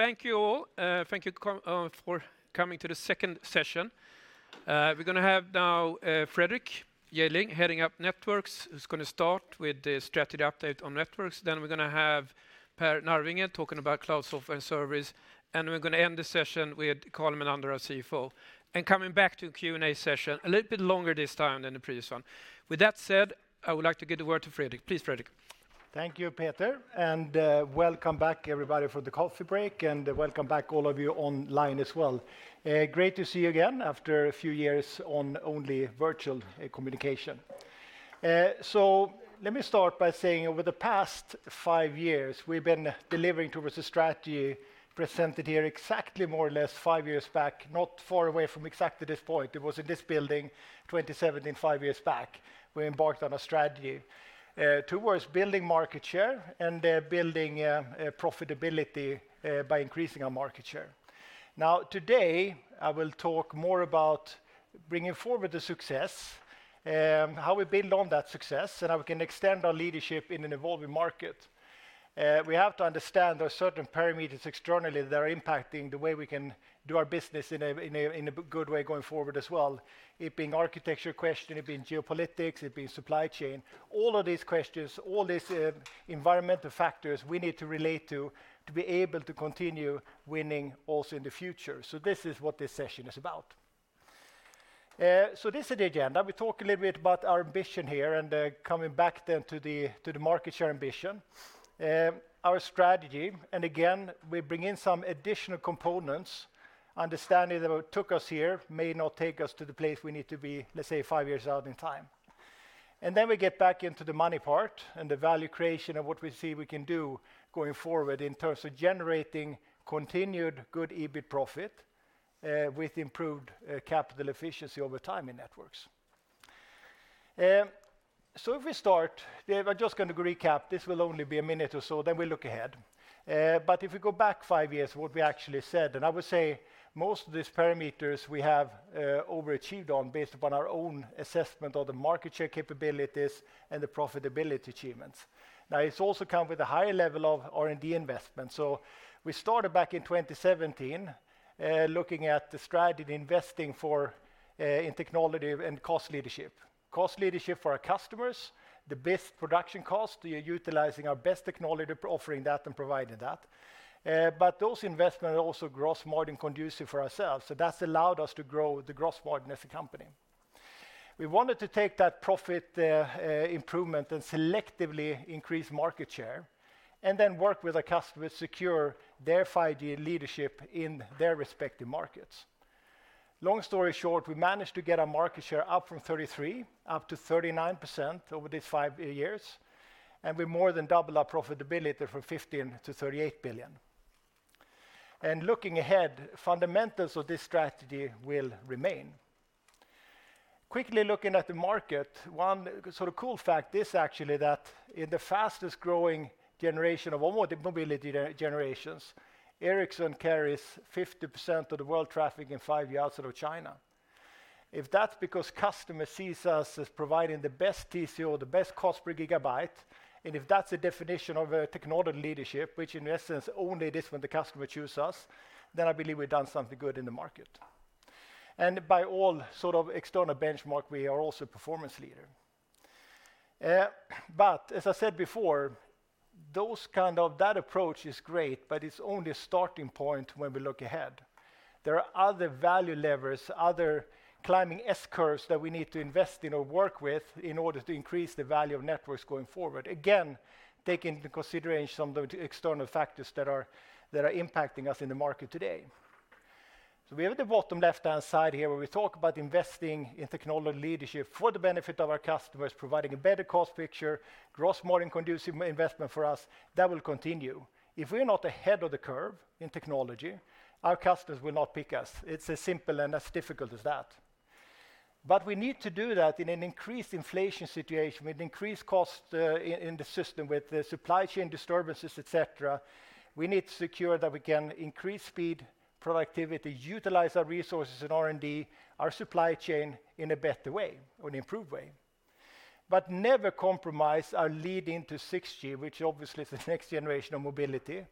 Great. Thank you all. Thank you for coming to the second session. We're gonna have now Fredrik Jejdling, heading up Networks, who's gonna start with the strategy update on Networks. We're gonna have Per Narvinger talking about Cloud Software and Services. We're gonna end the session with Carl Mellander, our CFO. Coming back to a Q&A session, a little bit longer this time than the previous one. With that said, I would like to give the word to Fredrik. Please, Fredrik. Thank you, Peter. Welcome back, everybody, from the coffee break, and welcome back, all of you, online as well. Great to see you again after a few years on only virtual communication. Let me start by saying over the past five years, we've been delivering towards a strategy presented here exactly more or less five years back, not far away from exactly this point. It was in this building, 2017, five years back, we embarked on a strategy towards building market share and building profitability by increasing our market share. Today, I will talk more about bringing forward the success, how we build on that success, and how we can extend our leadership in an evolving market. We have to understand there are certain parameters externally that are impacting the way we can do our business in a good way going forward as well. It being architecture question, it being geopolitics, it being supply chain. All of these questions, all these environmental factors we need to relate to be able to continue winning also in the future. This is what this session is about. This is the agenda. We talk a little bit about our ambition here and coming back then to the market share ambition. Our strategy, again, we bring in some additional components, understanding that what took us here may not take us to the place we need to be, let's say, five years out in time. We get back into the money part and the value creation of what we see we can do going forward in terms of generating continued good EBIT profit with improved capital efficiency over time in Networks. If we start, yeah, we're just gonna recap. This will only be a minute or so, then we'll look ahead. If we go back five years, what we actually said, and I would say most of these parameters we have overachieved on based upon our own assessment of the market share capabilities and the profitability achievements. Now, it's also come with a higher level of R&D investment. We started back in 2017, looking at the strategy and investing for in technology and cost leadership. Cost leadership for our customers, the best production cost, we are utilizing our best technology, offering that and providing that. Those investment are also gross margin conducive for ourselves. That's allowed us to grow the gross margin as a company. We wanted to take that profit improvement and selectively increase market share, and then work with our customers, secure their 5G leadership in their respective markets. Long story short, we managed to get our market share up from 33% up to 39% over these five years, and we more than double our profitability from 15 billion to 38 billion. Looking ahead, fundamentals of this strategy will remain. Quickly looking at the market, one sort of cool fact is actually that in the fastest growing generation of all mobility generations, Ericsson carries 50% of the world traffic in five years out of China. If that's because customer sees us as providing the best TCO, the best cost per gigabyte, and if that's the definition of a technology leadership, which in essence only it is when the customer choose us, then I believe we've done something good in the market. By all sort of external benchmark, we are also a performance leader. As I said before, that approach is great, but it's only a starting point when we look ahead. There are other value levers, other climbing S-curves that we need to invest in or work with in order to increase the value of networks going forward. Again, take into consideration some of the external factors that are impacting us in the market today. We have at the bottom left-hand side here, where we talk about investing in technology leadership for the benefit of our customers, providing a better cost picture, gross margin conducive investment for us. That will continue. If we're not ahead of the curve in technology, our customers will not pick us. It's as simple and as difficult as that. We need to do that in an increased inflation situation, with increased cost in the system, with the supply chain disturbances, et cetera. We need to secure that we can increase speed, productivity, utilize our resources in R&D, our supply chain in a better way or an improved way. Never compromise our lead into 6G, which obviously is the next generation of mobility,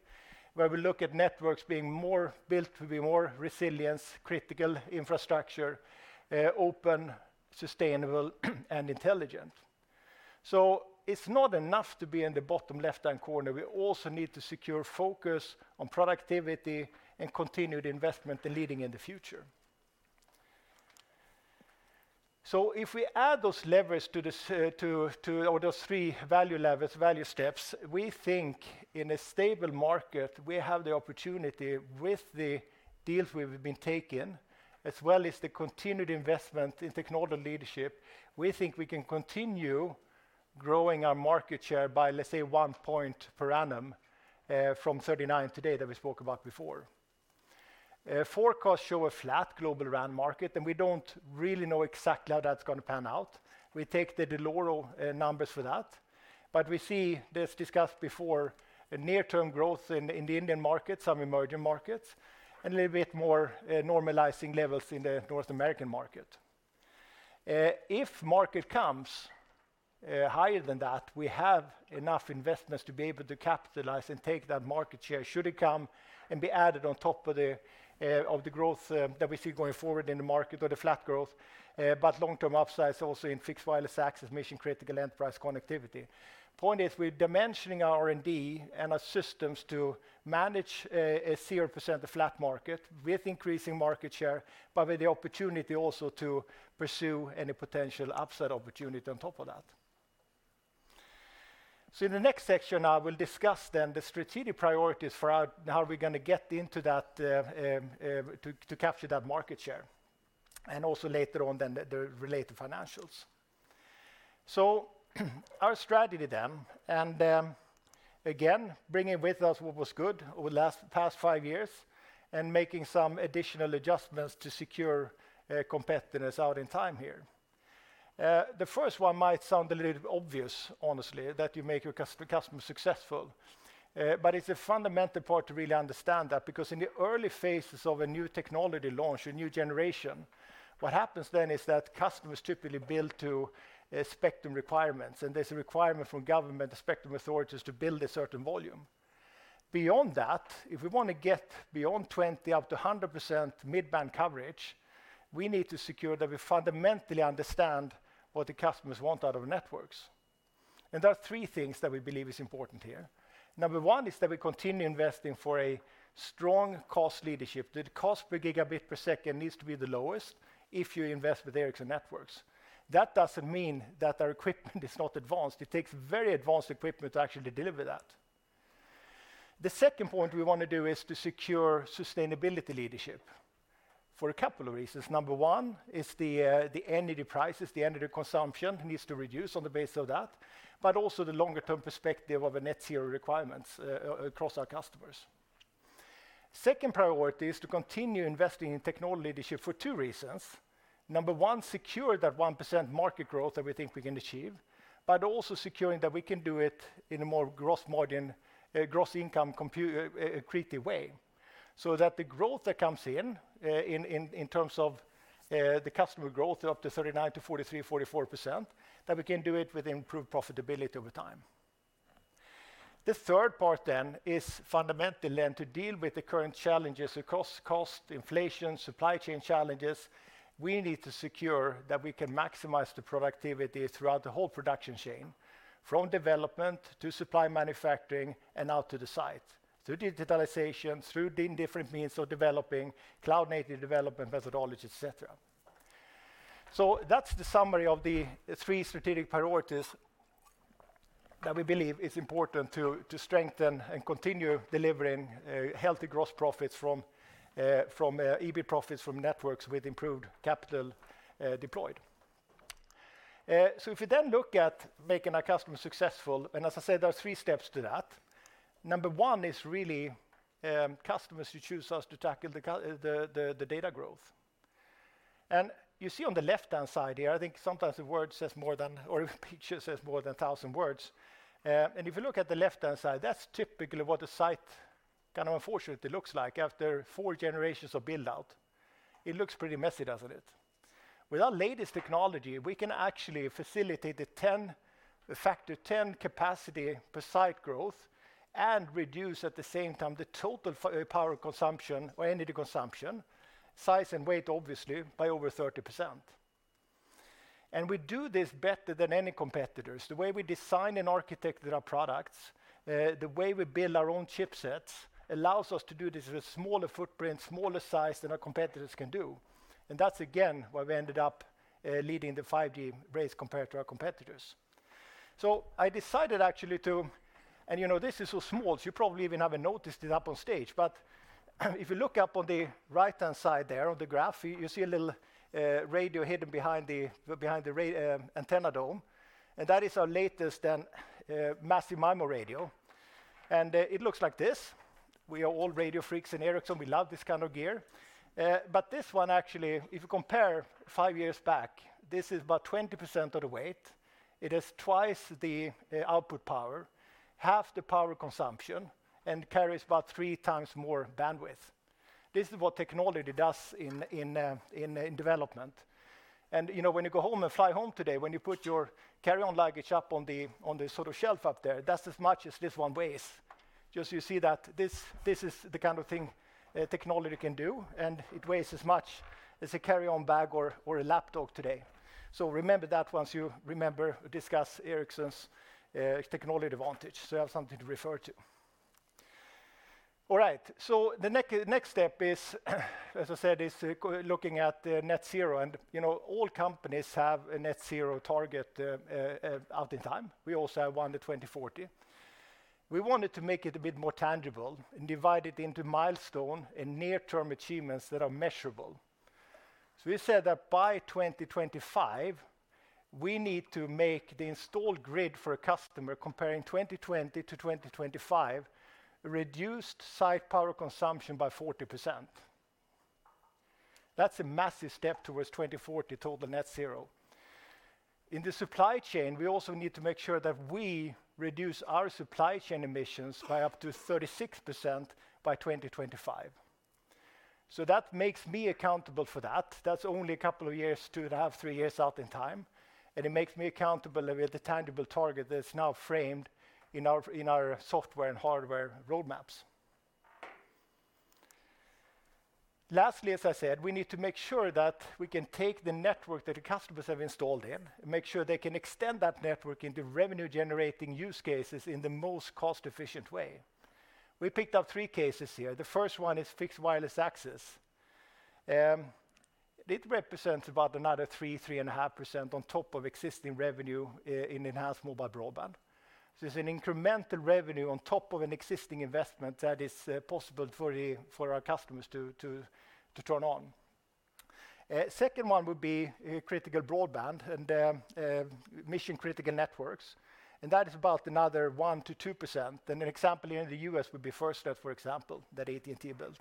where we look at networks being more built to be more resilience, critical infrastructure, open, sustainable, and intelligent. It's not enough to be in the bottom left-hand corner. We also need to secure focus on productivity and continued investment in leading in the future. If we add those levers to those three value levers, value steps, we think in a stable market, we have the opportunity with the deals we've been taking, as well as the continued investment in technological leadership, we think we can continue growing our market share by, let's say, one point per annum, from 39% today that we spoke about before. Forecasts show a flat global RAN market, and we don't really know exactly how that's gonna pan out. We take the Dell'Oro numbers for that. We see, as discussed before, a near-term growth in the Indian market, some emerging markets, and a little bit more normalizing levels in the North American market. If market comes higher than that, we have enough investments to be able to capitalize and take that market share should it come and be added on top of the growth that we see going forward in the market or the flat growth. Long-term upsides also in Fixed Wireless Access, mission-critical enterprise connectivity. Point is, we're dimensioning our R&D and our systems to manage a 0% of flat market with increasing market share, but with the opportunity also to pursue any potential upside opportunity on top of that. In the next section, I will discuss then the strategic priorities for how we're gonna get into that, to capture that market share, and also later on then the related financials. Our strategy then, and, again, bringing with us what was good over the past five years and making some additional adjustments to secure competitiveness out in time here. The first one might sound a little obvious, honestly, that you make your customer successful. It's a fundamental part to really understand that because in the early phases of a new technology launch, a new generation, what happens then is that customers typically build to spectrum requirements, and there's a requirement from government, the spectrum authorities to build a certain volume. Beyond that, if we wanna get beyond 20% up to 100% mid-band coverage, we need to secure that we fundamentally understand what the customers want out of networks. There are three things that we believe is important here. Number one is that we continue investing for a strong cost leadership. The cost per gigabit per second needs to be the lowest if you invest with Ericsson Networks. That doesn't mean that our equipment is not advanced. It takes very advanced equipment to actually deliver that. The second point we wanna do is to secure sustainability leadership for a couple of reasons. Number one is the energy prices, the energy consumption needs to reduce on the base of that, but also the longer-term perspective of a net zero requirements across our customers. Second priority is to continue investing in technology leadership for two reasons. Number one, secure that 1% market growth that we think we can achieve, also securing that we can do it in a more gross margin, gross income accretive way, so that the growth that comes in in terms of the customer growth up to 39% to 43%, 44%, that we can do it with improved profitability over time. The third part is fundamentally and to deal with the current challenges across cost, inflation, supply chain challenges, we need to secure that we can maximize the productivity throughout the whole production chain, from development to supply manufacturing and out to the site, through digitalization, through the different means of developing, cloud-native development methodologies, et cetera. That's the summary of the three strategic priorities that we believe is important to strengthen and continue delivering healthy gross profits from EB profits from networks with improved capital deployed. If you then look at making our customers successful, as I said, there are three steps to that. Number one is really customers who choose us to tackle the data growth. You see on the left-hand side here, I think sometimes a word says more than or a picture says more than 1,000 words. If you look at the left-hand side, that's typically what a site kind of unfortunately looks like after four generations of build-out. It looks pretty messy, doesn't it? With our latest technology, we can actually facilitate the factor 10 capacity per site growth and reduce at the same time the total power consumption or energy consumption, size and weight obviously, by over 30%. We do this better than any competitors. The way we design and architect our products, the way we build our own chipsets allows us to do this with a smaller footprint, smaller size than our competitors can do. That's again why we ended up leading the 5G race compared to our competitors. I decided actually. You know, this is so small, so you probably even haven't noticed it up on stage. If you look up on the right-hand side there on the graph, you see a little radio hidden behind the antenna dome, that is our latest then Massive MIMO radio. It looks like this. We are all radio freaks in Ericsson. We love this kind of gear. This one actually, if you compare five years back, this is about 20% of the weight. It has twice the output power, half the power consumption, and carries about three times more bandwidth. This is what technology does in development. You know, when you go home and fly home today, when you put your carry-on luggage up on the sort of shelf up there, that's as much as this one weighs. Just so you see that this is the kind of thing technology can do, and it weighs as much as a carry-on bag or a laptop today. Remember that once you remember discuss Ericsson's technology advantage, so you have something to refer to. All right. The next step is, as I said, is looking at the net zero and, you know, all companies have a net zero target out in time. We also have one to 2040. We wanted to make it a bit more tangible and divide it into milestone and near-term achievements that are measurable. We said that by 2025, we need to make the installed grid for a customer comparing 2020 to 2025, reduced site power consumption by 40%. That's a massive step towards 2040 toward the net zero. In the supply chain, we also need to make sure that we reduce our supply chain emissions by up to 36% by 2025. That makes me accountable for that. That's only a couple of years, two and a half, three years out in time. It makes me accountable with a tangible target that's now framed in our, in our software and hardware roadmaps. Lastly, as I said, we need to make sure that we can take the network that the customers have installed in and make sure they can extend that network into revenue-generating use cases in the most cost-efficient way. We picked up three cases here. The first one is Fixed Wireless Access. It represents about another 3%, 3.5% on top of existing revenue in enhanced mobile broadband. It's an incremental revenue on top of an existing investment that is possible for our customers to turn on. Second one would be critical broadband and mission-critical networks, and that is about another 1%-2%. An example here in the U.S. would be FirstNet, for example, that AT&T built.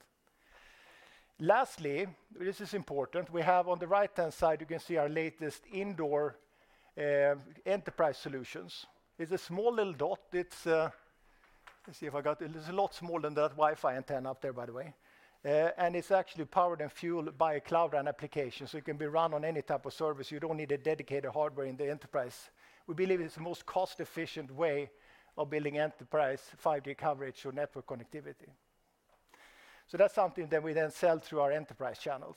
Lastly, this is important. We have on the right-hand side, you can see our latest indoor enterprise solutions. It's a small little dot. It's. Let's see if I got it. It's a lot smaller than that Wi-Fi antenna up there, by the way. It's actually powered and fueled by a Cloud RAN application, so it can be run on any type of service. You don't need a dedicated hardware in the enterprise. We believe it's the most cost-efficient way of building enterprise 5G coverage or network connectivity. That's something that we then sell through our enterprise channels.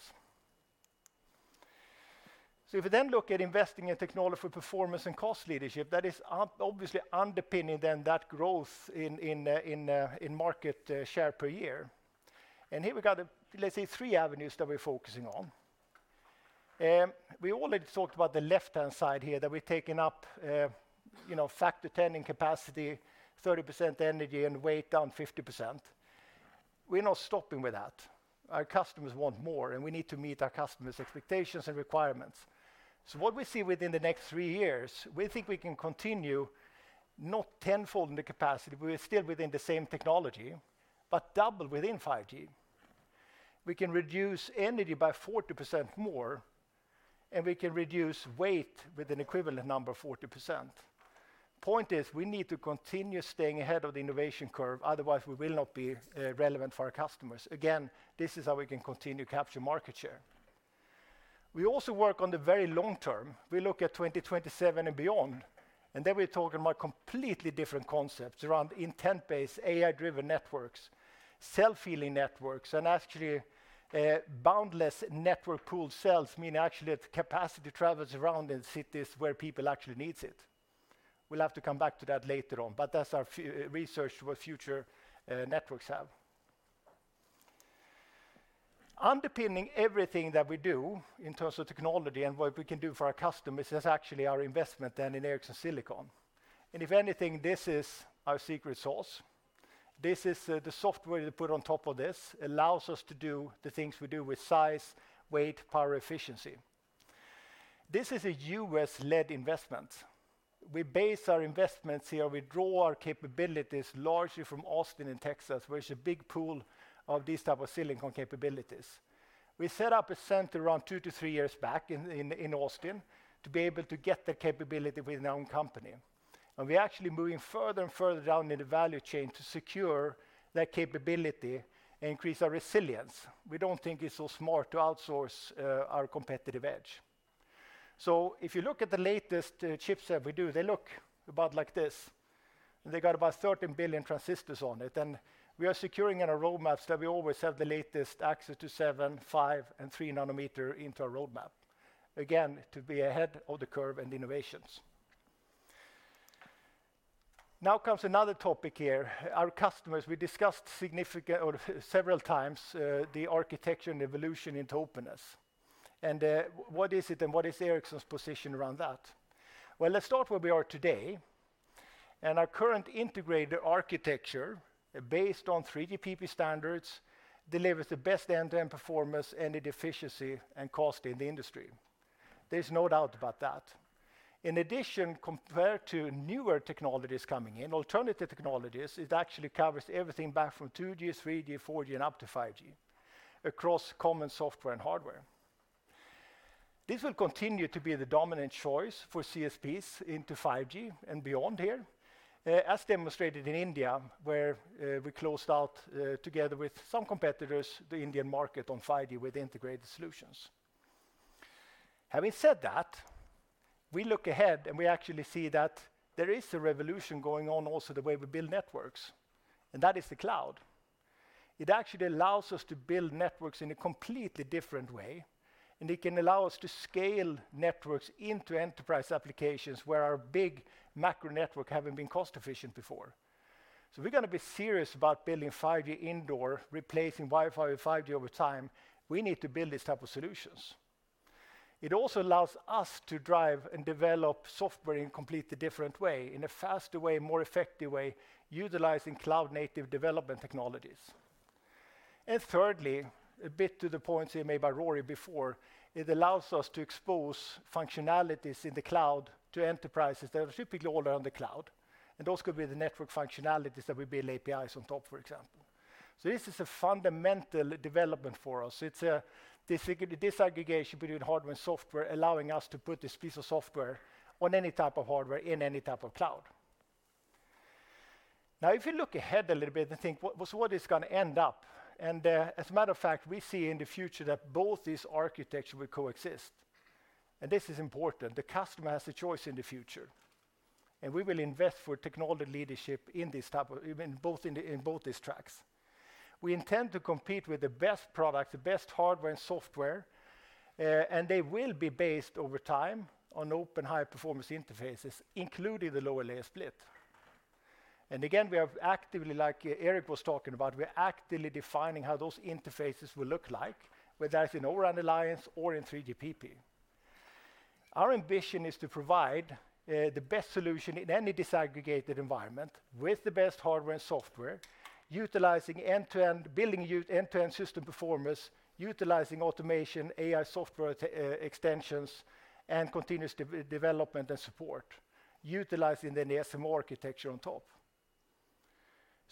If we then look at investing in technology, performance and cost leadership, that is obviously underpinning then that growth in market share per year. Here we got, let's say, three avenues that we're focusing on. We already talked about the left-hand side here that we're taking up, you know, factor 10 in capacity, 30% energy, and weight down 50%. We're not stopping with that. Our customers want more, and we need to meet our customers' expectations and requirements. What we see within the next three years, we think we can continue not tenfold in the capacity, we're still within the same technology, but double within 5G. We can reduce energy by 40% more, and we can reduce weight with an equivalent number, 40%. Point is, we need to continue staying ahead of the innovation curve, otherwise we will not be relevant for our customers. Again, this is how we can continue to capture market share. We also work on the very long term. We look at 2027 and beyond, and then we're talking about completely different concepts around intent-based, AI-driven networks, self-healing networks, and actually boundless network pool cells, meaning actually the capacity travels around in cities where people actually needs it. We'll have to come back to that later on, but that's our research what future networks have. Underpinning everything that we do in terms of technology and what we can do for our customers is actually our investment then in Ericsson Silicon. If anything, this is our secret sauce. This is, the software they put on top of this allows us to do the things we do with size, weight, power, efficiency. This is a U.S.-led investment. We base our investments here. We draw our capabilities largely from Austin in Texas, where it's a big pool of these type of silicon capabilities. We set up a center around two to three years back in Austin to be able to get the capability within our own company. We're actually moving further and further down in the value chain to secure that capability and increase our resilience. We don't think it's so smart to outsource our competitive edge. If you look at the latest chip set we do, they look about like this. They got about 13 billion transistors on it, and we are securing in our roadmaps that we always have the latest access to 7 nm, 5 nm, and 3 nm into our roadmap. Again, to be ahead of the curve and innovations. Now comes another topic here. Our customers, we discussed significant or several times, the architecture and evolution into openness. What is it and what is Ericsson's position around that? Well, let's start where we are today. Our current integrated architecture, based on 3GPP standards, delivers the best end-to-end performance, energy efficiency, and cost in the industry. There's no doubt about that. In addition, compared to newer technologies coming in, alternative technologies, it actually covers everything back from 2G, 3G, 4G, and up to 5G across common software and hardware. This will continue to be the dominant choice for CSPs into 5G and beyond here, as demonstrated in India, where we closed out together with some competitors, the Indian market on 5G with integrated solutions. Having said that, we look ahead and we actually see that there is a revolution going on also the way we build networks, and that is the cloud. It actually allows us to build networks in a completely different way, and it can allow us to scale networks into enterprise applications where our big macro network haven't been cost-efficient before. If we're gonna be serious about building 5G indoor, replacing Wi-Fi with 5G over time, we need to build these type of solutions. It also allows us to drive and develop software in a completely different way, in a faster way, more effective way, utilizing cloud-native development technologies. Thirdly, a bit to the points here made by Rory before, it allows us to expose functionalities in the cloud to enterprises that are typically all around the cloud, and those could be the network functionalities that we build APIs on top, for example. This is a fundamental development for us. It's a disaggregation between hardware and software, allowing us to put this piece of software on any type of hardware in any type of cloud. If you look ahead a little bit and think what it's going to end up, and, as a matter of fact, we see in the future that both these architecture will coexist. This is important. The customer has the choice in the future, and we will invest for technology leadership in both these tracks. We intend to compete with the best products, the best hardware and software. They will be based over time on open high-performance interfaces, including the lower layer split. Again, we are actively, like Erik was talking about, we're actively defining how those interfaces will look like, whether that's in O-RAN ALLIANCE or in 3GPP. Our ambition is to provide the best solution in any disaggregated environment with the best hardware and software, utilizing end-to-end, building end-to-end system performance, utilizing automation, AI software extensions, and continuous development and support, utilizing then the SM architecture on top.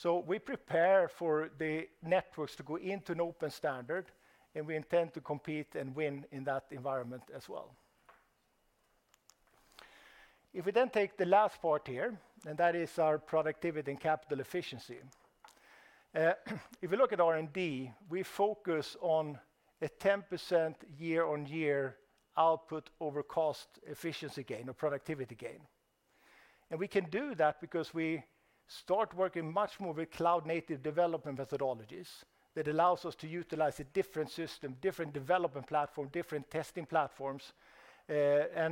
We prepare for the networks to go into an open standard. We intend to compete and win in that environment as well. We then take the last part here. That is our productivity and capital efficiency. If we look at R&D, we focus on a 10% year-on-year output over cost efficiency gain or productivity gain. We can do that because we start working much more with cloud-native development methodologies that allows us to utilize a different system, different development platform, different testing platforms. On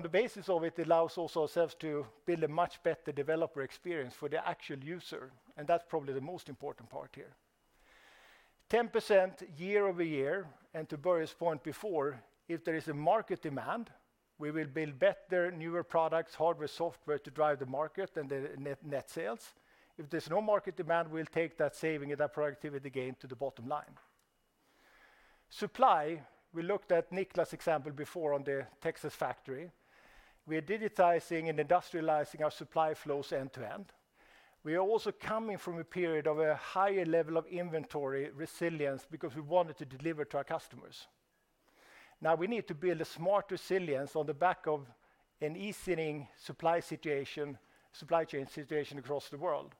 the basis of it allows also ourselves to build a much better developer experience for the actual user, and that's probably the most important part here. 10% year-over-year, and to Börje's point before, if there is a market demand, we will build better, newer products, hardware, software to drive the market and the net sales. If there's no market demand, we'll take that saving and that productivity gain to the bottom line. Supply, we looked at Niklas' example before on the Texas factory. We're digitizing and industrializing our supply flows end-to-end. We are also coming from a period of a higher level of inventory resilience because we wanted to deliver to our customers. Now we need to build a smart resilience on the back of an easing supply situation, supply chain situation across the world.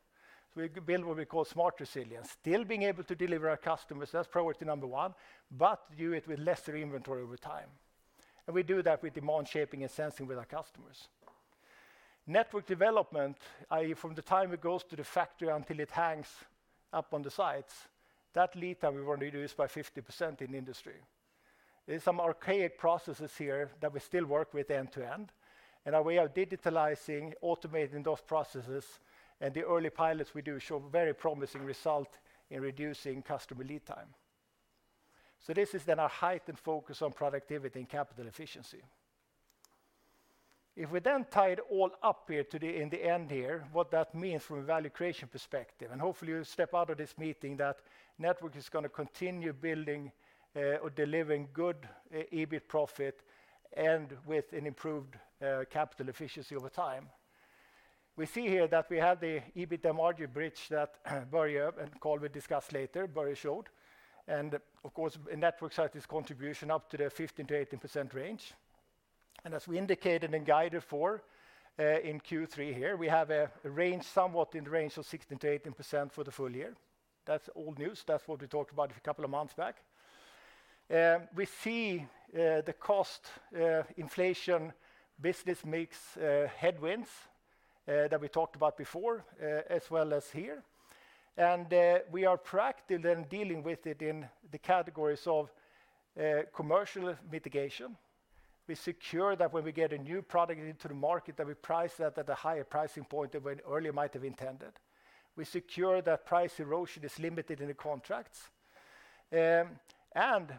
We build what we call smart resilience. Still being able to deliver our customers, that's priority number one, but do it with lesser inventory over time. We do that with demand shaping and sensing with our customers. Network development, i.e., from the time it goes to the factory until it hangs up on the sites, that lead time we wanna reduce by 50% in industry. There's some archaic processes here that we still work with end-to-end, and our way of digitalizing, automating those processes and the early pilots we do show very promising result in reducing customer lead time. This is then our heightened focus on productivity and capital efficiency. If we tie it all up here to the in the end here, what that means from a value creation perspective, and hopefully you step out of this meeting that Networks is gonna continue building, or delivering good EBIT profit and with an improved capital efficiency over time. We see here that we have the EBITDA margin bridge that Börje and Carl will discuss later, Börje showed. Of course, Networks side is contribution up to the 15%-18% range. As we indicated and guided for in Q3 here, we have a range, somewhat in the range of 16%-18% for the full year. That's old news. That's what we talked about a couple of months back. We see the cost inflation business mix headwinds that we talked about before as well as here. We are proactive in dealing with it in the categories of commercial mitigation. We secure that when we get a new product into the market, that we price that at a higher pricing point than we earlier might have intended. We secure that price erosion is limited in the contracts.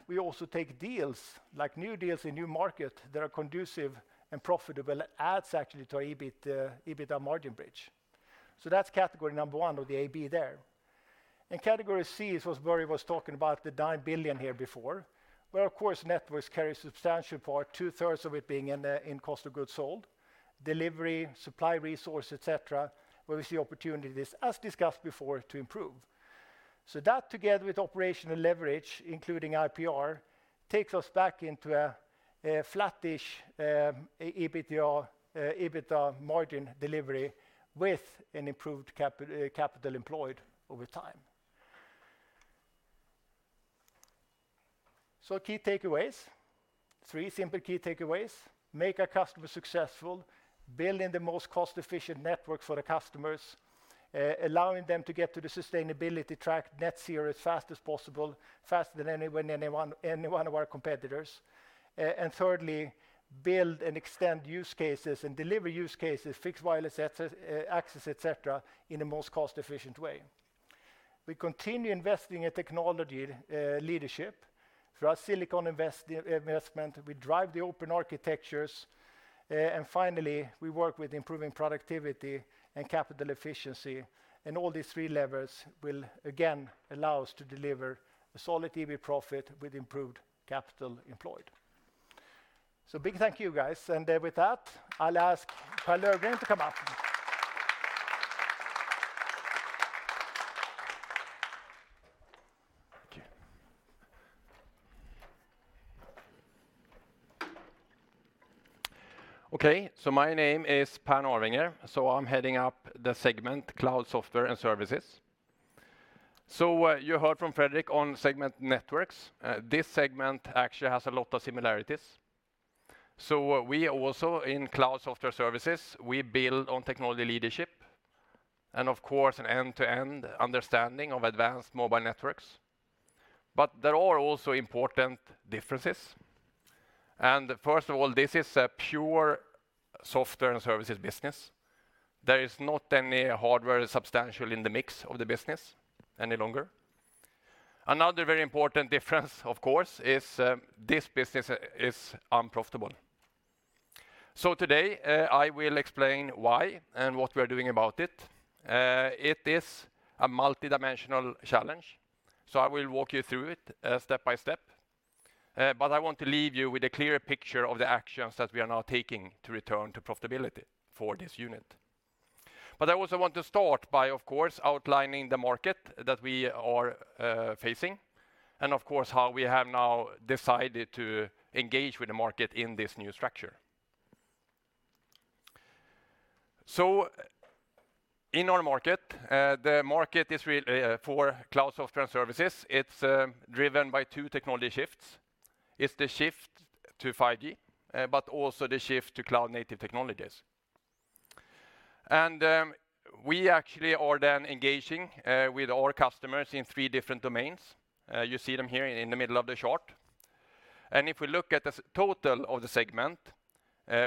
We also take deals, like new deals in new market, that are conducive and profitable adds actually to our EBIT EBITDA margin bridge. That's category number one or the AB there. Category C, as Börje was talking about the 9 billion here before, where of course networks carry a substantial part, two-thirds of it being in cost of goods sold, delivery, supply resources, etcetera, where we see opportunities, as discussed before, to improve. That together with operational leverage, including IPR, takes us back into a flat-ish EBT or EBITDA margin delivery with an improved capital employed over time. Key takeaways. Three simple key takeaways. Make our customer successful, building the most cost-efficient network for the customers, allowing them to get to the sustainability track net zero as fast as possible, faster than any one of our competitors. Thirdly, build and extend use cases and deliver use cases, Fixed Wireless Access, etcetera, in the most cost-efficient way. We continue investing in technology leadership through our silicon investment. We drive the open architectures. Finally, we work with improving productivity and capital efficiency. All these three levers will again allow us to deliver a solid EBITDA profit with improved capital employed. Big thank you, guys. With that, I'll ask Per Narvinger to come up. Thank you. Okay, my name is Per Narvinger. I'm heading up the Segment Cloud Software and Services. You heard from Fredrik on Segment Networks. This segment actually has a lot of similarities. We also in Cloud Software and Services, we build on technology leadership and of course an end-to-end understanding of advanced mobile networks. There are also important differences. First of all, this is a pure software and services business. There is not any hardware substantial in the mix of the business any longer. Another very important difference, of course, is this business is unprofitable. Today, I will explain why and what we're doing about it. It is a multidimensional challenge, I will walk you through it step by step. I want to leave you with a clear picture of the actions that we are now taking to return to profitability for this unit. I also want to start by, of course, outlining the market that we are facing, and of course, how we have now decided to engage with the market in this new structure. In our market, the market is really for Cloud Software and Services. It's driven by two technology shifts. It's the shift to 5G, but also the shift to cloud-native technologies. We actually are then engaging with our customers in three different domains. You see them here in the middle of the chart. If we look at the total of the segment,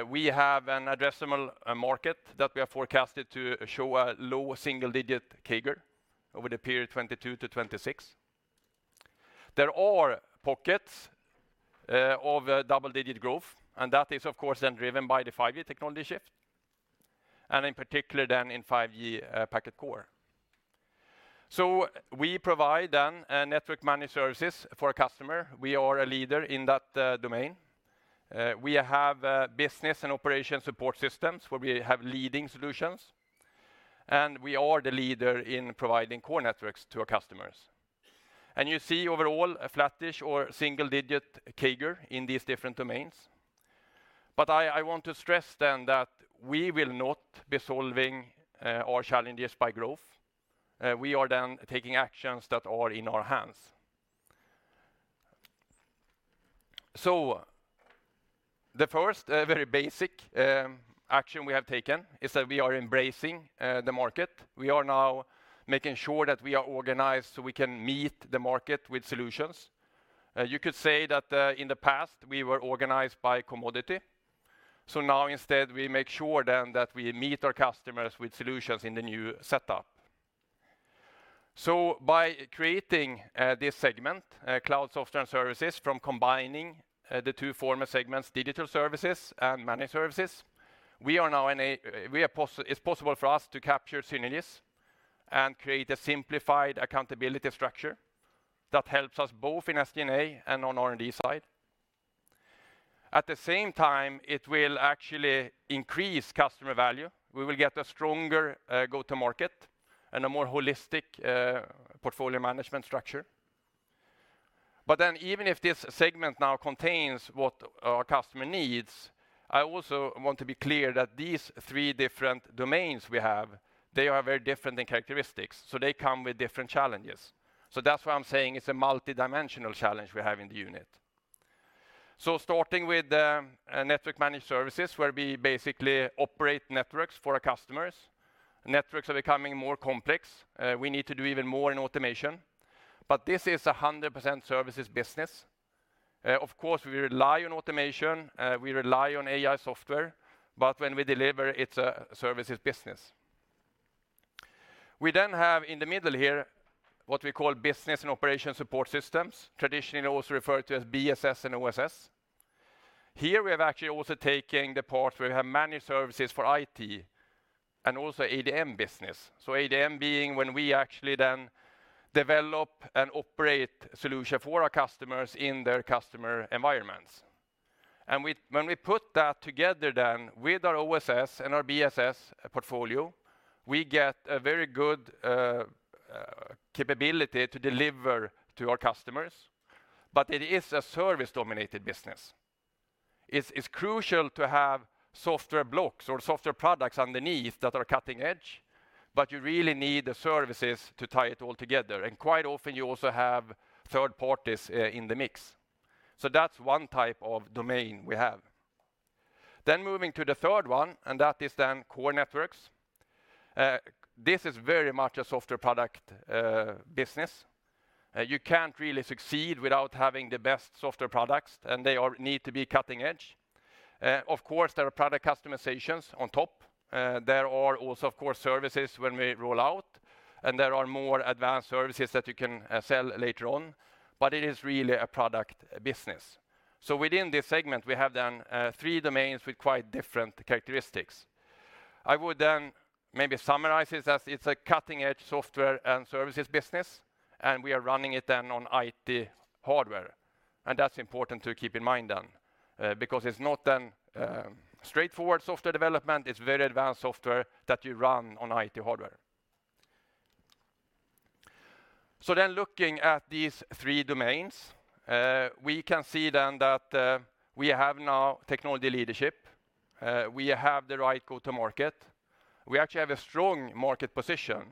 we have an addressable market that we are forecasted to show a low single-digit CAGR over the period 2022-2026. There are pockets of double-digit growth, and that is of course then driven by the 5G technology shift, and in particular then in 5G packet core. We provide then network managed services for a customer. We are a leader in that domain. We have business and operation support systems where we have leading solutions, and we are the leader in providing Core Networks to our customers. You see overall a flattish or single-digit CAGR in these different domains. I want to stress then that we will not be solving our challenges by growth. We are then taking actions that are in our hands. The first, very basic, action we have taken is that we are embracing the market. We are now making sure that we are organized, so we can meet the market with solutions. You could say that, in the past, we were organized by commodity. Now instead, we make sure then that we meet our customers with solutions in the new setup. By creating this segment, Cloud Software and Services, from combining the two former segments, Digital Services and Managed Services, it's possible for us to capture synergies and create a simplified accountability structure that helps us both in SG&A and on R&D side. At the same time, it will actually increase customer value. We will get a stronger go-to-market and a more holistic portfolio management structure. Even if this segment now contains what our customer needs, I also want to be clear that these three different domains we have, they are very different in characteristics. They come with different challenges. That's why I'm saying it's a multidimensional challenge we have in the unit. Starting with network managed services, where we basically operate networks for our customers. Networks are becoming more complex. We need to do even more in automation. This is a 100% services business. Of course, we rely on automation, we rely on AI software, but when we deliver, it's a services business. We have in the middle here what we call business and operation support systems, traditionally also referred to as BSS and OSS. Here we have actually also taken the part where we have managed services for IT and also ADM business. ADM being when we actually then develop and operate solution for our customers in their customer environments. When we put that together then with our OSS and our BSS portfolio, we get a very good capability to deliver to our customers. It is a service-dominated business. It's crucial to have software blocks or software products underneath that are cutting-edge, but you really need the services to tie it all together. Quite often you also have third parties in the mix. That's one type of domain we have. Moving to the third one, and that is then Core Networks. This is very much a software product business. You can't really succeed without having the best software products, and they all need to be cutting-edge. Of course, there are product customizations on top. There are also, of course, services when we roll out, and there are more advanced services that you can sell later on, but it is really a product business. Within this segment, we have three domains with quite different characteristics. I would maybe summarize this as it's a cutting-edge software and services business, and we are running it on IT hardware. That's important to keep in mind because it's not straightforward software development, it's very advanced software that you run on IT hardware. Looking at these three domains, we can see that we have now technology leadership. We have the right go-to-market. We actually have a strong market position,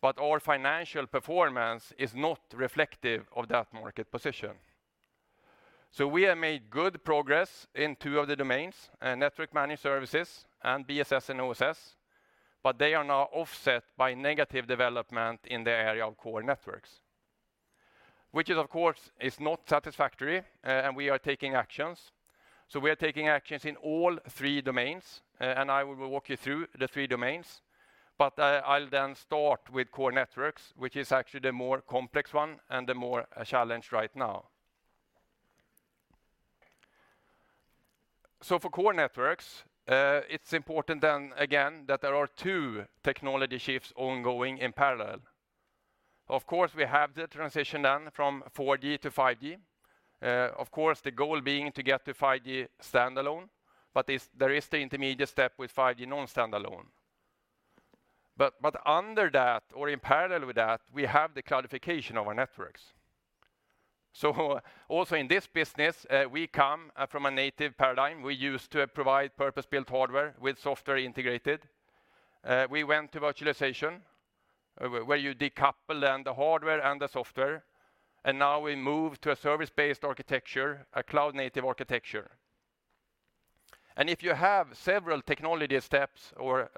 but our financial performance is not reflective of that market position. We have made good progress in two of the domains, Network Managed Services and BSS and OSS, but they are now offset by negative development in the area of Core Networks. Which is of course, is not satisfactory, and we are taking actions. We are taking actions in all three domains, and I will walk you through the three domains. I'll then start with Core Networks, which is actually the more complex one and the more a challenge right now. For Core Networks, it's important then again that there are two technology shifts ongoing in parallel. Of course, we have the transition then from 4G to 5G. Of course, the goal being to get to 5G Standalone, there is the intermediate step with 5G non-standalone. Under that or in parallel with that, we have the cloudification of our networks. In this business, we come from a native paradigm. We used to provide purpose-built hardware with software integrated. We went to virtualization, where you decouple then the hardware and the software, and now we move to a service-based architecture, a cloud-native architecture. If you have several technology steps or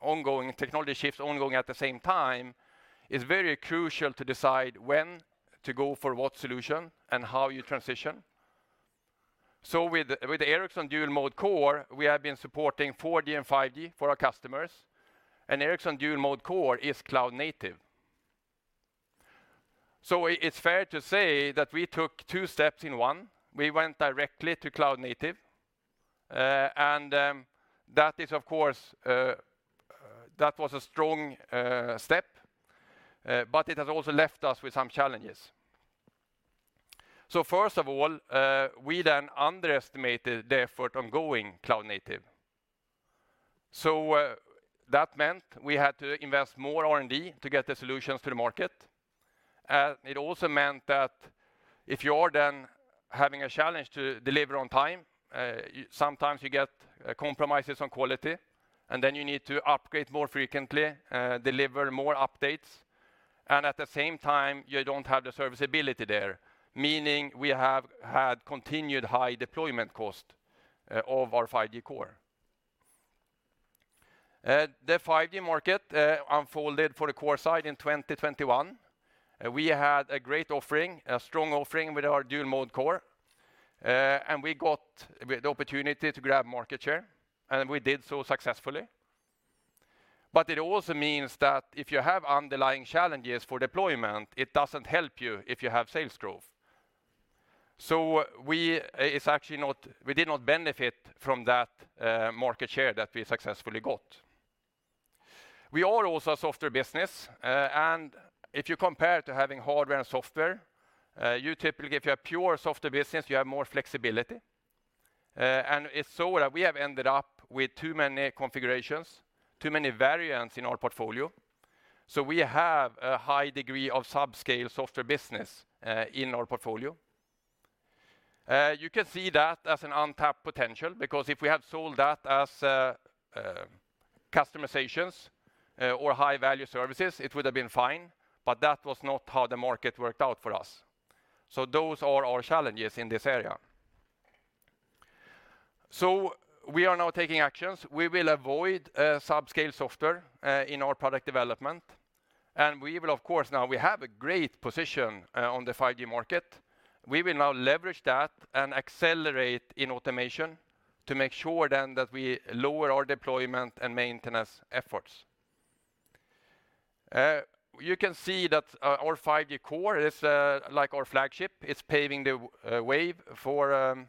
ongoing technology shifts ongoing at the same time, it's very crucial to decide when to go for what solution and how you transition. With Ericsson Dual-Mode Core, we have been supporting 4G and 5G for our customers, and Ericsson Dual-Mode Core is cloud-native. It's fair to say that we took two steps in one. We went directly to cloud-native, and that is, of course, that was a strong step, but it has also left us with some challenges. First of all, we then underestimated the effort ongoing cloud-native. That meant we had to invest more R&D to get the solutions to the market. It also meant that if you're then having a challenge to deliver on time, sometimes you get compromises on quality, and then you need to upgrade more frequently, deliver more updates. At the same time, you don't have the serviceability there, meaning we have had continued high deployment cost of our 5G Core. The 5G market unfolded for the core site in 2021. We had a great offering, a strong offering with our Dual-Mode Core. We got the opportunity to grab market share. We did so successfully. It also means that if you have underlying challenges for deployment, it doesn't help you if you have sales growth. It's actually not, we did not benefit from that market share that we successfully got. We are also a software business. If you compare to having hardware and software, you typically, if you're a pure software business, you have more flexibility. It's so that we have ended up with too many configurations, too many variants in our portfolio. We have a high degree of subscale software business in our portfolio. You can see that as an untapped potential, because if we had sold that as customizations or high-value services, it would have been fine. That was not how the market worked out for us. Those are our challenges in this area. We are now taking actions. We will avoid subscale software in our product development. We will, of course, now we have a great position on the 5G market. We will now leverage that and accelerate in automation to make sure then that we lower our deployment and maintenance efforts. You can see that our 5G Core is like our flagship. It's paving the wave for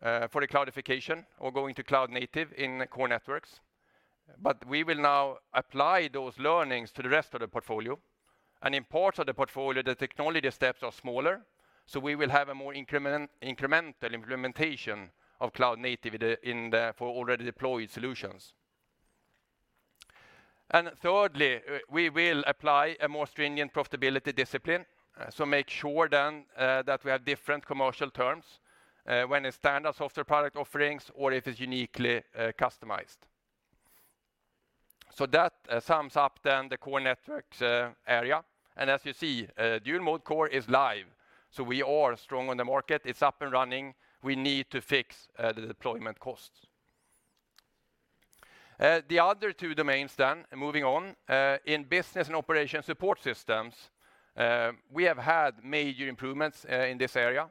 the cloudification or going to cloud-native in the Core Networks. We will now apply those learnings to the rest of the portfolio. In parts of the portfolio, the technology steps are smaller. We will have a more incremental implementation of cloud-native for already deployed solutions. Thirdly, we will apply a more stringent profitability discipline. Make sure then that we have different commercial terms when a standard software product offerings or if it's uniquely customized. That sums up then the core network area. As you see, Dual-Mode Core is live, so we are strong on the market. It's up and running. We need to fix the deployment costs. The other two domains then, moving on. In business and operation support systems, we have had major improvements in this area.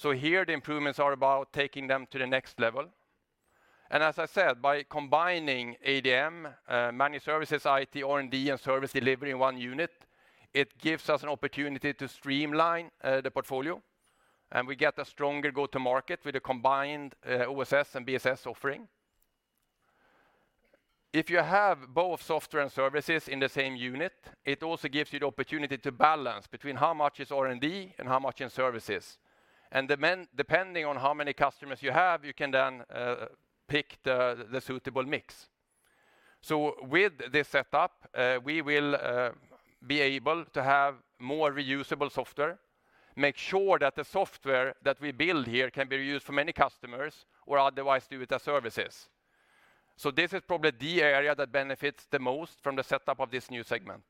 Here, the improvements are about taking them to the next level. As I said, by combining ADM, Managed Services, IT, R&D, and Service Delivery in one unit, it gives us an opportunity to streamline the portfolio, and we get a stronger go-to-market with a combined OSS and BSS offering. If you have both software and services in the same unit, it also gives you the opportunity to balance between how much is R&D and how much in services. Depending on how many customers you have, you can then pick the suitable mix. With this setup, we will be able to have more reusable software, make sure that the software that we build here can be reused for many customers or otherwise do with the services. This is probably the area that benefits the most from the setup of this new segment.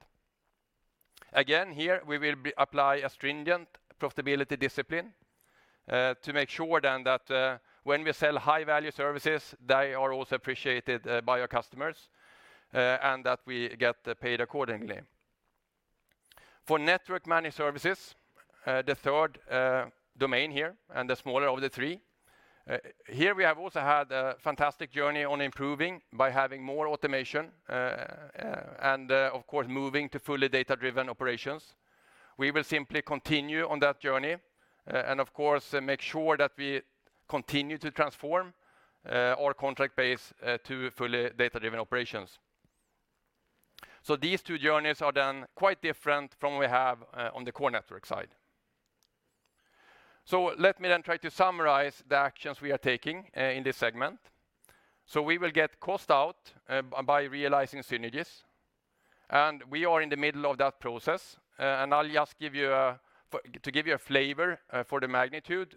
Again, here we will apply a stringent profitability discipline to make sure then that when we sell high-value services, they are also appreciated by our customers and that we get paid accordingly. For network managed services, the third domain here and the smaller of the three, here we have also had a fantastic journey on improving by having more automation and of course, moving to fully data-driven operations. We will simply continue on that journey and of course, make sure that we continue to transform our contract base to fully data-driven operations. These two journeys are then quite different from we have on the core network side. Let me then try to summarize the actions we are taking in this segment. We will get cost out by realizing synergies, and we are in the middle of that process. I'll just give you to give you a flavor for the magnitude.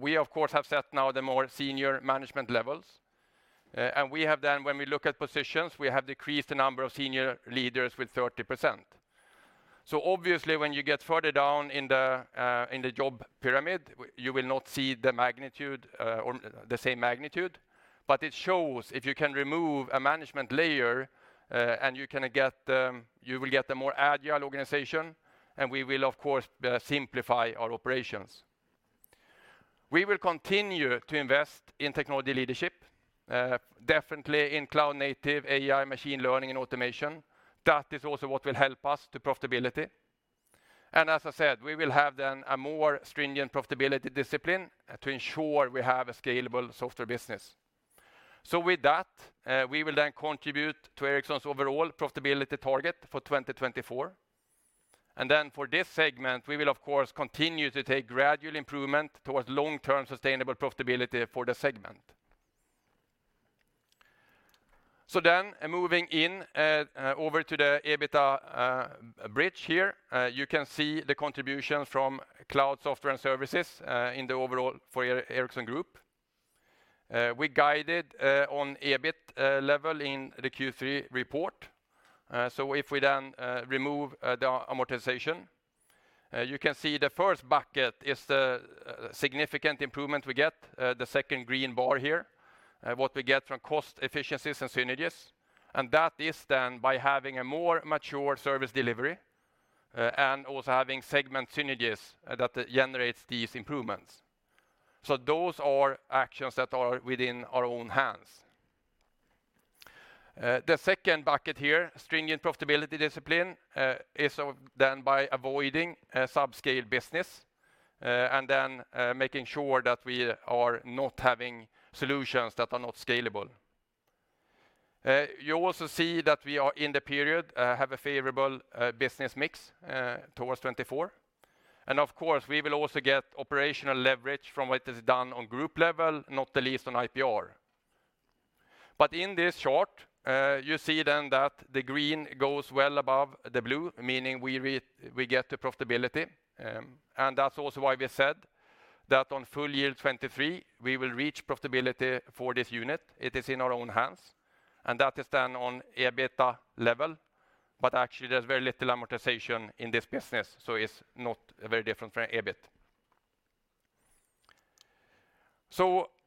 We of course, have set now the more senior management levels. We have then, when we look at positions, we have decreased the number of senior leaders with 30%. Obviously, when you get further down in the in the job pyramid, you will not see the magnitude or the same magnitude. It shows if you can remove a management layer, and you can get, you will get a more agile organization, and we will of course, simplify our operations. We will continue to invest in technology leadership, definitely in cloud-native, AI, machine learning and automation. That is also what will help us to profitability. As I said, we will have then a more stringent profitability discipline to ensure we have a scalable software business. With that, we will then contribute to Ericsson's overall profitability target for 2024. For this segment, we will of course, continue to take gradual improvement towards long-term sustainable profitability for the segment. Moving in over to the EBITA bridge here, you can see the contribution from Cloud Software and Services in the overall for Ericsson Group. We guided on EBIT level in the Q3 report. If we then remove the amortization, you can see the first bucket is the significant improvement we get, the second green bar here, what we get from cost efficiencies and synergies. That is then by having a more mature service delivery, and also having segment synergies that generates these improvements. Those are actions that are within our own hands. The second bucket here, stringent profitability discipline, is of by avoiding a subscale business, and making sure that we are not having solutions that are not scalable. You also see that we are in the period, have a favorable business mix towards 2024. Of course, we will also get operational leverage from what is done on group level, not the least on IPR. In this chart, you see then that the green goes well above the blue, meaning we get the profitability. That's also why we said that on full year 2023, we will reach profitability for this unit. It is in our own hands, that is then on EBITA level. Actually, there's very little amortization in this business, so it's not very different from EBIT.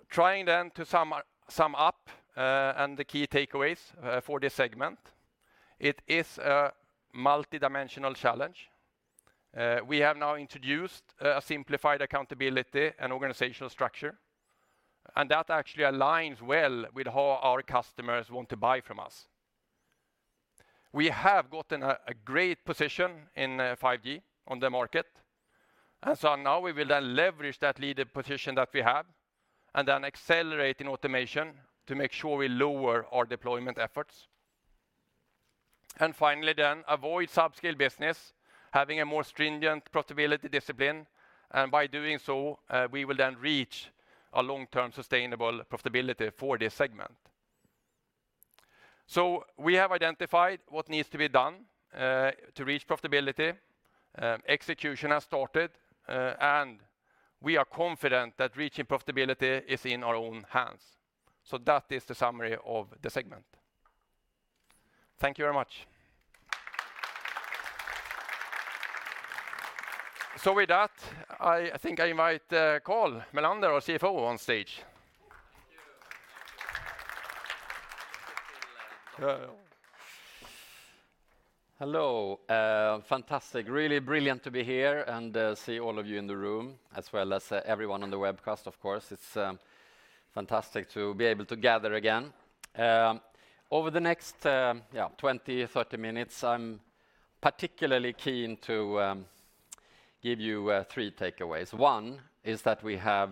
Trying then to sum up, and the key takeaways for this segment. It is a multidimensional challenge. We have now introduced a simplified accountability and organizational structure, that actually aligns well with how our customers want to buy from us. We have gotten a great position in 5G on the market, now we will then leverage that leader position that we have and then accelerate in automation to make sure we lower our deployment efforts. Finally then avoid subscale business, having a more stringent profitability discipline. By doing so, we will then reach a long-term sustainable profitability for this segment. We have identified what needs to be done to reach profitability. Execution has started, and we are confident that reaching profitability is in our own hands. That is the summary of the segment. Thank you very much. With that, I think I invite Carl Mellander, our CFO, on stage. Thank you. Hello. Fantastic. Really brilliant to be here and see all of you in the room as well as everyone on the webcast, of course. It's fantastic to be able to gather again. Over the next 20, 30-minutes, I'm particularly keen to give you three takeaways. One is that we have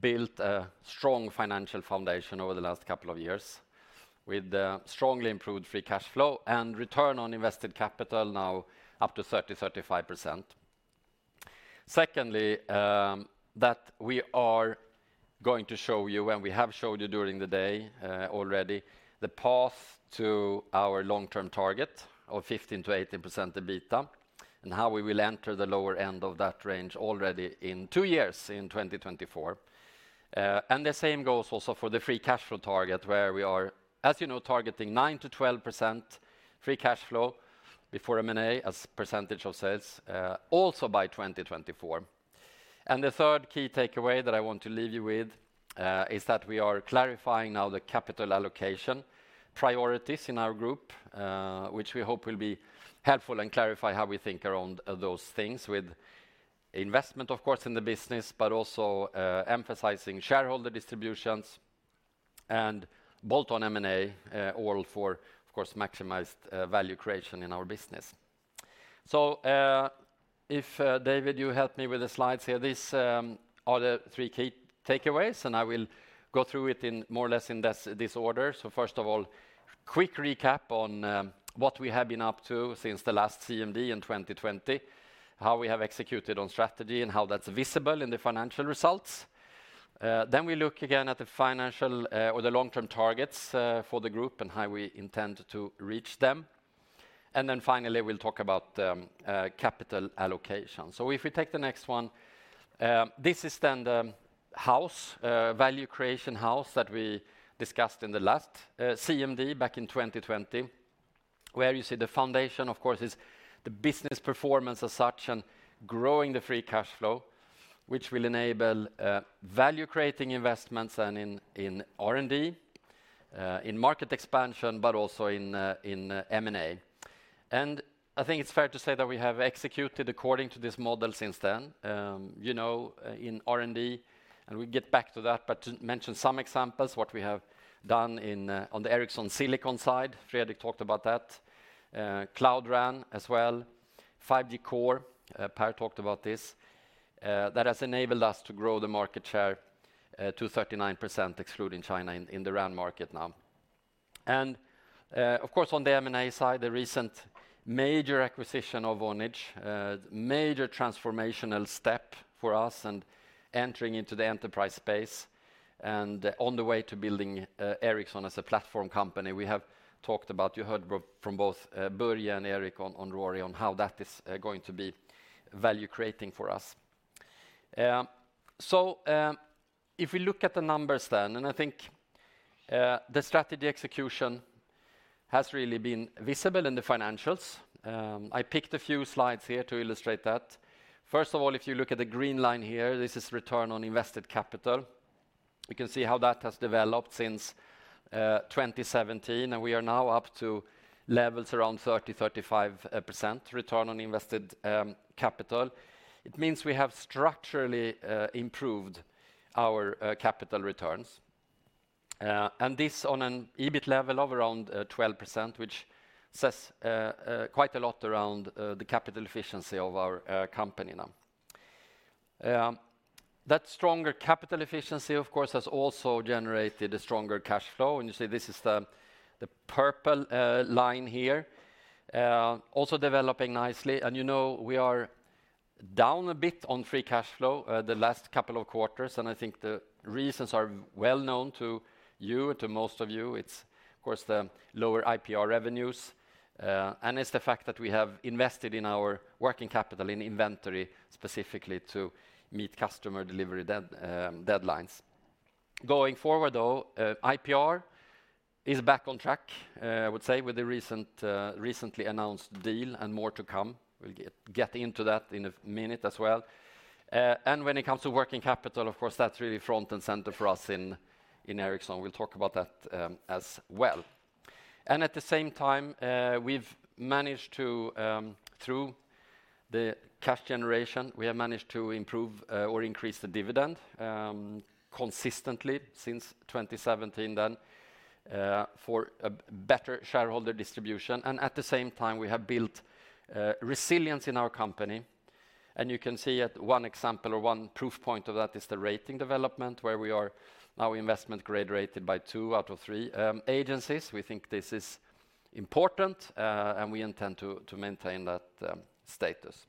built a strong financial foundation over the last couple of years with strongly improved free cash flow and return on invested capital now up to 30%-35%. Secondly, that we are going to show you, and we have showed you during the day already, the path to our long-term target of 15%-18% EBITA, and how we will enter the lower end of that range already in two years in 2024. The same goes also for the free cash flow target where we are, as you know, targeting 9%-12% free cash flow before M&A as percentage of sales, also by 2024. The third key takeaway that I want to leave you with is that we are clarifying now the capital allocation priorities in our group, which we hope will be helpful and clarify how we think around those things with investment, of course, in the business, but also emphasizing shareholder distributions and bolt-on M&A, all for, of course, maximized value creation in our business. If David you help me with the slides here. These are the three key takeaways, and I will go through it in more or less in this order. First of all, quick recap on what we have been up to since the last CMD in 2020, how we have executed on strategy and how that's visible in the financial results. We look again at the financial or the long-term targets for the group and how we intend to reach them. Finally, we'll talk about capital allocation. If we take the next one, this is then the house, value creation house that we discussed in the last CMD back in 2020, where you see the foundation, of course, is the business performance as such and growing the free cash flow, which will enable value creating investments and in R&D, in market expansion, but also in M&A. I think it's fair to say that we have executed according to this model since then. You know, in R&D, and we'll get back to that, but to mention some examples, what we have done on the Ericsson Silicon side, Fredrik talked about that. Cloud RAN as well. 5G Core, Per talked about this. That has enabled us to grow the market share to 39%, excluding China in the RAN market now. Of course, on the M&A side, the recent major acquisition of Vonage, major transformational step for us and entering into the enterprise space and on the way to building Ericsson as a platform company. You heard from both Börje and Erik on Rory on how that is going to be value creating for us. If we look at the numbers, and I think the strategy execution has really been visible in the financials. I picked a few slides here to illustrate that. First of all, if you look at the green line here, this is return on invested capital. We can see how that has developed since 2017, and we are now up to levels around 30%-35% return on invested capital. It means we have structurally improved our capital returns. This on an EBIT level of around 12%, which says quite a lot around the capital efficiency of our company now. That stronger capital efficiency, of course, has also generated a stronger cash flow. You see this is the purple line here, also developing nicely. you know, we are down a bit on free cash flow, the last couple of quarters. I think the reasons are well known to you, to most of you. It's of course the lower IPR revenues, and it's the fact that we have invested in our working capital in inventory specifically to meet customer delivery deadlines. Going forward, though, IPR is back on track, I would say, with the recent, recently announced deal and more to come. We'll get into that in a minute as well. When it comes to working capital, of course, that's really front and center for us in Ericsson. We'll talk about that as well. At the same time, we've managed to, through the cash generation, we have managed to improve or increase the dividend consistently since 2017 then, for a better shareholder distribution. At the same time, we have built resilience in our company. You can see at one example or one proof point of that is the rating development, where we are now investment grade rated by two out of three agencies. We think this is important, and we intend to maintain that status.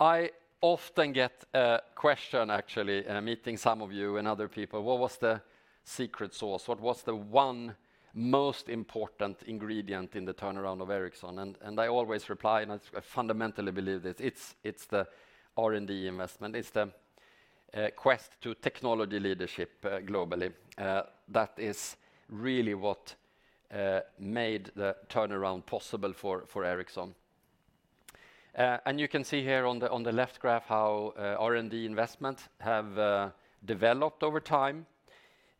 I often get a question, actually, in meeting some of you and other people: What was the secret sauce? What was the one most important ingredient in the turnaround of Ericsson? I always reply, and I fundamentally believe this, it's the R&D investment. It's the quest to technology leadership globally. That is really what made the turnaround possible for Ericsson. You can see here on the left graph how R&D investments have developed over time.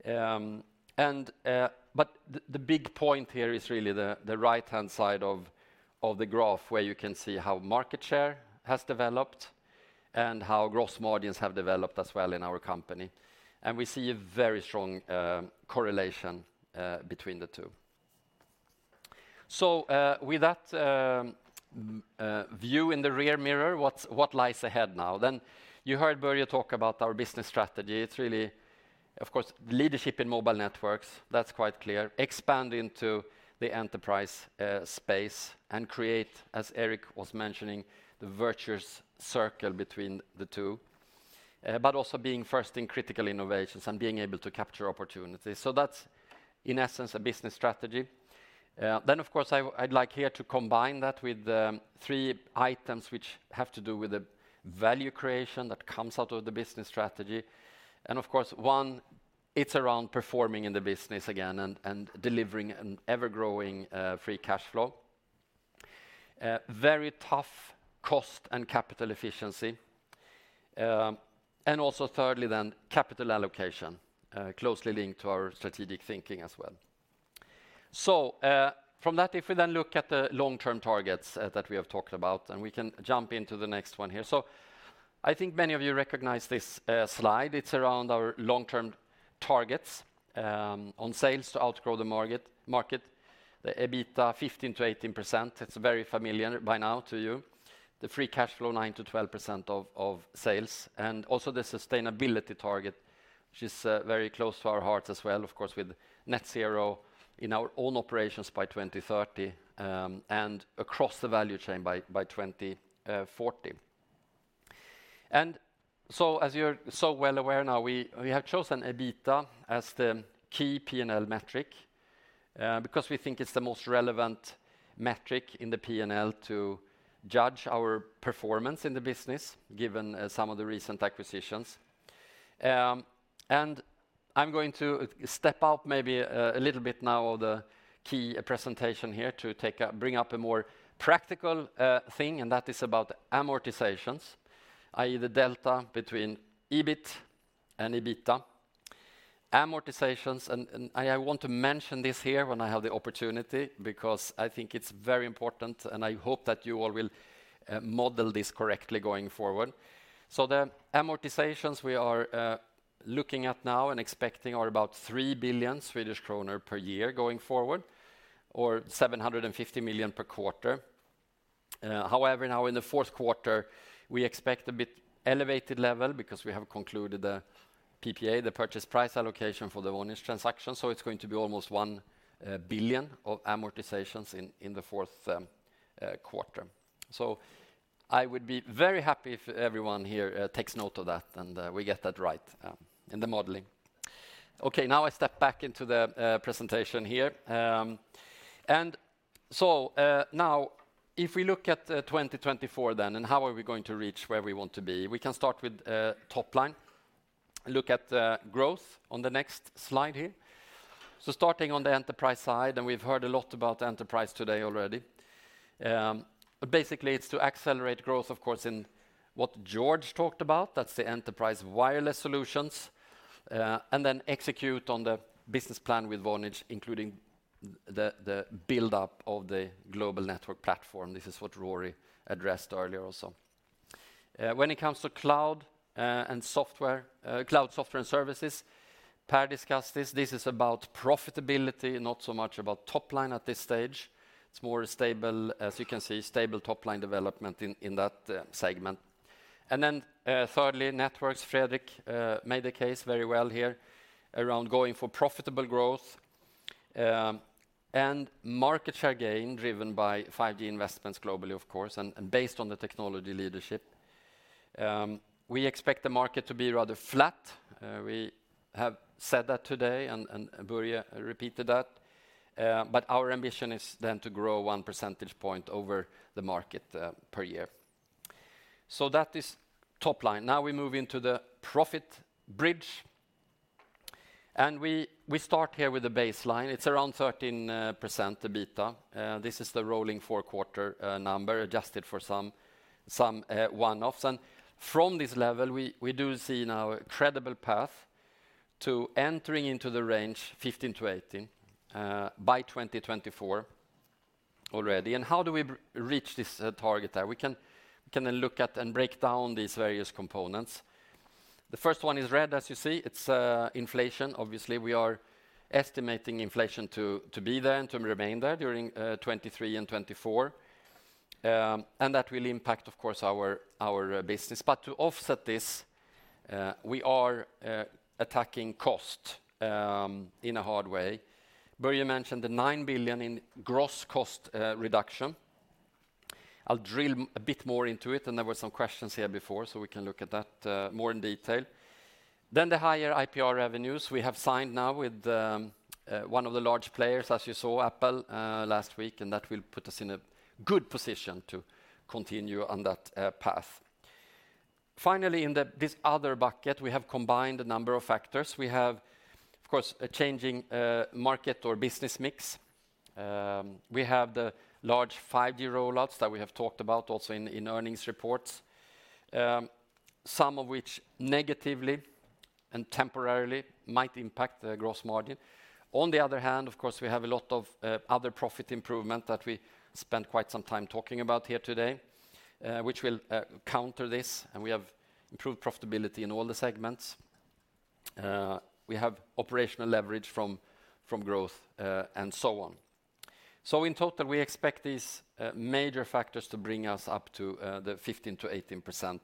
The big point here is really the right-hand side of the graph, where you can see how market share has developed and how gross margins have developed as well in our company. We see a very strong correlation between the two. With that view in the rear mirror, what lies ahead now? You heard Börje talk about our business strategy. It's really, of course, leadership in mobile networks, that's quite clear. Expand into the enterprise space and create, as Erik was mentioning, the virtuous circle between the two. Also being first in critical innovations and being able to capture opportunities. That's, in essence, a business strategy. Of course, I'd like here to combine that with three items which have to do with the value creation that comes out of the business strategy. Of course, one, it's around performing in the business again and delivering an ever-growing free cash flow. Very tough cost and capital efficiency. Also thirdly then, capital allocation, closely linked to our strategic thinking as well. From that, if we then look at the long-term targets that we have talked about, and we can jump into the next one here. I think many of you recognize this slide. It's around our long-term targets on sales to outgrow the market. The EBITDA 15%-18%, it's very familiar by now to you. The free cash flow, 9%-12% of sales. Also the sustainability target, which is very close to our hearts as well, of course, with net zero in our own operations by 2030 and across the value chain by 2040. As you're so well aware now, we have chosen EBITDA as the key P&L metric because we think it's the most relevant metric in the P&L to judge our performance in the business, given some of the recent acquisitions. I'm going to step out maybe a little bit now of the key presentation here to bring up a more practical thing, and that is about amortizations, i.e. the delta between EBIT and EBITDA. Amortizations. I want to mention this here when I have the opportunity because I think it's very important, and I hope that you all will model this correctly going forward. The amortizations we are looking at now and expecting are about 3 billion Swedish kronor per year going forward or 750 million per quarter. Now in the fourth quarter, we expect a bit elevated level because we have concluded the PPA, the purchase price allocation for the Vonage transaction, so it's going to be almost 1 billion of amortizations in the fourth quarter. I would be very happy if everyone here takes note of that and we get that right in the modeling. Now I step back into the presentation here. Now if we look at 2024 and how are we going to reach where we want to be, we can start with top line. Look at growth on the next slide here. Starting on the enterprise side, and we've heard a lot about enterprise today already. Basically it's to accelerate growth, of course, in what George talked about, that's the Enterprise Wireless Solutions, execute on the business plan with Vonage, including the build-up of the Global Network Platform. This is what Rory addressed earlier also. When it comes to Cloud Software and Services, Per discussed this. This is about profitability, not so much about top line at this stage. It's more stable, as you can see, stable top-line development in that segment. Thirdly, Networks. Fredrik made a case very well here around going for profitable growth and market share gain driven by 5G investments globally, of course, and based on the technology leadership. We expect the market to be rather flat. We have said that today, and Börje repeated that. But our ambition is then to grow 1 percentage point over the market per year. So that is top line. Now we move into the profit bridge. We start here with the baseline. It's around 13% EBITDA. This is the rolling four-quarter number, adjusted for some one-offs. From this level, we do see now a credible path to entering into the range 15%-18% by 2024 already. How do we reach this target there? We can look at and break down these various components. The first one is red, as you see. It's inflation. Obviously, we are estimating inflation to be there and to remain there during 2023 and 2024. That will impact, of course, our business. To offset this, we are attacking cost in a hard way. Börje mentioned the 9 billion in gross cost reduction. I'll drill a bit more into it, and there were some questions here before, so we can look at that more in detail. The higher IPR revenues. We have signed now with one of the large players, as you saw, Apple last week, and that will put us in a good position to continue on that path. Finally, in this other bucket, we have combined a number of factors. We have, of course, a changing market or business mix. We have the large 5G rollouts that we have talked about also in earnings reports, some of which negatively and temporarily might impact the gross margin. On the other hand, of course, we have a lot of other profit improvement that we spent quite some time talking about here today, which will counter this, and we have improved profitability in all the segments. We have operational leverage from growth and so on. In total, we expect these major factors to bring us up to the 15%-18%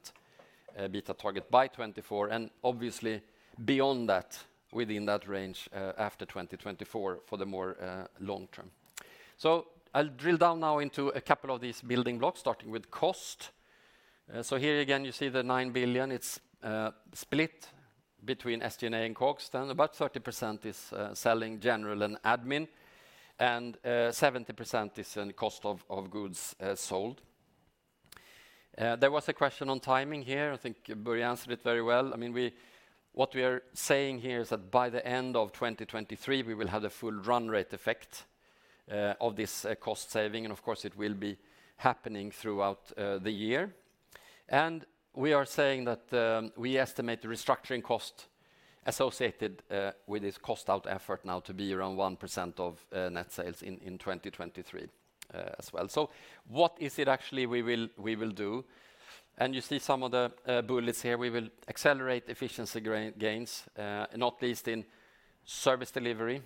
EBITDA target by 2024, and obviously beyond that, within that range after 2024 for the more long term. I'll drill down now into a couple of these building blocks, starting with cost. Here again, you see the 9 billion. It's split between SG&A and COGS. About 30% is selling, general, and admin, and 70% is in cost of goods sold. There was a question on timing here. I think Börje answered it very well. I mean, what we are saying here is that by the end of 2023, we will have the full run rate effect of this cost saving, it will be happening throughout the year. We are saying that we estimate the restructuring cost associated with this cost-out effort now to be around 1% of net sales in 2023 as well. What is it actually we will do? You see some of the bullets here. We will accelerate efficiency gains, not least in service delivery,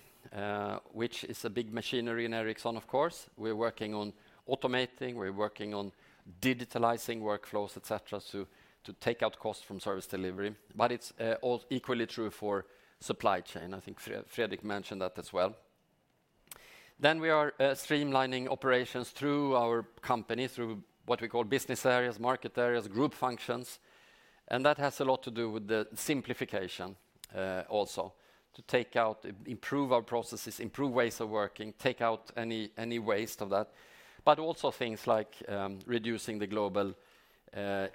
which is a big machinery in Ericsson, of course. We're working on automating, we're working on digitalizing workflows, et cetera, to take out costs from service delivery. It's all equally true for supply chain. I think Fredrik mentioned that as well. We are streamlining operations through our company, through what we call business areas, market areas, group functions, and that has a lot to do with the simplification also. To take out, improve our processes, improve ways of working, take out any waste of that. Also things like, reducing the global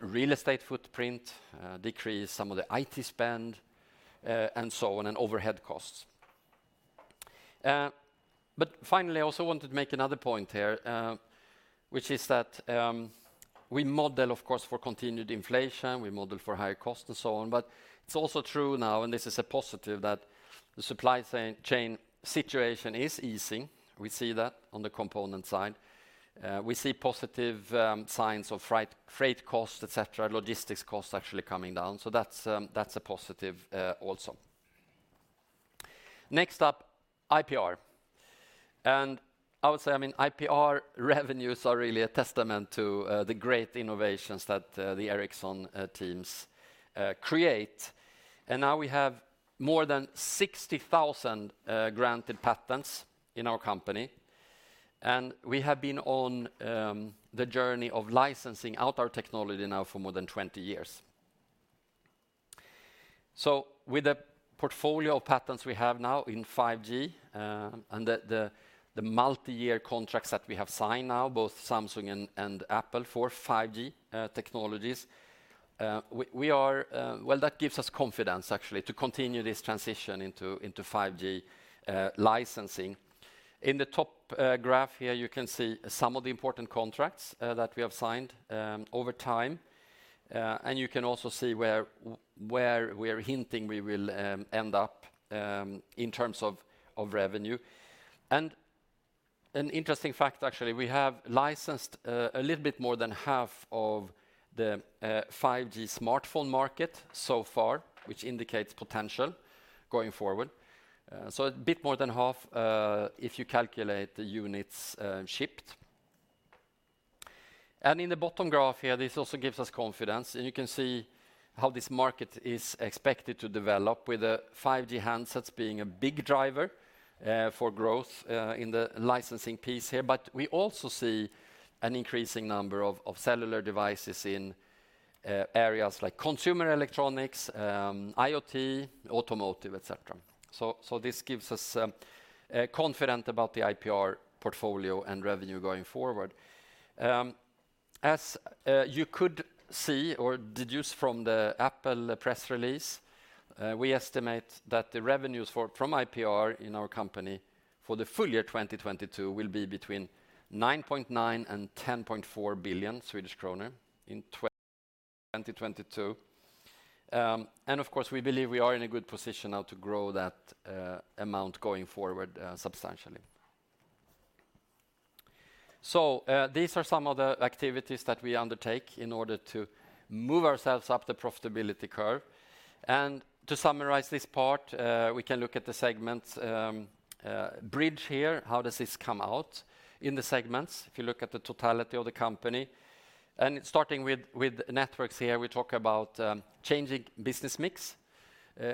real estate footprint, decrease some of the IT spend, and so on, and overhead costs. Finally, I also wanted to make another point here, which is that, we model, of course, for continued inflation, we model for higher cost and so on. It's also true now, and this is a positive, that the supply chain situation is easing. We see that on the component side. We see positive signs of freight costs, et cetera, logistics costs actually coming down. That's, that's a positive, also. Next up, IPR. I would say, I mean, IPR revenues are really a testament to the great innovations that the Ericsson teams create. Now we have more than 60,000 granted patents in our company, and we have been on the journey of licensing out our technology now for more than 20 years. With the portfolio of patents we have now in 5G, and the multi-year contracts that we have signed now, both Samsung and Apple for 5G technologies, Well, that gives us confidence actually to continue this transition into 5G licensing. In the top graph here, you can see some of the important contracts that we have signed over time. You can also see where we're hinting we will end up in terms of revenue. An interesting fact, actually, we have licensed a little bit more than half of the 5G smartphone market so far, which indicates potential going forward. A bit more than half, if you calculate the units shipped. In the bottom graph here, this also gives us confidence, and you can see how this market is expected to develop with the 5G handsets being a big driver for growth in the licensing piece here. We also see an increasing number of cellular devices in areas like consumer electronics, IoT, automotive, et cetera. This gives us confident about the IPR portfolio and revenue going forward. As you could see or deduce from the Apple press release, we estimate that the revenues for, from IPR in our company for the full year 2022 will be between 9.9 billion and 10.4 billion Swedish kronor in 2022. Of course, we believe we are in a good position now to grow that amount going forward substantially. These are some of the activities that we undertake in order to move ourselves up the profitability curve. To summarize this part, we can look at the segments bridge here. How does this come out in the segments if you look at the totality of the company? Starting with networks here, we talk about changing business mix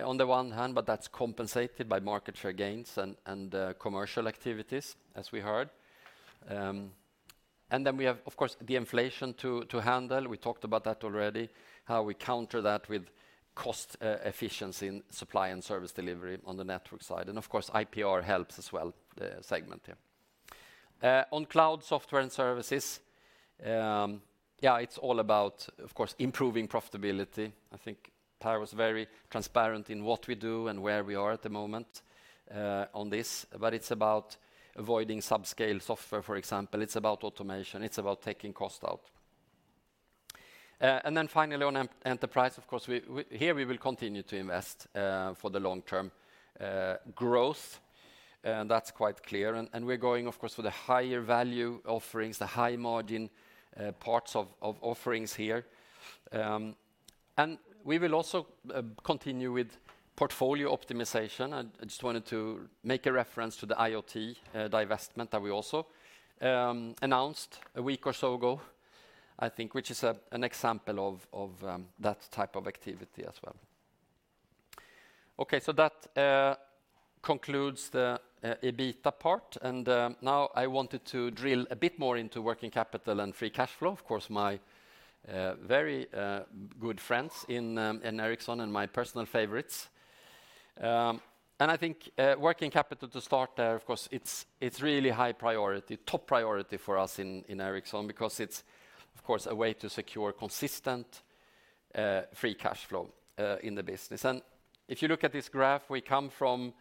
on the one hand, but that's compensated by market share gains and commercial activities, as we heard. We have, of course, the inflation to handle. We talked about that already, how we counter that with cost efficiency in supply and service delivery on the network side. Of course, IPR helps as well, the segment here. On Cloud Software and Services, it's all about, of course, improving profitability. I think Per was very transparent in what we do and where we are at the moment on this. It's about avoiding subscale software, for example. It's about automation. It's about taking cost out. Finally, on enterprise, of course, here we will continue to invest for the long term growth. That's quite clear. We're going, of course, for the higher value offerings, the high margin parts of offerings here. We will also continue with portfolio optimization. I just wanted to make a reference to the IoT divestment that we also announced a week or so ago, I think, which is an example of that type of activity as well. Okay. That concludes the EBITDA part. Now I wanted to drill a bit more into working capital and free cash flow. Of course, my very good friends in Ericsson and my personal favorites. I think working capital to start there, of course, it's really high priority, top priority for us in Ericsson because it's, of course, a way to secure consistent free cash flow in the business. If you look at this graph, we come from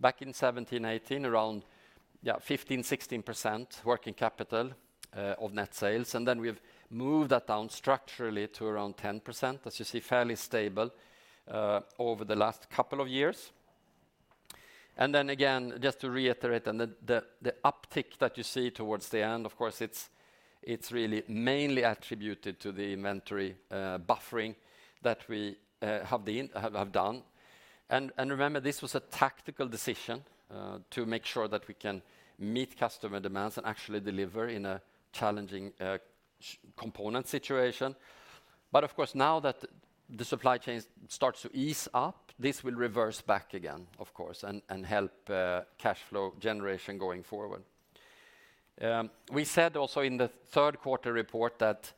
back in 17%, 18% around, yeah, 15%-16% working capital of net sales. We've moved that down structurally to around 10%. As you see, fairly stable over the last couple of years. Again, just to reiterate, and the uptick that you see towards the end, of course, it's really mainly attributed to the inventory buffering that we have done. Remember, this was a tactical decision to make sure that we can meet customer demands and actually deliver in a challenging component situation. Of course, now that the supply chains starts to ease up, this will reverse back again, of course, and help cash flow generation going forward. We said also in the third quarter report that,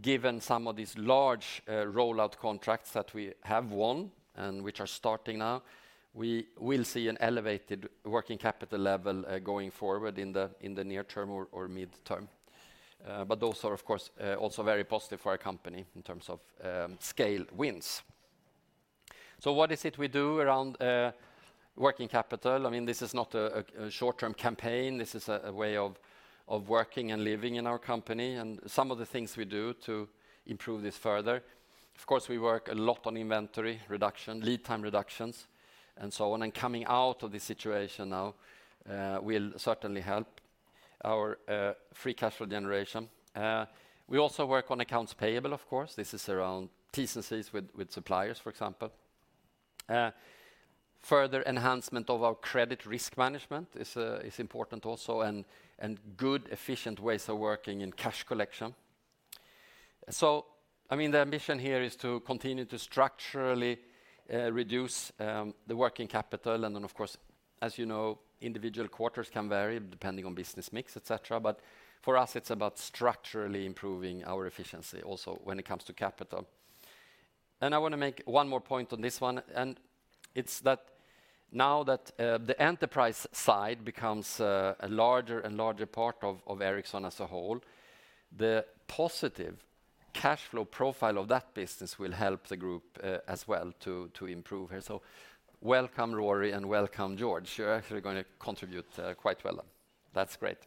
given some of these large rollout contracts that we have won and which are starting now, we will see an elevated working capital level going forward in the near term or mid-term. Those are, of course, also very positive for our company in terms of scale wins. What is it we do around working capital? I mean, this is not a short-term campaign. This is a way of working and living in our company and some of the things we do to improve this further. Of course, we work a lot on inventory reduction, lead time reductions, and so on. Coming out of this situation now, will certainly help our free cash flow generation. We also work on accounts payable, of course. This is around vacancies with suppliers, for example. Further enhancement of our credit risk management is important also and good efficient ways of working in cash collection. I mean, the ambition here is to continue to structurally reduce the working capital. Of course, as you know, individual quarters can vary depending on business mix, et cetera. For us, it's about structurally improving our efficiency also when it comes to capital. I wanna make one more point on this one, and it's that now that the enterprise side becomes a larger and larger part of Ericsson as a whole, the positive cash flow profile of that business will help the group as well to improve here. Welcome, Rory Read, and welcome, George Mulhern. You're actually gonna contribute quite well. That's great.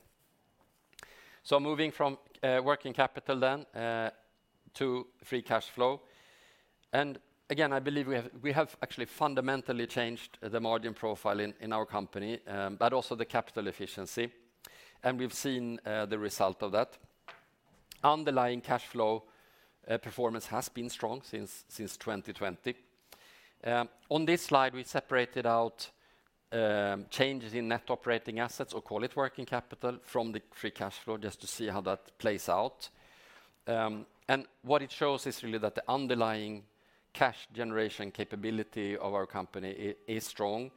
Moving from working capital to free cash flow. Again, I believe we have actually fundamentally changed the margin profile in our company, but also the capital efficiency, and we've seen the result of that. Underlying cash flow performance has been strong since 2020. On this slide, we separated out changes in net operating assets or call it working capital from the free cash flow just to see how that plays out. What it shows is really that the underlying cash generation capability of our company is strong.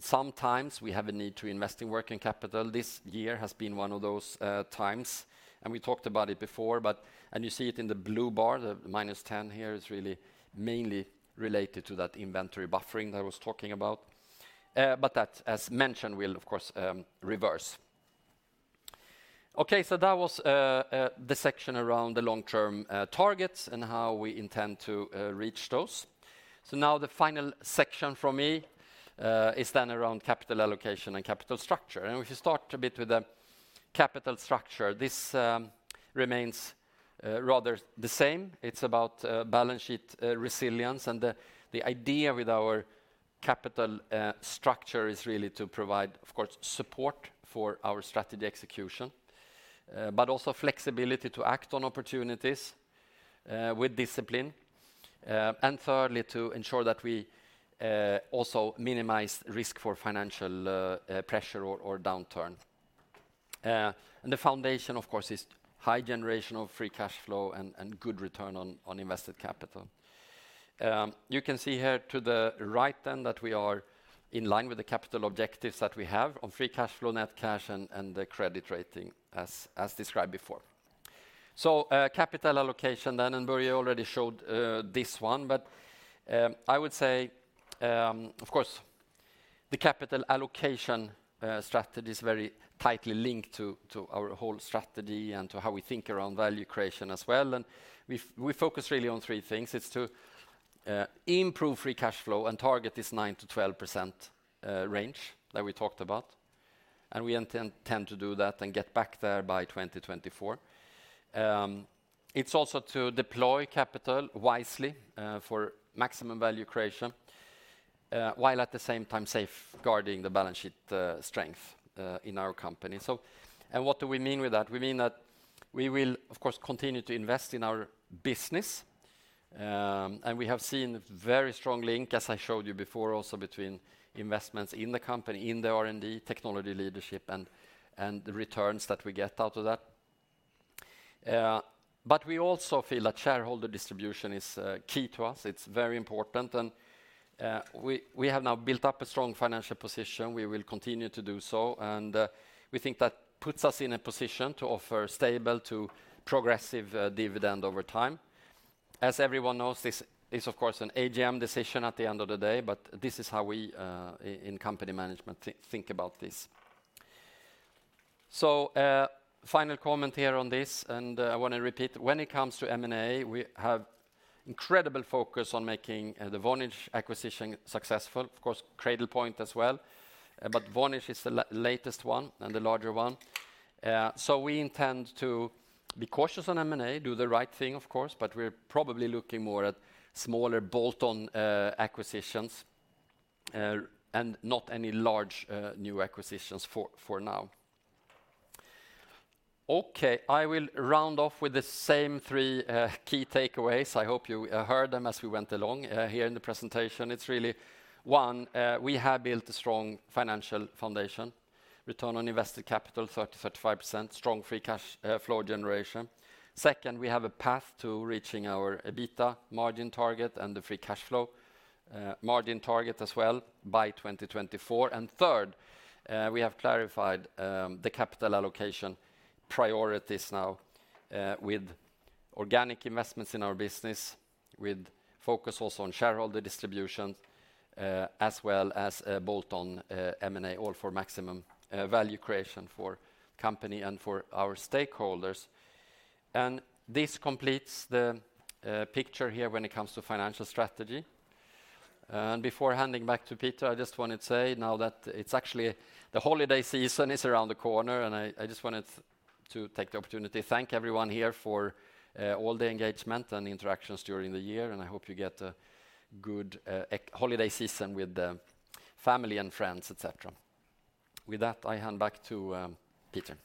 Sometimes we have a need to invest in working capital. This year has been one of those times, we talked about it before, you see it in the blue bar. The -10% here is really mainly related to that inventory buffering that I was talking about. That, as mentioned, will of course, reverse. Okay, that was the section around the long-term targets and how we intend to reach those. Now the final section from me is then around capital allocation and capital structure. If you start a bit with capital structure. This remains rather the same. It's about balance sheet resilience. The idea with our capital structure is really to provide, of course, support for our strategy execution, but also flexibility to act on opportunities with discipline. Thirdly, to ensure that we also minimize risk for financial pressure or downturn. The foundation, of course, is high generation of free cash flow and good return on invested capital. You can see here to the right that we are in line with the capital objectives that we have on free cash flow, net cash and the credit rating as described before. Capital allocation, Börje already showed this one. I would say, of course, the capital allocation strategy is very tightly linked to our whole strategy and to how we think around value creation as well. We focus really on three things. It's to improve free cash flow and target this 9%-12% range that we talked about, and we intend to do that and get back there by 2024. It's also to deploy capital wisely for maximum value creation while at the same time safeguarding the balance sheet strength in our company. What do we mean with that? We mean that we will of course continue to invest in our business, and we have seen very strong link, as I showed you before, also between investments in the company, in the R&D, technology leadership and the returns that we get out of that. We also feel that shareholder distribution is key to us. It's very important. We have now built up a strong financial position. We will continue to do so, we think that puts us in a position to offer stable to progressive dividend over time. As everyone knows, this is of course an AGM decision at the end of the day. This is how we in company management think about this. Final comment here on this. I wanna repeat. When it comes to M&A, we have incredible focus on making the Vonage acquisition successful, of course, Cradlepoint as well. Vonage is the latest one and the larger one. We intend to be cautious on M&A, do the right thing, of course. We're probably looking more at smaller bolt-on acquisitions and not any large new acquisitions for now. Okay. I will round off with the same three key takeaways. I hope you heard them as we went along here in the presentation. It's really, one, we have built a strong financial foundation, return on invested capital, 30%-35%, strong free cash flow generation. Second, we have a path to reaching our EBITDA margin target and the free cash flow margin target as well by 2024. Third, we have clarified the capital allocation priorities now with organic investments in our business, with focus also on shareholder distribution, as well as bolt-on M&A, all for maximum value creation for company and for our stakeholders. This completes the picture here when it comes to financial strategy. Before handing back to Peter, I just wanted to say now that it's actually the holiday season is around the corner, I just wanted to take the opportunity to thank everyone here for, all the engagement and interactions during the year, and I hope you get a good, e-holiday season with, family and friends, et cetera. With that, I hand back to Peter.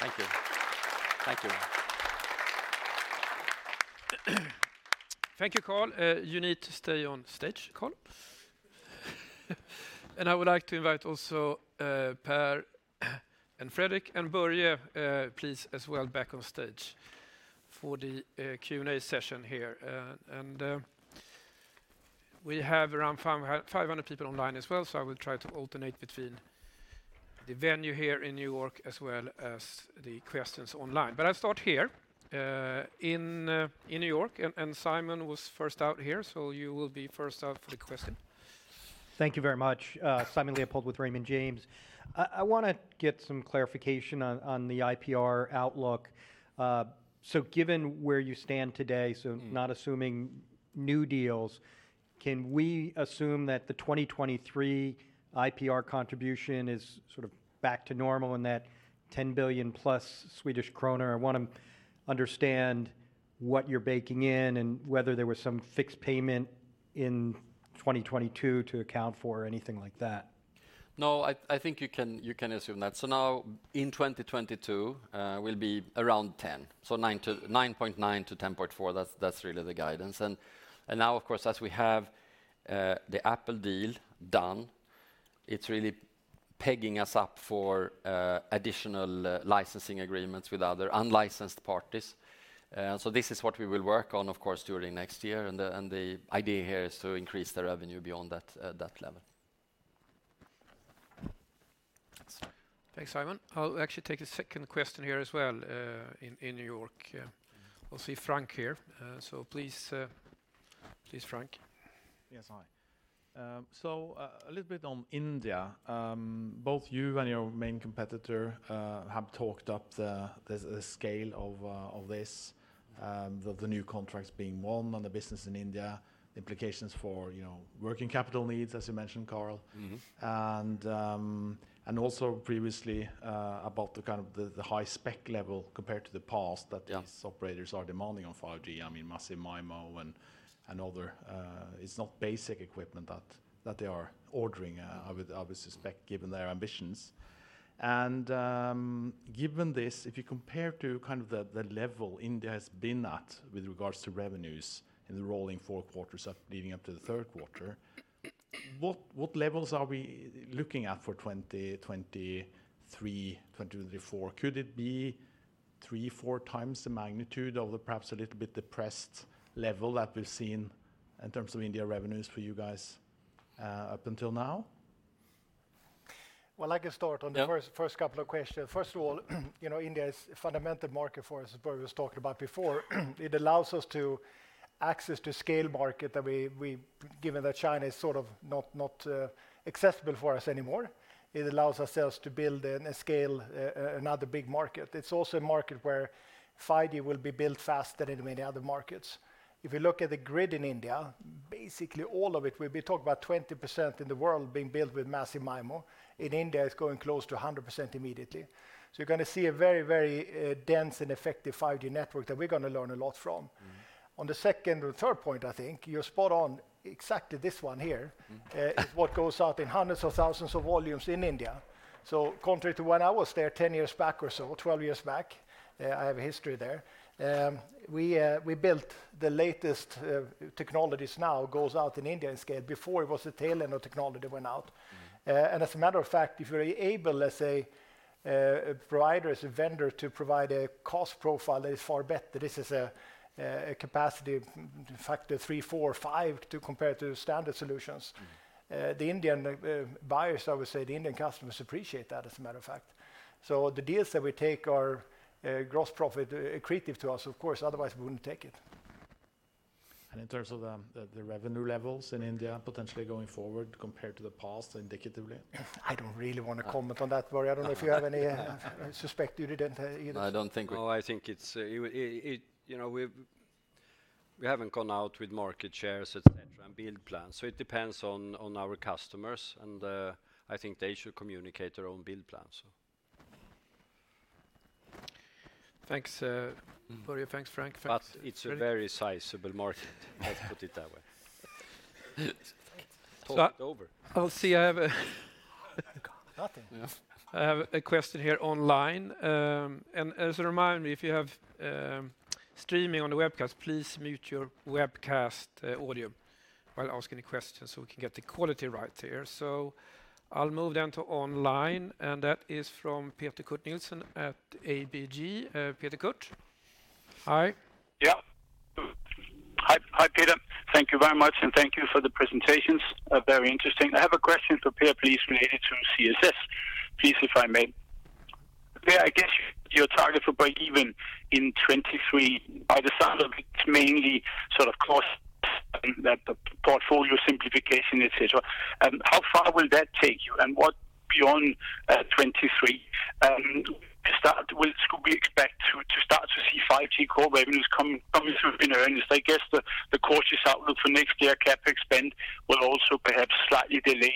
Thank you. Thank you. Thank you, Carl. You need to stay on stage, Carl. I would like to invite also, Per and Fredrik and Börje, please as well back on stage for the Q&A session here. We have around 500 people online as well, so I will try to alternate between the venue here in New York as well as the questions online. I'll start here in New York. Simon was first out here, so you will be first out for the question. Thank you very much. Simon Leopold with Raymond James. I wanna get some clarification on the IPR outlook. Given where you stand today, so not assuming new deals, can we assume that the 2023 IPR contribution is sort of back to normal in that 10+ billion? I wanna understand what you're baking in and whether there was some fixed payment in 2022 to account for or anything like that. No, I think you can assume that. Now in 2022, we'll be around 10 billion. 9.9 billion-10.4 billion. That's really the guidance. Now of course, as we have the Apple deal done, it's really pegging us up for additional licensing agreements with other unlicensed parties. This is what we will work on, of course, during next year. The idea here is to increase the revenue beyond that level. Thanks. Thanks, Simon. I'll actually take the second question here as well, in New York. I see Frank here, please. Please, Frank. Yes, hi. A little bit on India. Both you and your main competitor have talked up the scale of this, the new contracts being won on the business in India, the implications for, you know, working capital needs, as you mentioned, Carl— Mm-hmm. —also previously, about the kind of the high spec level compared to the past that these operators are demanding on 5G, I mean, Massive MIMO and other, it's not basic equipment that they are ordering, I would suspect, given their ambitions. Given this, if you compare to kind of the level India has been at with regards to revenues in the rolling four quarters of leading up to the third quarter, what levels are we looking at for 2023, 2024? Could it be three, four times the magnitude of the perhaps a little bit depressed level that we've seen in terms of India revenues for you guys up until now? Well, I can start on the first—first couple of questions. You know, India is a fundamental market for us, as Börje was talking about before. It allows us to access to scale market that Given that China is sort of not accessible for us anymore, it allows ourselves to build and scale another big market. It's also a market where 5G will be built faster than in many other markets. If you look at the grid in India, basically all of it, we've been talking about 20% in the world being built with Massive MIMO. In India, it's going close to 100% immediately. You're gonna see a very dense and effective 5G network that we're gonna learn a lot from. Mm-hmm. On the second or third point, I think, you're spot on exactly this one here— Mm-hmm —is what goes out in hundreds of thousands of volumes in India. Contrary to when I was there ten years back or so, 12 years back, I have a history there, we built the latest technologies now goes out in India in scale. Before, it was the tail end of technology went out. Mm-hmm. As a matter of fact, if you're able, let's say, a provider as a vendor to provide a cost profile that is far better, this is a capacity factor 3G, 4G, 5G to compare to standard solutions. Mm-hmm. The Indian buyers, I would say, the Indian customers appreciate that as a matter of fact. The deals that we take are gross profit accretive to us, of course, otherwise we wouldn't take it. In terms of the, the revenue levels in India potentially going forward compared to the past indicatively? I don't really wanna comment on that, Börje. I don't know if you have any, suspect you didn't either. No, I don't think we— No, I think it's, you know, we've, we haven't gone out with market shares, et cetera, and build plans. It depends on our customers, and I think they should communicate their own build plans. Thanks, Börje. Thanks, Frank. Thanks. It's a very sizable market. Let's put it that way. Talk it over. I'll see. I have a—I have a question here online. As a reminder, if you have streaming on the webcast, please mute your webcast audio while asking a question so we can get the quality right here. I'll move then to online, and that is from Peter Kurt Nielsen at ABG. Peter Kurt, hi. Yeah. Hi, Peter. Thank you very much, and thank you for the presentations. Very interesting. I have a question for Per, please, related to CSS. Please, if I may. Per, I guess your target for breakeven in 2023, by the sound of it's mainly sort of cost that the portfolio simplification, et cetera. How far will that take you? What beyond 2023, should we expect to start to see 5G Core revenues coming through in earnings? I guess the cautious outlook for next year CapEx spend will also perhaps slightly delay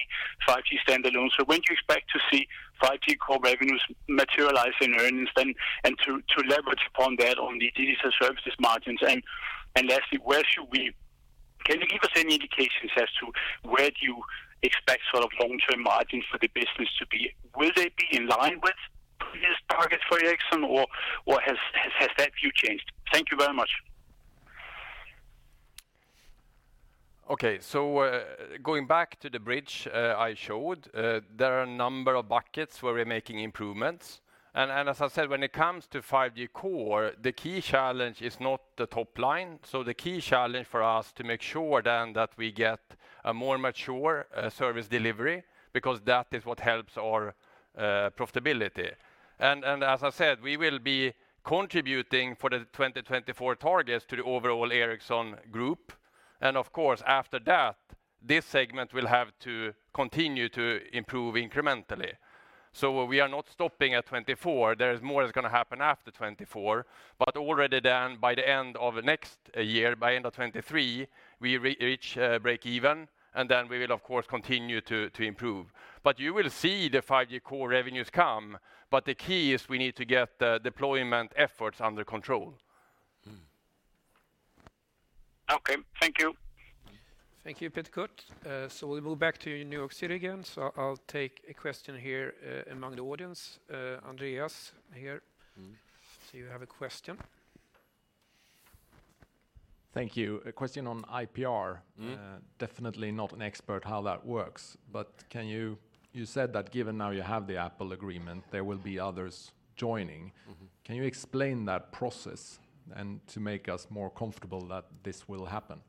5G Standalone. When do you expect to see 5G Core revenues materialize in earnings then, and to leverage upon that on the Digital Services margins? Lastly, Can you give us any indications as to where do you expect sort of long-term margins for the business to be? Will they be in line with previous targets for Ericsson or has that view changed? Thank you very much. Okay. Going back to the bridge, I showed there are a number of buckets where we're making improvements. As I said, when it comes to 5G Core, the key challenge is not the top line. The key challenge for us to make sure then that we get a more mature service delivery, because that is what helps our profitability. As I said, we will be contributing for the 2024 targets to the overall Ericsson Group. Of course, after that, this segment will have to continue to improve incrementally. We are not stopping at 2024. There is more that's gonna happen after 2024. Already then by the end of next year, by end of 2023, we re-reach break even, and then we will of course continue to improve. You will see the 5G Core revenues come, but the key is we need to get the deployment efforts under control. Okay. Thank you. Thank you, Peter Kurt. We'll move back to New York City again. I'll take a question here, among the audience. Andreas here. Do you have a question? Thank you. A question on IPR. Mm-hmm. Definitely not an expert how that works, but You said that given now you have the Apple agreement, there will be others joining. Mm-hmm. Can you explain that process and to make us more comfortable that this will happen?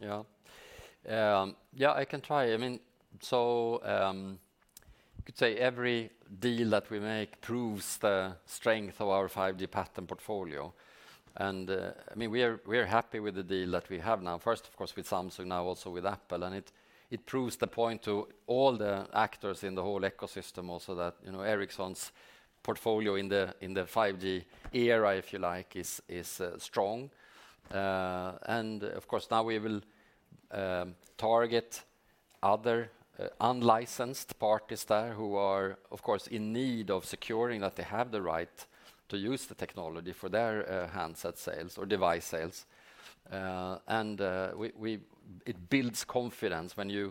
Yeah. Yeah, I can try. I mean, so, You could say every deal that we make proves the strength of our 5G patent portfolio. I mean, we are happy with the deal that we have now. First, of course, with Samsung, now also with Apple, and it proves the point to all the actors in the whole ecosystem also that, you know, Ericsson's portfolio in the 5G era, if you like, is strong. Of course, now we will target other unlicensed parties there who are, of course, in need of securing that they have the right to use the technology for their handset sales or device sales. It builds confidence when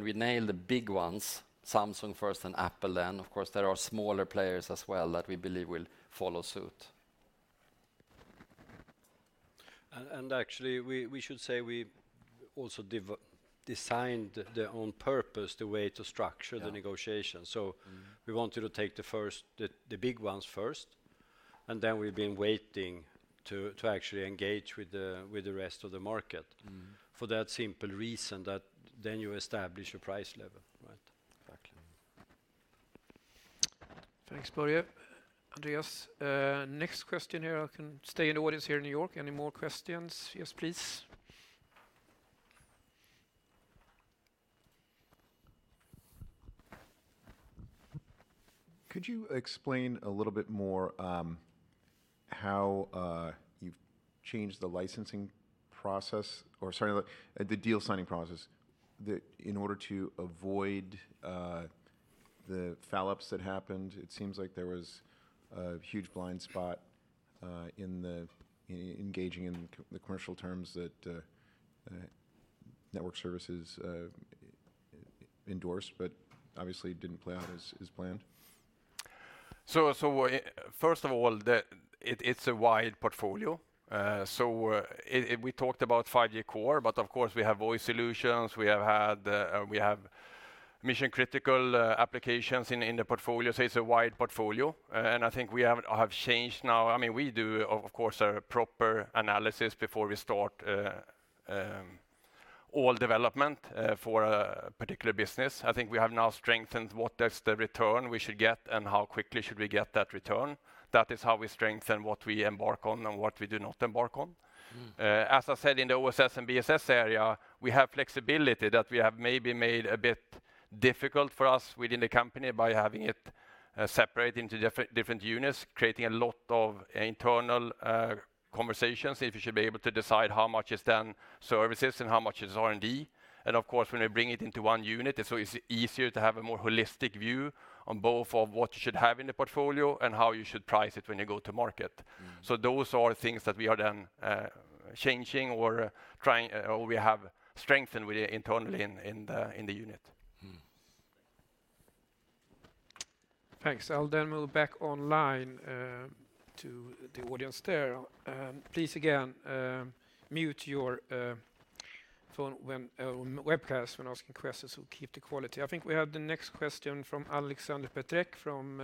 we nail the big ones, Samsung first and Apple then. Of course, there are smaller players as well that we believe will follow suit. Actually, we should say we also designed their own purpose, the way to structure— Yeah. —the negotiation. We wanted to take the first, the big ones first, and then we've been waiting to actually engage with the rest of the market. Mm-hmm. For that simple reason that then you establish a price level, right? Exactly. Thanks, Börje, Andreas. Next question here. I can stay in the audience here in New York. Any more questions? Yes, please. Could you explain a little bit more how you've changed the licensing process or sorry, the deal signing process? In order to avoid the foul-ups that happened, it seems like there was a huge blind spot in engaging in the commercial terms that network services endorsed, but obviously it didn't play out as planned. First of all, it's a wide portfolio. We talked about 5G Core, but of course we have voice solutions. We have mission-critical applications in the portfolio. It's a wide portfolio. I think we have changed now. I mean, we do of course, a proper analysis before we start all development for a particular business. I think we have now strengthened what is the return we should get and how quickly should we get that return. That is how we strengthen what we embark on and what we do not embark on. Mm-hmm. As I said, in the OSS and BSS area, we have flexibility that we have maybe made a bit difficult for us within the company by having it separate into different units, creating a lot of internal conversations. If you should be able to decide how much is done services and how much is R&D. Of course, when you bring it into one unit, it's always easier to have a more holistic view on both of what you should have in the portfolio and how you should price it when you go to market. So those are things that we are then changing or trying, or we have strengthened with internally in the unit. Thanks. Thanks. I'll move back online, to the audience there. Please again, mute your phone when webcast when asking questions to keep the quality. I think we have the next question from Aleksander Peterc from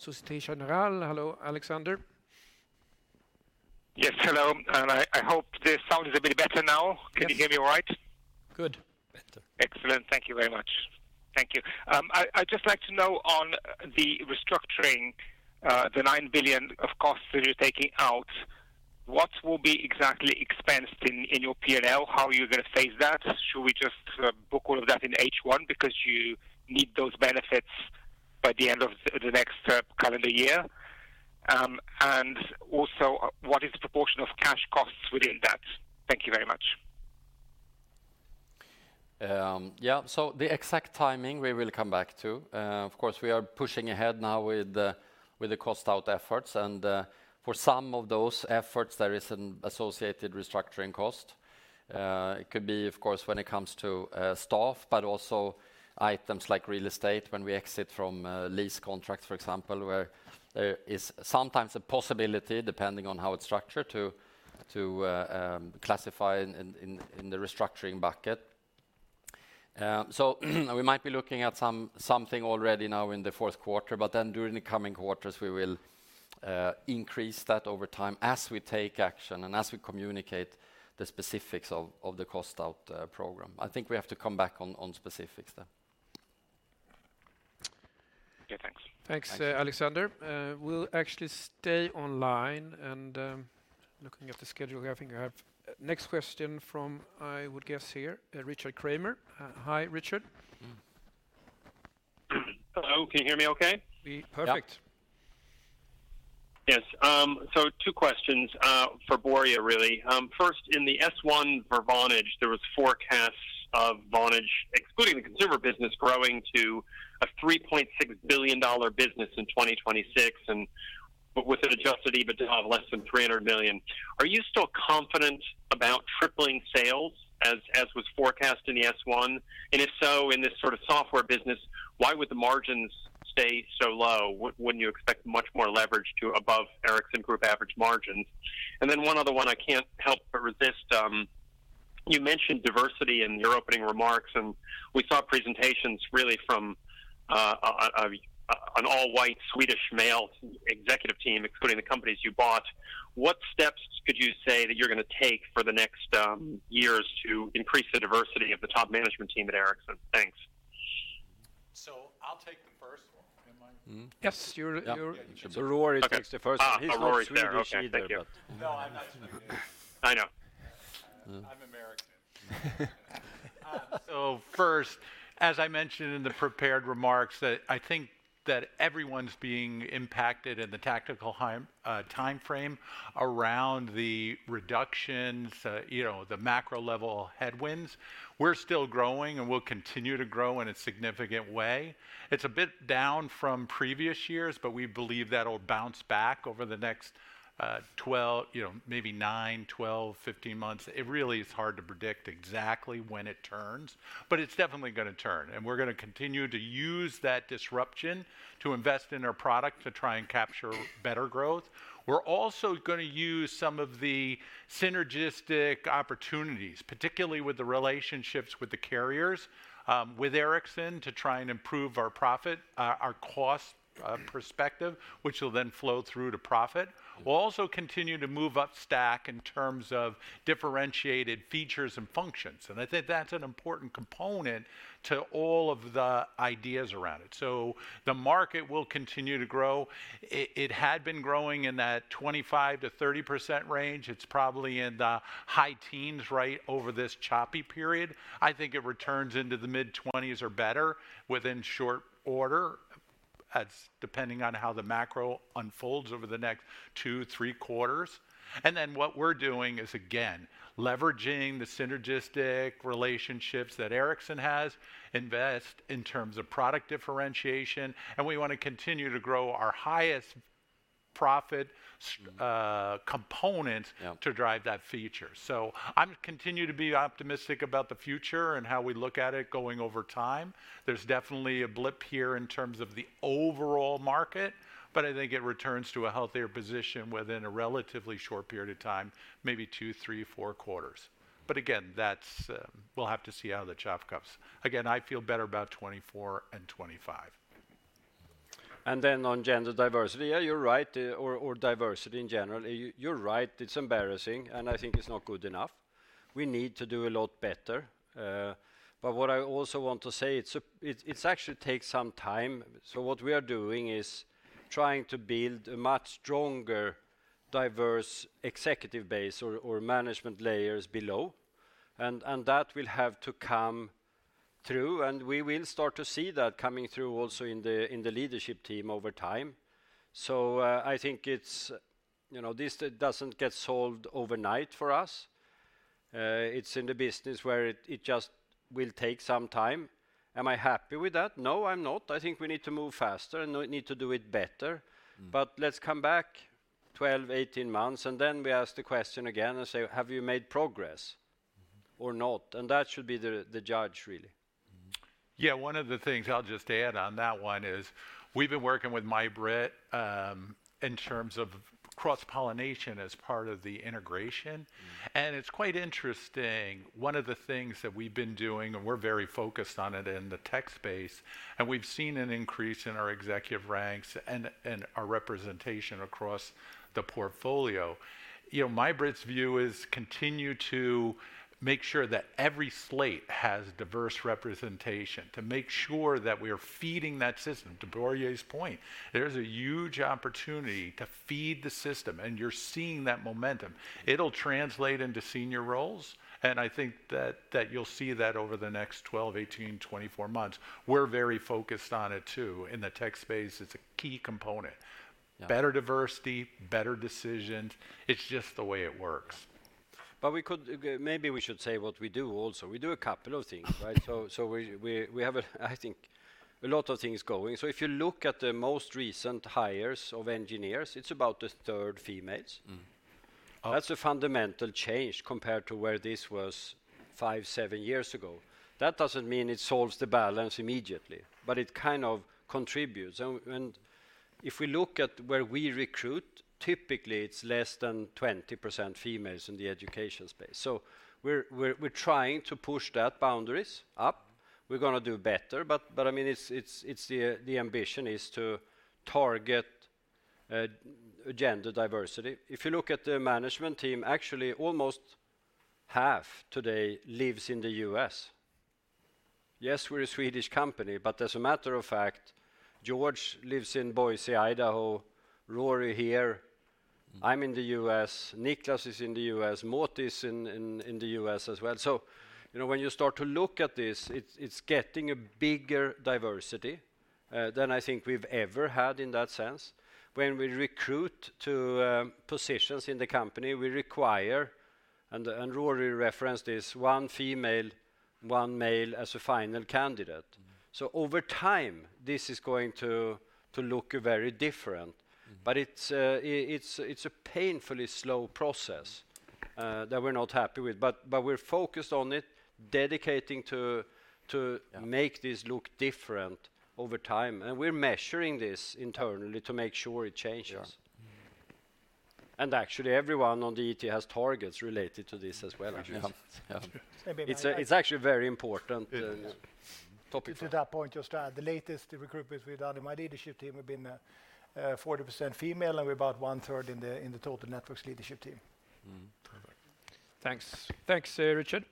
Société Générale. Hello, Aleksander. Yes, hello. I hope the sound is a bit better now. Yes. Can you hear me all right? Good. Better. Excellent. Thank you very much. Thank you. I'd just like to know on the restructuring, the 9 billion of costs that you're taking out, what will be exactly expensed in your P&L? How are you gonna phase that? Should we just book all of that in H1 because you need those benefits by the end of the next calendar year? And also, what is the proportion of cash costs within that? Thank you very much. Yeah. The exact timing we will come back to. Of course, we are pushing ahead now with the cost out efforts. For some of those efforts, there is an associated restructuring cost. It could be of course when it comes to staff, but also items like real estate when we exit from lease contracts, for example, where there is sometimes a possibility, depending on how it's structured, to classify in the restructuring bucket. We might be looking at something already now in the fourth quarter, during the coming quarters, we will increase that over time as we take action and as we communicate the specifics of the cost out program. I think we have to come back on specifics there. Okay, thanks. Thanks, Alexander. We'll actually stay online and looking at the schedule here, I think I have next question from, I would guess here, Richard Kramer. Hi, Richard. Hello, can you hear me okay? Perfect. Yeah. Yes. Two questions for Börje, really. First, in the S-4 for Vonage, there was forecasts of Vonage, excluding the consumer business, growing to a $3.6 billion business in 2026, with an adjusted EBITA of less than $300 million. Are you still confident about tripling sales as was forecast in the S-4? If so, in this sort of software business, why would the margins stay so low? Wouldn't you expect much more leverage to above Ericsson group average margins? One other one I can't help but resist. You mentioned diversity in your opening remarks, we saw presentations really from an all-white Swedish male executive team, including the companies you bought. What steps could you say that you're gonna take for the next years to increase the diversity of the top management team at Ericsson? Thanks. Yes. Yeah. Rory takes the first. Oh, Rory's there. Okay. Thank you. He's not Swedish either. No, I'm not Swedish. I know. I'm American. First, as I mentioned in the prepared remarks that I think that everyone's being impacted in the tactical timeframe around the reductions, you know, the macro level headwinds. We're still growing, and we'll continue to grow in a significant way. It's a bit down from previous years, but we believe that'll bounce back over the next, you know, maybe nine, 12, 15 months. It really is hard to predict exactly when it turns, but it's definitely gonna turn, and we're gonna continue to use that disruption to invest in our product to try and capture better growth. We're also gonna use some of the synergistic opportunities, particularly with the relationships with the carriers, with Ericsson to try and improve our profit, our cost perspective, which will then flow through to profit. We'll also continue to move up stack in terms of differentiated features and functions, and I think that's an important component to all of the ideas around it. The market will continue to grow. It had been growing in that 25%-30% range. It's probably in the high teens right over this choppy period. I think it returns into the mid-20s or better within short order. That's depending on how the macro unfolds over the next two, three quarters. Then what we're doing is, again, leveraging the synergistic relationships that Ericsson has, invest in terms of product differentiation, and we wanna continue to grow our highest profit component— Yeah. —to drive that feature. I'm continue to be optimistic about the future and how we look at it going over time. There's definitely a blip here in terms of the overall market, but I think it returns to a healthier position within a relatively short period of time, maybe two, three, four quarters. Again, that's, we'll have to see how the chop goes. Again, I feel better about 2024 and 2025. On gender diversity, yeah, you're right, or diversity in general. You're right. It's embarrassing, and I think it's not good enough. We need to do a lot better. What I also want to say, it actually takes some time. What we are doing is trying to build a much stronger, diverse executive base or management layers below, and that will have to come through, and we will start to see that coming through also in the, in the leadership team over time. I think it's, you know, this doesn't get solved overnight for us. It's in the business where it just will take some time. Am I happy with that? No, I'm not. I think we need to move faster, and we need to do it better. Let's come back 12, 18 months, and then we ask the question again and say, "Have you made progress or not?" That should be the judge, really. Yeah. One of the things I'll just add on that one is we've been working with MajBritt in terms of cross-pollination as part of the integration. Mm-hmm. It's quite interesting. One of the things that we've been doing, and we're very focused on it in the tech space, and we've seen an increase in our executive ranks and our representation across the portfolio. You know, MajBritt's view is continue to make sure that every slate has diverse representation, to make sure that we are feeding that system. To Börje's point, there's a huge opportunity to feed the system, and you're seeing that momentum. It'll translate into senior roles, and I think that you'll see that over the next 12, 18, 24 months. We're very focused on it too. In the tech space, it's a key component. Yeah. Better diversity, better decisions. It's just the way it works. Maybe we should say what we do also. We do a couple of things, right? We have a, I think, a lot of things going. If you look at the most recent hires of engineers, it's about a third females. Mm-hmm. That's a fundamental change compared to where this was five, seven years ago. That doesn't mean it solves the balance immediately, but it kind of contributes. If we look at where we recruit, typically it's less than 20% females in the education space. We're trying to push that boundaries up. We're gonna do better, I mean, the ambition is to target gender diversity. If you look at the management team, actually almost half today lives in the U.S. Yes, we're a Swedish company, but as a matter of fact, George lives in Boise, Idaho, Rory here, I'm in the U.S., Niklas is in the U.S., Moti's in the U.S. as well. You know, when you start to look at this, it's getting a bigger diversity than I think we've ever had in that sense. When we recruit to positions in the company, we require, and Rory referenced this, one female, one male as a final candidate. Over time, this is going to look very different. It's a painfully slow process that we're not happy with. We're focused on it, dedicating to make this look different over time, and we're measuring this internally to make sure it changes. Actually, everyone on the ET has targets related to this as well, actually. Yeah. Yeah. True. It's actually very important topic. To that point, just to add, the latest recruit with my leadership team have been 40% female, and we're about one-third in the total Networks leadership team. Mm-hmm. Thanks. Thanks, Richard.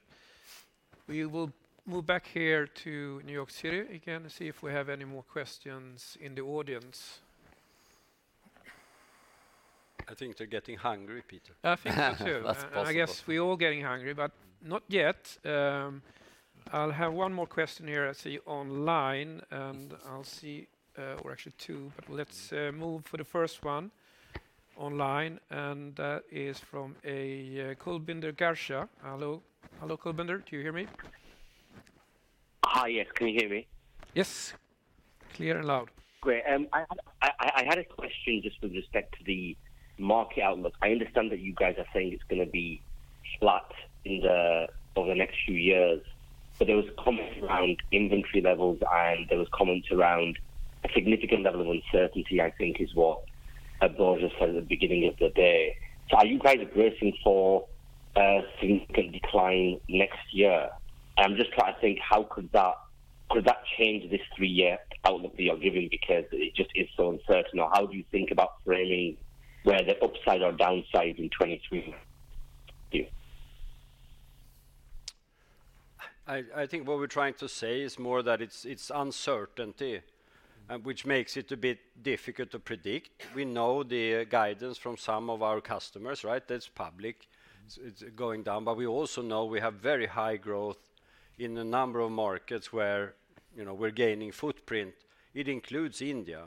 We will move back here to New York City again to see if we have any more questions in the audience. I think they're getting hungry, Peter. I think me too. That's possible. I guess we're all getting hungry, but not yet. I'll have one more question here, I see, online. Actually two, but let's move for the first one online. That is from a Kulbinder Garcha. Hello, Kulbinder. Do you hear me? Hi. Yes. Can you hear me? Yes. Clear and loud. Great. I had a question just with respect to the market outlook. I understand that you guys are saying it's gonna be flat over the next few years. There was a comment around inventory levels, and there was comments around a significant level of uncertainty, I think is what, Börje Ekholm said at the beginning of the day. Are you guys bracing for a significant decline next year? I'm just trying to think how could that change this three-year outlook that you're giving because it just is so uncertain? How do you think about framing where the upside or downside in 2023 is? Thank you. I think what we're trying to say is more that it's uncertainty, which makes it a bit difficult to predict. We know the guidance from some of our customers, right? That's public. It's going down. We also know we have very high growth in a number of markets where, you know, we're gaining footprint. It includes India.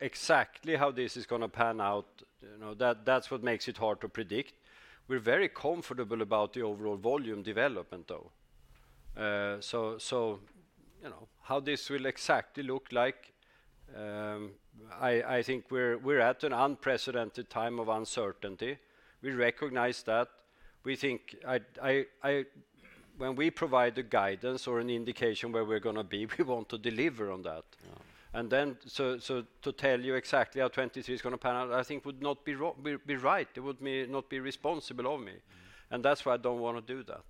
Exactly how this is gonna pan out, you know, that's what makes it hard to predict. We're very comfortable about the overall volume development, though. You know, how this will exactly look like, I think we're at an unprecedented time of uncertainty. We recognize that. We think when we provide the guidance or an indication where we're gonna be, we want to deliver on that. So to tell you exactly how 2023 is gonna pan out, I think would not be right. It would not be responsible of me. That's why I don't wanna do that.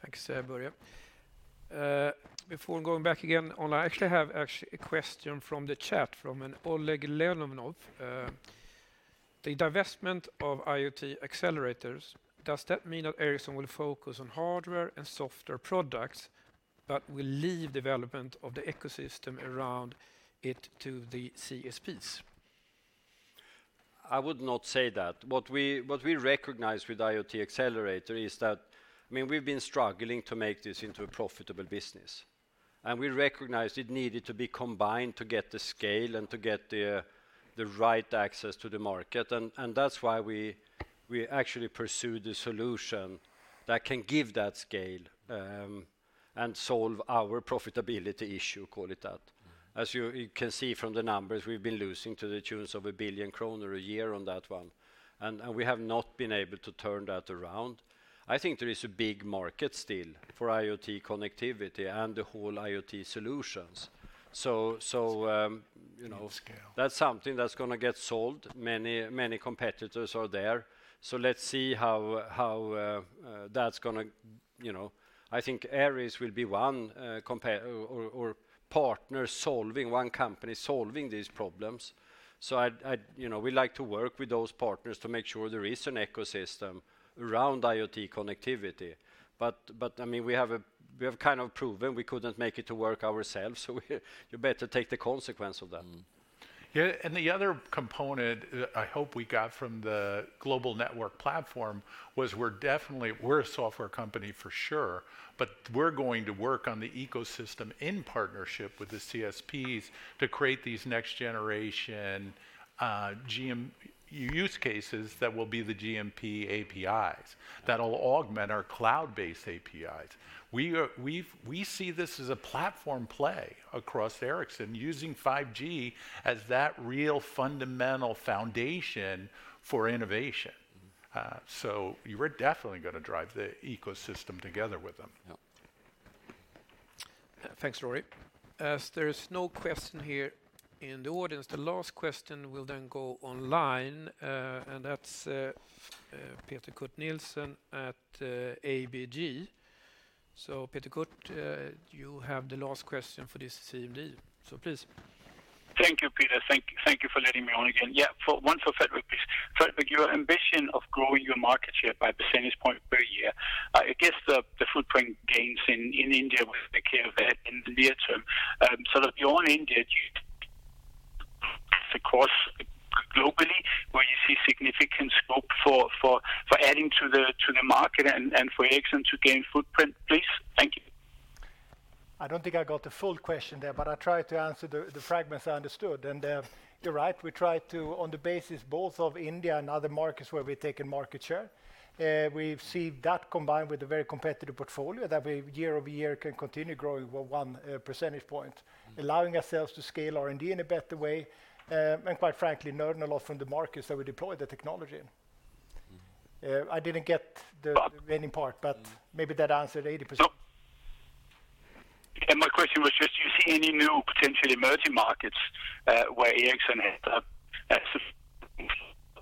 Yeah. Thanks, Börje. Before going back again online, I actually have a question from the chat from an Oleg Leonov. The divestment of IoT Accelerator, does that mean that Ericsson will focus on hardware and software products, but will leave development of the ecosystem around it to the CSPs? I would not say that. What we recognize with IoT Accelerator is that, I mean, we've been struggling to make this into a profitable business. We recognized it needed to be combined to get the scale and to get the right access to the market. That's why we actually pursue the solution that can give that scale and solve our profitability issue, call it that. As you can see from the numbers, we've been losing to the tunes of 1 billion kronor a year on that one. We have not been able to turn that around. I think there is a big market still for IoT connectivity and the whole IoT solutions. You know, that's something that's gonna get sold. Many competitors are there. Let's see how that's gonna, you know. I think Aeris will be one partner solving, one company solving these problems. I'd You know, we like to work with those partners to make sure there is an ecosystem around IoT connectivity. I mean, we have kind of proven we couldn't make it to work ourselves, so you better take the consequence of that. Yeah, the other component that I hope we got from the Global Network Platform was we're definitely a software company for sure, but we're going to work on the ecosystem in partnership with the CSPs to create these next generation use cases that will be the GCP APIs that'll augment our cloud-based APIs. We see this as a platform play across Ericsson using 5G as that real fundamental foundation for innovation. We're definitely gonna drive the ecosystem together with them. Yep. Thanks, Rory. There is no question here in the audience, the last question will then go online, and that's Peter Kurt Nielsen at ABG. Peter Kurt, you have the last question for this CMD. Please. Thank you, Peter. Thank you for letting me on again. Yeah. One for Fredrik, please. Fredrik, your ambition of growing your market share by a percentage point per year, I guess the footprint gains in India will take care of that in the near term. Sort of beyond India, do you the course globally where you see significant scope for adding to the market and for Ericsson to gain footprint, please? Thank you. I don't think I got the full question there, but I'll try to answer the fragments I understood. You're right, we try to, on the basis both of India and other markets where we've taken market share, we've seen that combined with a very competitive portfolio that we year-over-year can continue growing with 1 percentage point allowing ourselves to scale R&D in a better way, and quite frankly, learn a lot from the markets that we deploy the technology in.. Mm-hmm. I didn't get the remaining part, but maybe that answered 80%. Yeah, my question was just do you see any new potential emerging markets where Ericsson has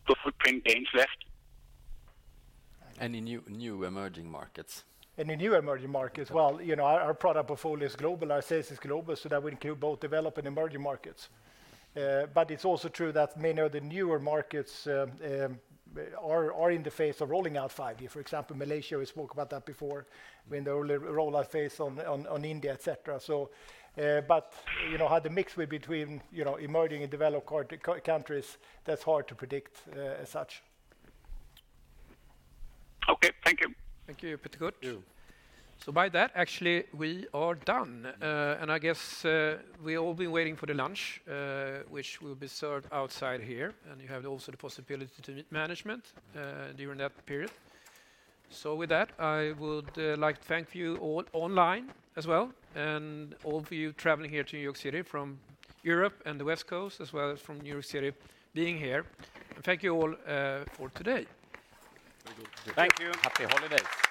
the footprint gains left? Any new emerging markets. Any new emerging markets. You know, our product portfolio is global, our sales is global, so that we include both developed and emerging markets. It's also true that many of the newer markets are in the phase of rolling out 5G. For example, Malaysia, we spoke about that before. I mean, the early rollout phase on India, et cetera. You know, how the mix will be between, you know, emerging and developed countries, that's hard to predict as such. Okay. Thank you. Thank you, Peter Kurt. Thank you. By that, actually, we are done. I guess, we've all been waiting for the lunch, which will be served outside here. You have also the possibility to meet management during that period. With that, I would like to thank you all online as well, and all of you traveling here to New York City from Europe and the West Coast, as well as from New York City being here. Thank you all for today. Very good. Thank you. Happy holidays. Thank you. Thank you.